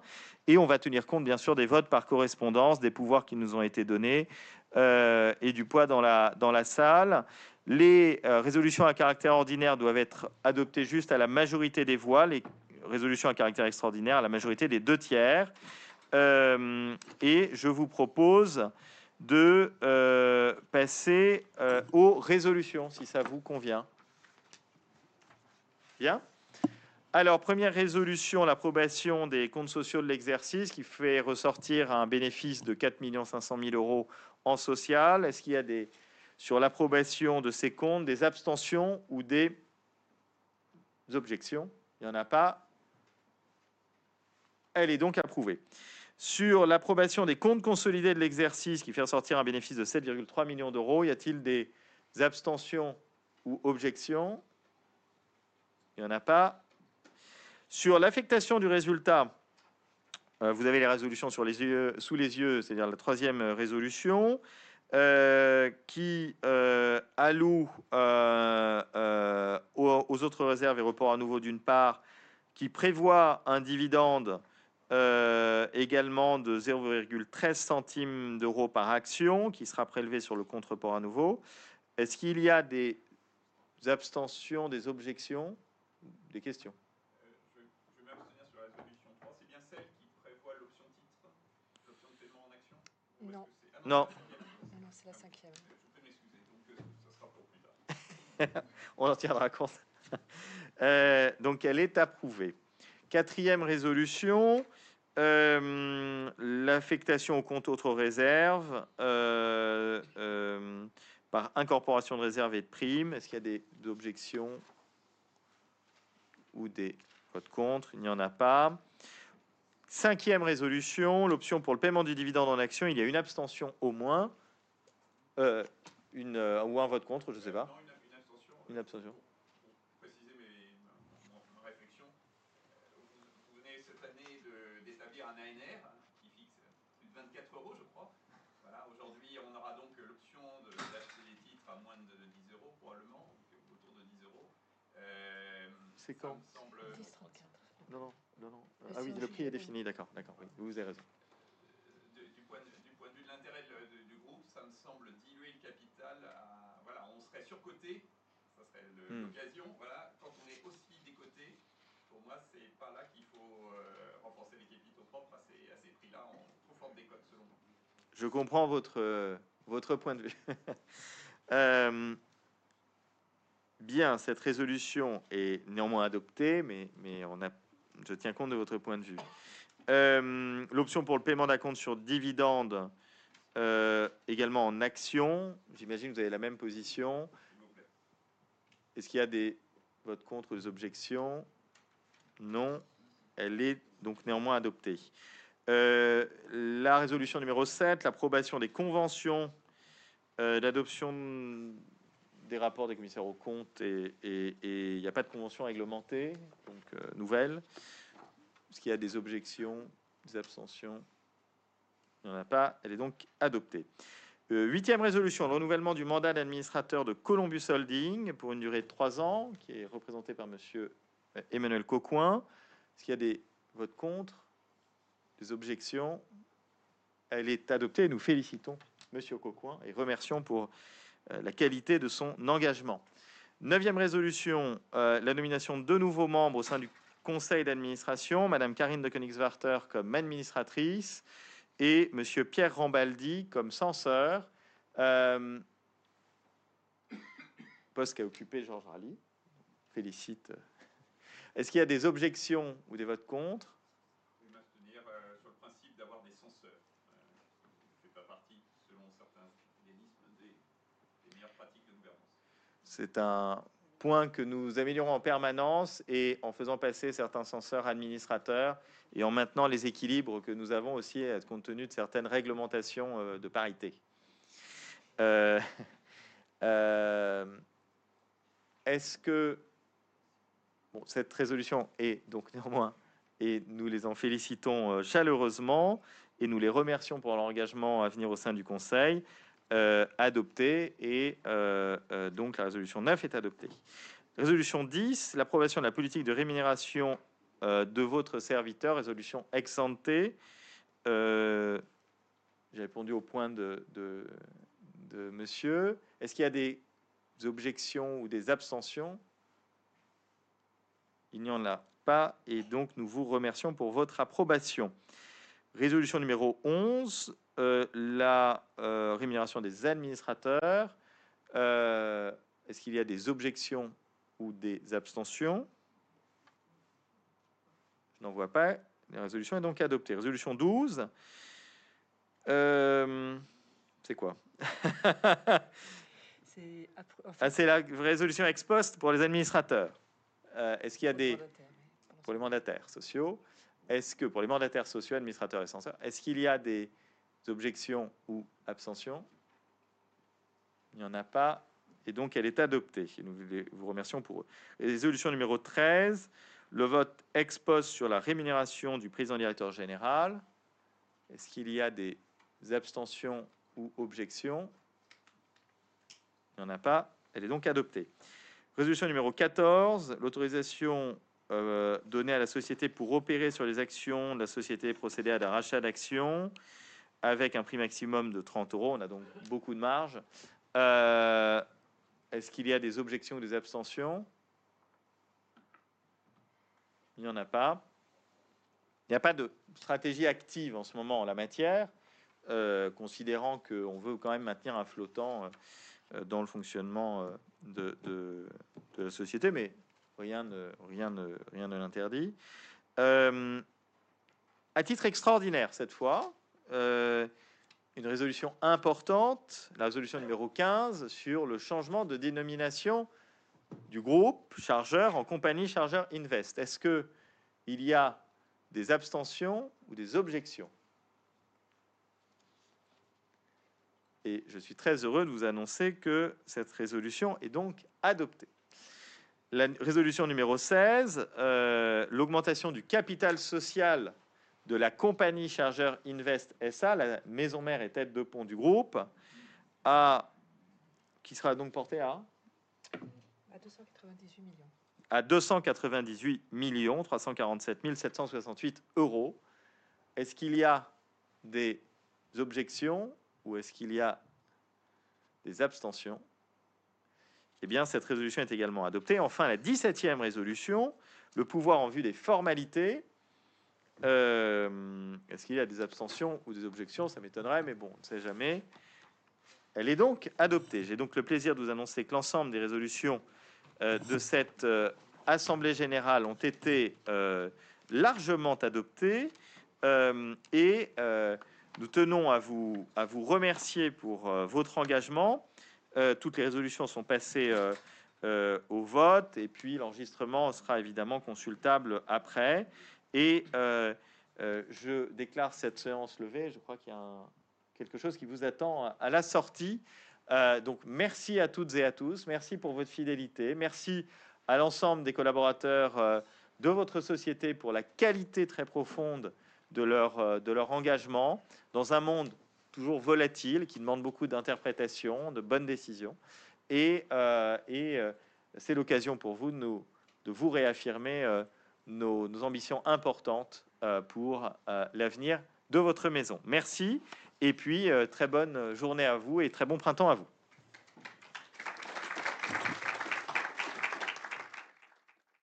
On va tenir compte, bien sûr, des votes par correspondance, des pouvoirs qui nous ont été donnés et du poids dans la salle. Les résolutions à caractère ordinaire doivent être adoptées juste à la majorité des voix, les résolutions à caractère extraordinaire à la majorité des deux tiers. Et je vous propose de passer aux résolutions si ça vous convient. Bien. Alors, première résolution, l'approbation des comptes sociaux de l'exercice qui fait ressortir un bénéfice de €4,5 millions en social. Est-ce qu'il y a des... Sur l'approbation de ces comptes, des abstentions ou des objections? Il n'y en a pas. Elle est donc approuvée. Sur l'approbation des comptes consolidés de l'exercice qui fait ressortir un bénéfice de €7,3 millions, y a-t-il des abstentions ou objections? Il n'y en a pas. Sur l'affectation du résultat, vous avez les résolutions sous les yeux, c'est-à-dire la troisième résolution qui alloue aux autres réserves et reports à nouveau d'une part, qui prévoit un dividende également de €0,13 par action qui sera prélevé sur le compte report à nouveau. Est-ce qu'il y a des abstentions, des objections? Des questions? Je vais m'abstenir sur la résolution 3. C'est bien celle qui prévoit l'option titre, l'option de paiement en action? Non, non, c'est la cinquième. Je peux m'excuser, donc ce sera pour plus tard. On en tiendra compte. Donc, elle est approuvée. Quatrième résolution, l'affectation au compte autres réserves par incorporation de réserves et de primes. Est-ce qu'il y a des objections ou des votes contre? Il n'y en a pas. Cinquième résolution, l'option pour le paiement du dividende en action, il y a une abstention au moins. Ou un vote contre, je ne sais pas. Une abstention. Une abstention. Pour préciser ma réflexion, vous venez cette année d'établir un ANR qui fixe plus de €24, je crois. Voilà, aujourd'hui, on aura donc l'option d'acheter des titres à moins de €10, probablement, autour de €10. C'est quand? €10,34. Non, non, non, non. Oui, le prix est défini. D'accord, d'accord. Oui, vous avez raison. Du point de vue de l'intérêt du groupe, ça me semble diluer le capital. Voilà, on serait surcoté, ça serait l'occasion. Voilà, quand on est aussi décoté, pour moi, ce n'est pas là qu'il faut renforcer les capitaux propres à ces prix-là. Trop forte décote, selon moi. Je comprends votre point de vue. Bien, cette résolution est néanmoins adoptée, mais on a... Je tiens compte de votre point de vue. L'option pour le paiement d'un acompte sur dividende également en actions. J'imagine que vous avez la même position. S'il vous plaît. Est-ce qu'il y a des votes contre ou des objections? Non, elle est donc néanmoins adoptée. La résolution numéro 7, l'approbation des conventions d'adoption des rapports des commissaires aux comptes. Il n'y a pas de convention réglementée, donc nouvelle. Est-ce qu'il y a des objections, des abstentions? Il n'y en a pas. Elle est donc adoptée. Huitième résolution, le renouvellement du mandat d'administrateur de Columbus Holdings pour une durée de trois ans, qui est représenté par M. Emmanuel Coquoin. Est-ce qu'il y a des votes contre? Des objections? Elle est adoptée et nous félicitons M. Cocouin et remercions pour la qualité de son engagement. Neuvième résolution, la nomination de nouveaux membres au sein du conseil d'administration, Mme Karine de Koenigswarter comme administratrice et M. Pierre Rambaldi comme censeur. Poste qu'a occupé Georges Rally. Félicitations. Est-ce qu'il y a des objections ou des votes contre ? Je vais m'abstenir sur le principe d'avoir des censeurs, ce qui ne fait pas partie, selon certains organismes, des meilleures pratiques de gouvernance. C'est un point que nous améliorons en permanence et en faisant passer certains censeurs à administrateurs et en maintenant les équilibres que nous avons aussi à compte tenu de certaines réglementations de parité. Est-ce que... Bon, cette résolution est donc néanmoins... Et nous les en félicitons chaleureusement et nous les remercions pour leur engagement à venir au sein du conseil. Adoptée. Et donc, la résolution 9 est adoptée. Résolution 10, l'approbation de la politique de rémunération de votre serviteur, résolution ex-ante. J'ai répondu au point de M. Est-ce qu'il y a des objections ou des abstentions? Il n'y en a pas. Et donc, nous vous remercions pour votre approbation. Résolution numéro 11, la rémunération des administrateurs. Est-ce qu'il y a des objections ou des abstentions? Je n'en vois pas. La résolution est donc adoptée. Résolution 12. C'est quoi? C'est la résolution ex-post pour les administrateurs. Est-ce qu'il y a des... Pour les mandataires sociaux. Est-ce que pour les mandataires sociaux, administrateurs et censeurs, est-ce qu'il y a des objections ou abstentions? Il n'y en a pas. Et donc, elle est adoptée. Et nous vous remercions pour eux. Résolution numéro 13, le vote ex-post sur la rémunération du président-directeur général. Est-ce qu'il y a des abstentions ou objections? Il n'y en a pas. Elle est donc adoptée. Résolution numéro 14, l'autorisation donnée à la société pour opérer sur les actions de la société procédée à un rachat d'actions avec un prix maximum de €30. On a donc beaucoup de marge. Est-ce qu'il y a des objections ou des abstentions? Il n'y en a pas. Il n'y a pas de stratégie active en ce moment en la matière, considérant qu'on veut quand même maintenir un flottant dans le fonctionnement de la société, mais rien ne l'interdit. À titre extraordinaire cette fois, une résolution importante, la résolution numéro 15 sur le changement de dénomination du groupe Chargeurs en Compagnie Chargeurs Invest. Est-ce qu'il y a des abstentions ou des objections? Et je suis très heureux de vous annoncer que cette résolution est donc adoptée. La résolution numéro 16, l'augmentation du capital social de la Compagnie Chargeur Invest SA, la maison mère et tête de pont du groupe, qui sera donc portée à 298 millions 347 768 €. Est-ce qu'il y a des objections ou est-ce qu'il y a des abstentions? Cette résolution est également adoptée. Enfin, la 17e résolution, le pouvoir en vue des formalités. Est-ce qu'il y a des abstentions ou des objections? Ça m'étonnerait, mais on ne sait jamais. Elle est donc adoptée. J'ai donc le plaisir de vous annoncer que l'ensemble des résolutions de cette assemblée générale ont été largement adoptées. Nous tenons à vous remercier pour votre engagement. Toutes les résolutions sont passées au vote. L'enregistrement sera évidemment consultable après. Je déclare cette séance levée. Je crois qu'il y a quelque chose qui vous attend à la sortie. Donc, merci à toutes et à tous. Merci pour votre fidélité. Merci à l'ensemble des collaborateurs de votre société pour la qualité très profonde de leur engagement dans un monde toujours volatil qui demande beaucoup d'interprétations, de bonnes décisions. C'est l'occasion pour vous de vous réaffirmer nos ambitions importantes pour l'avenir de votre maison. Merci. Très bonne journée à vous et très bon printemps à vous.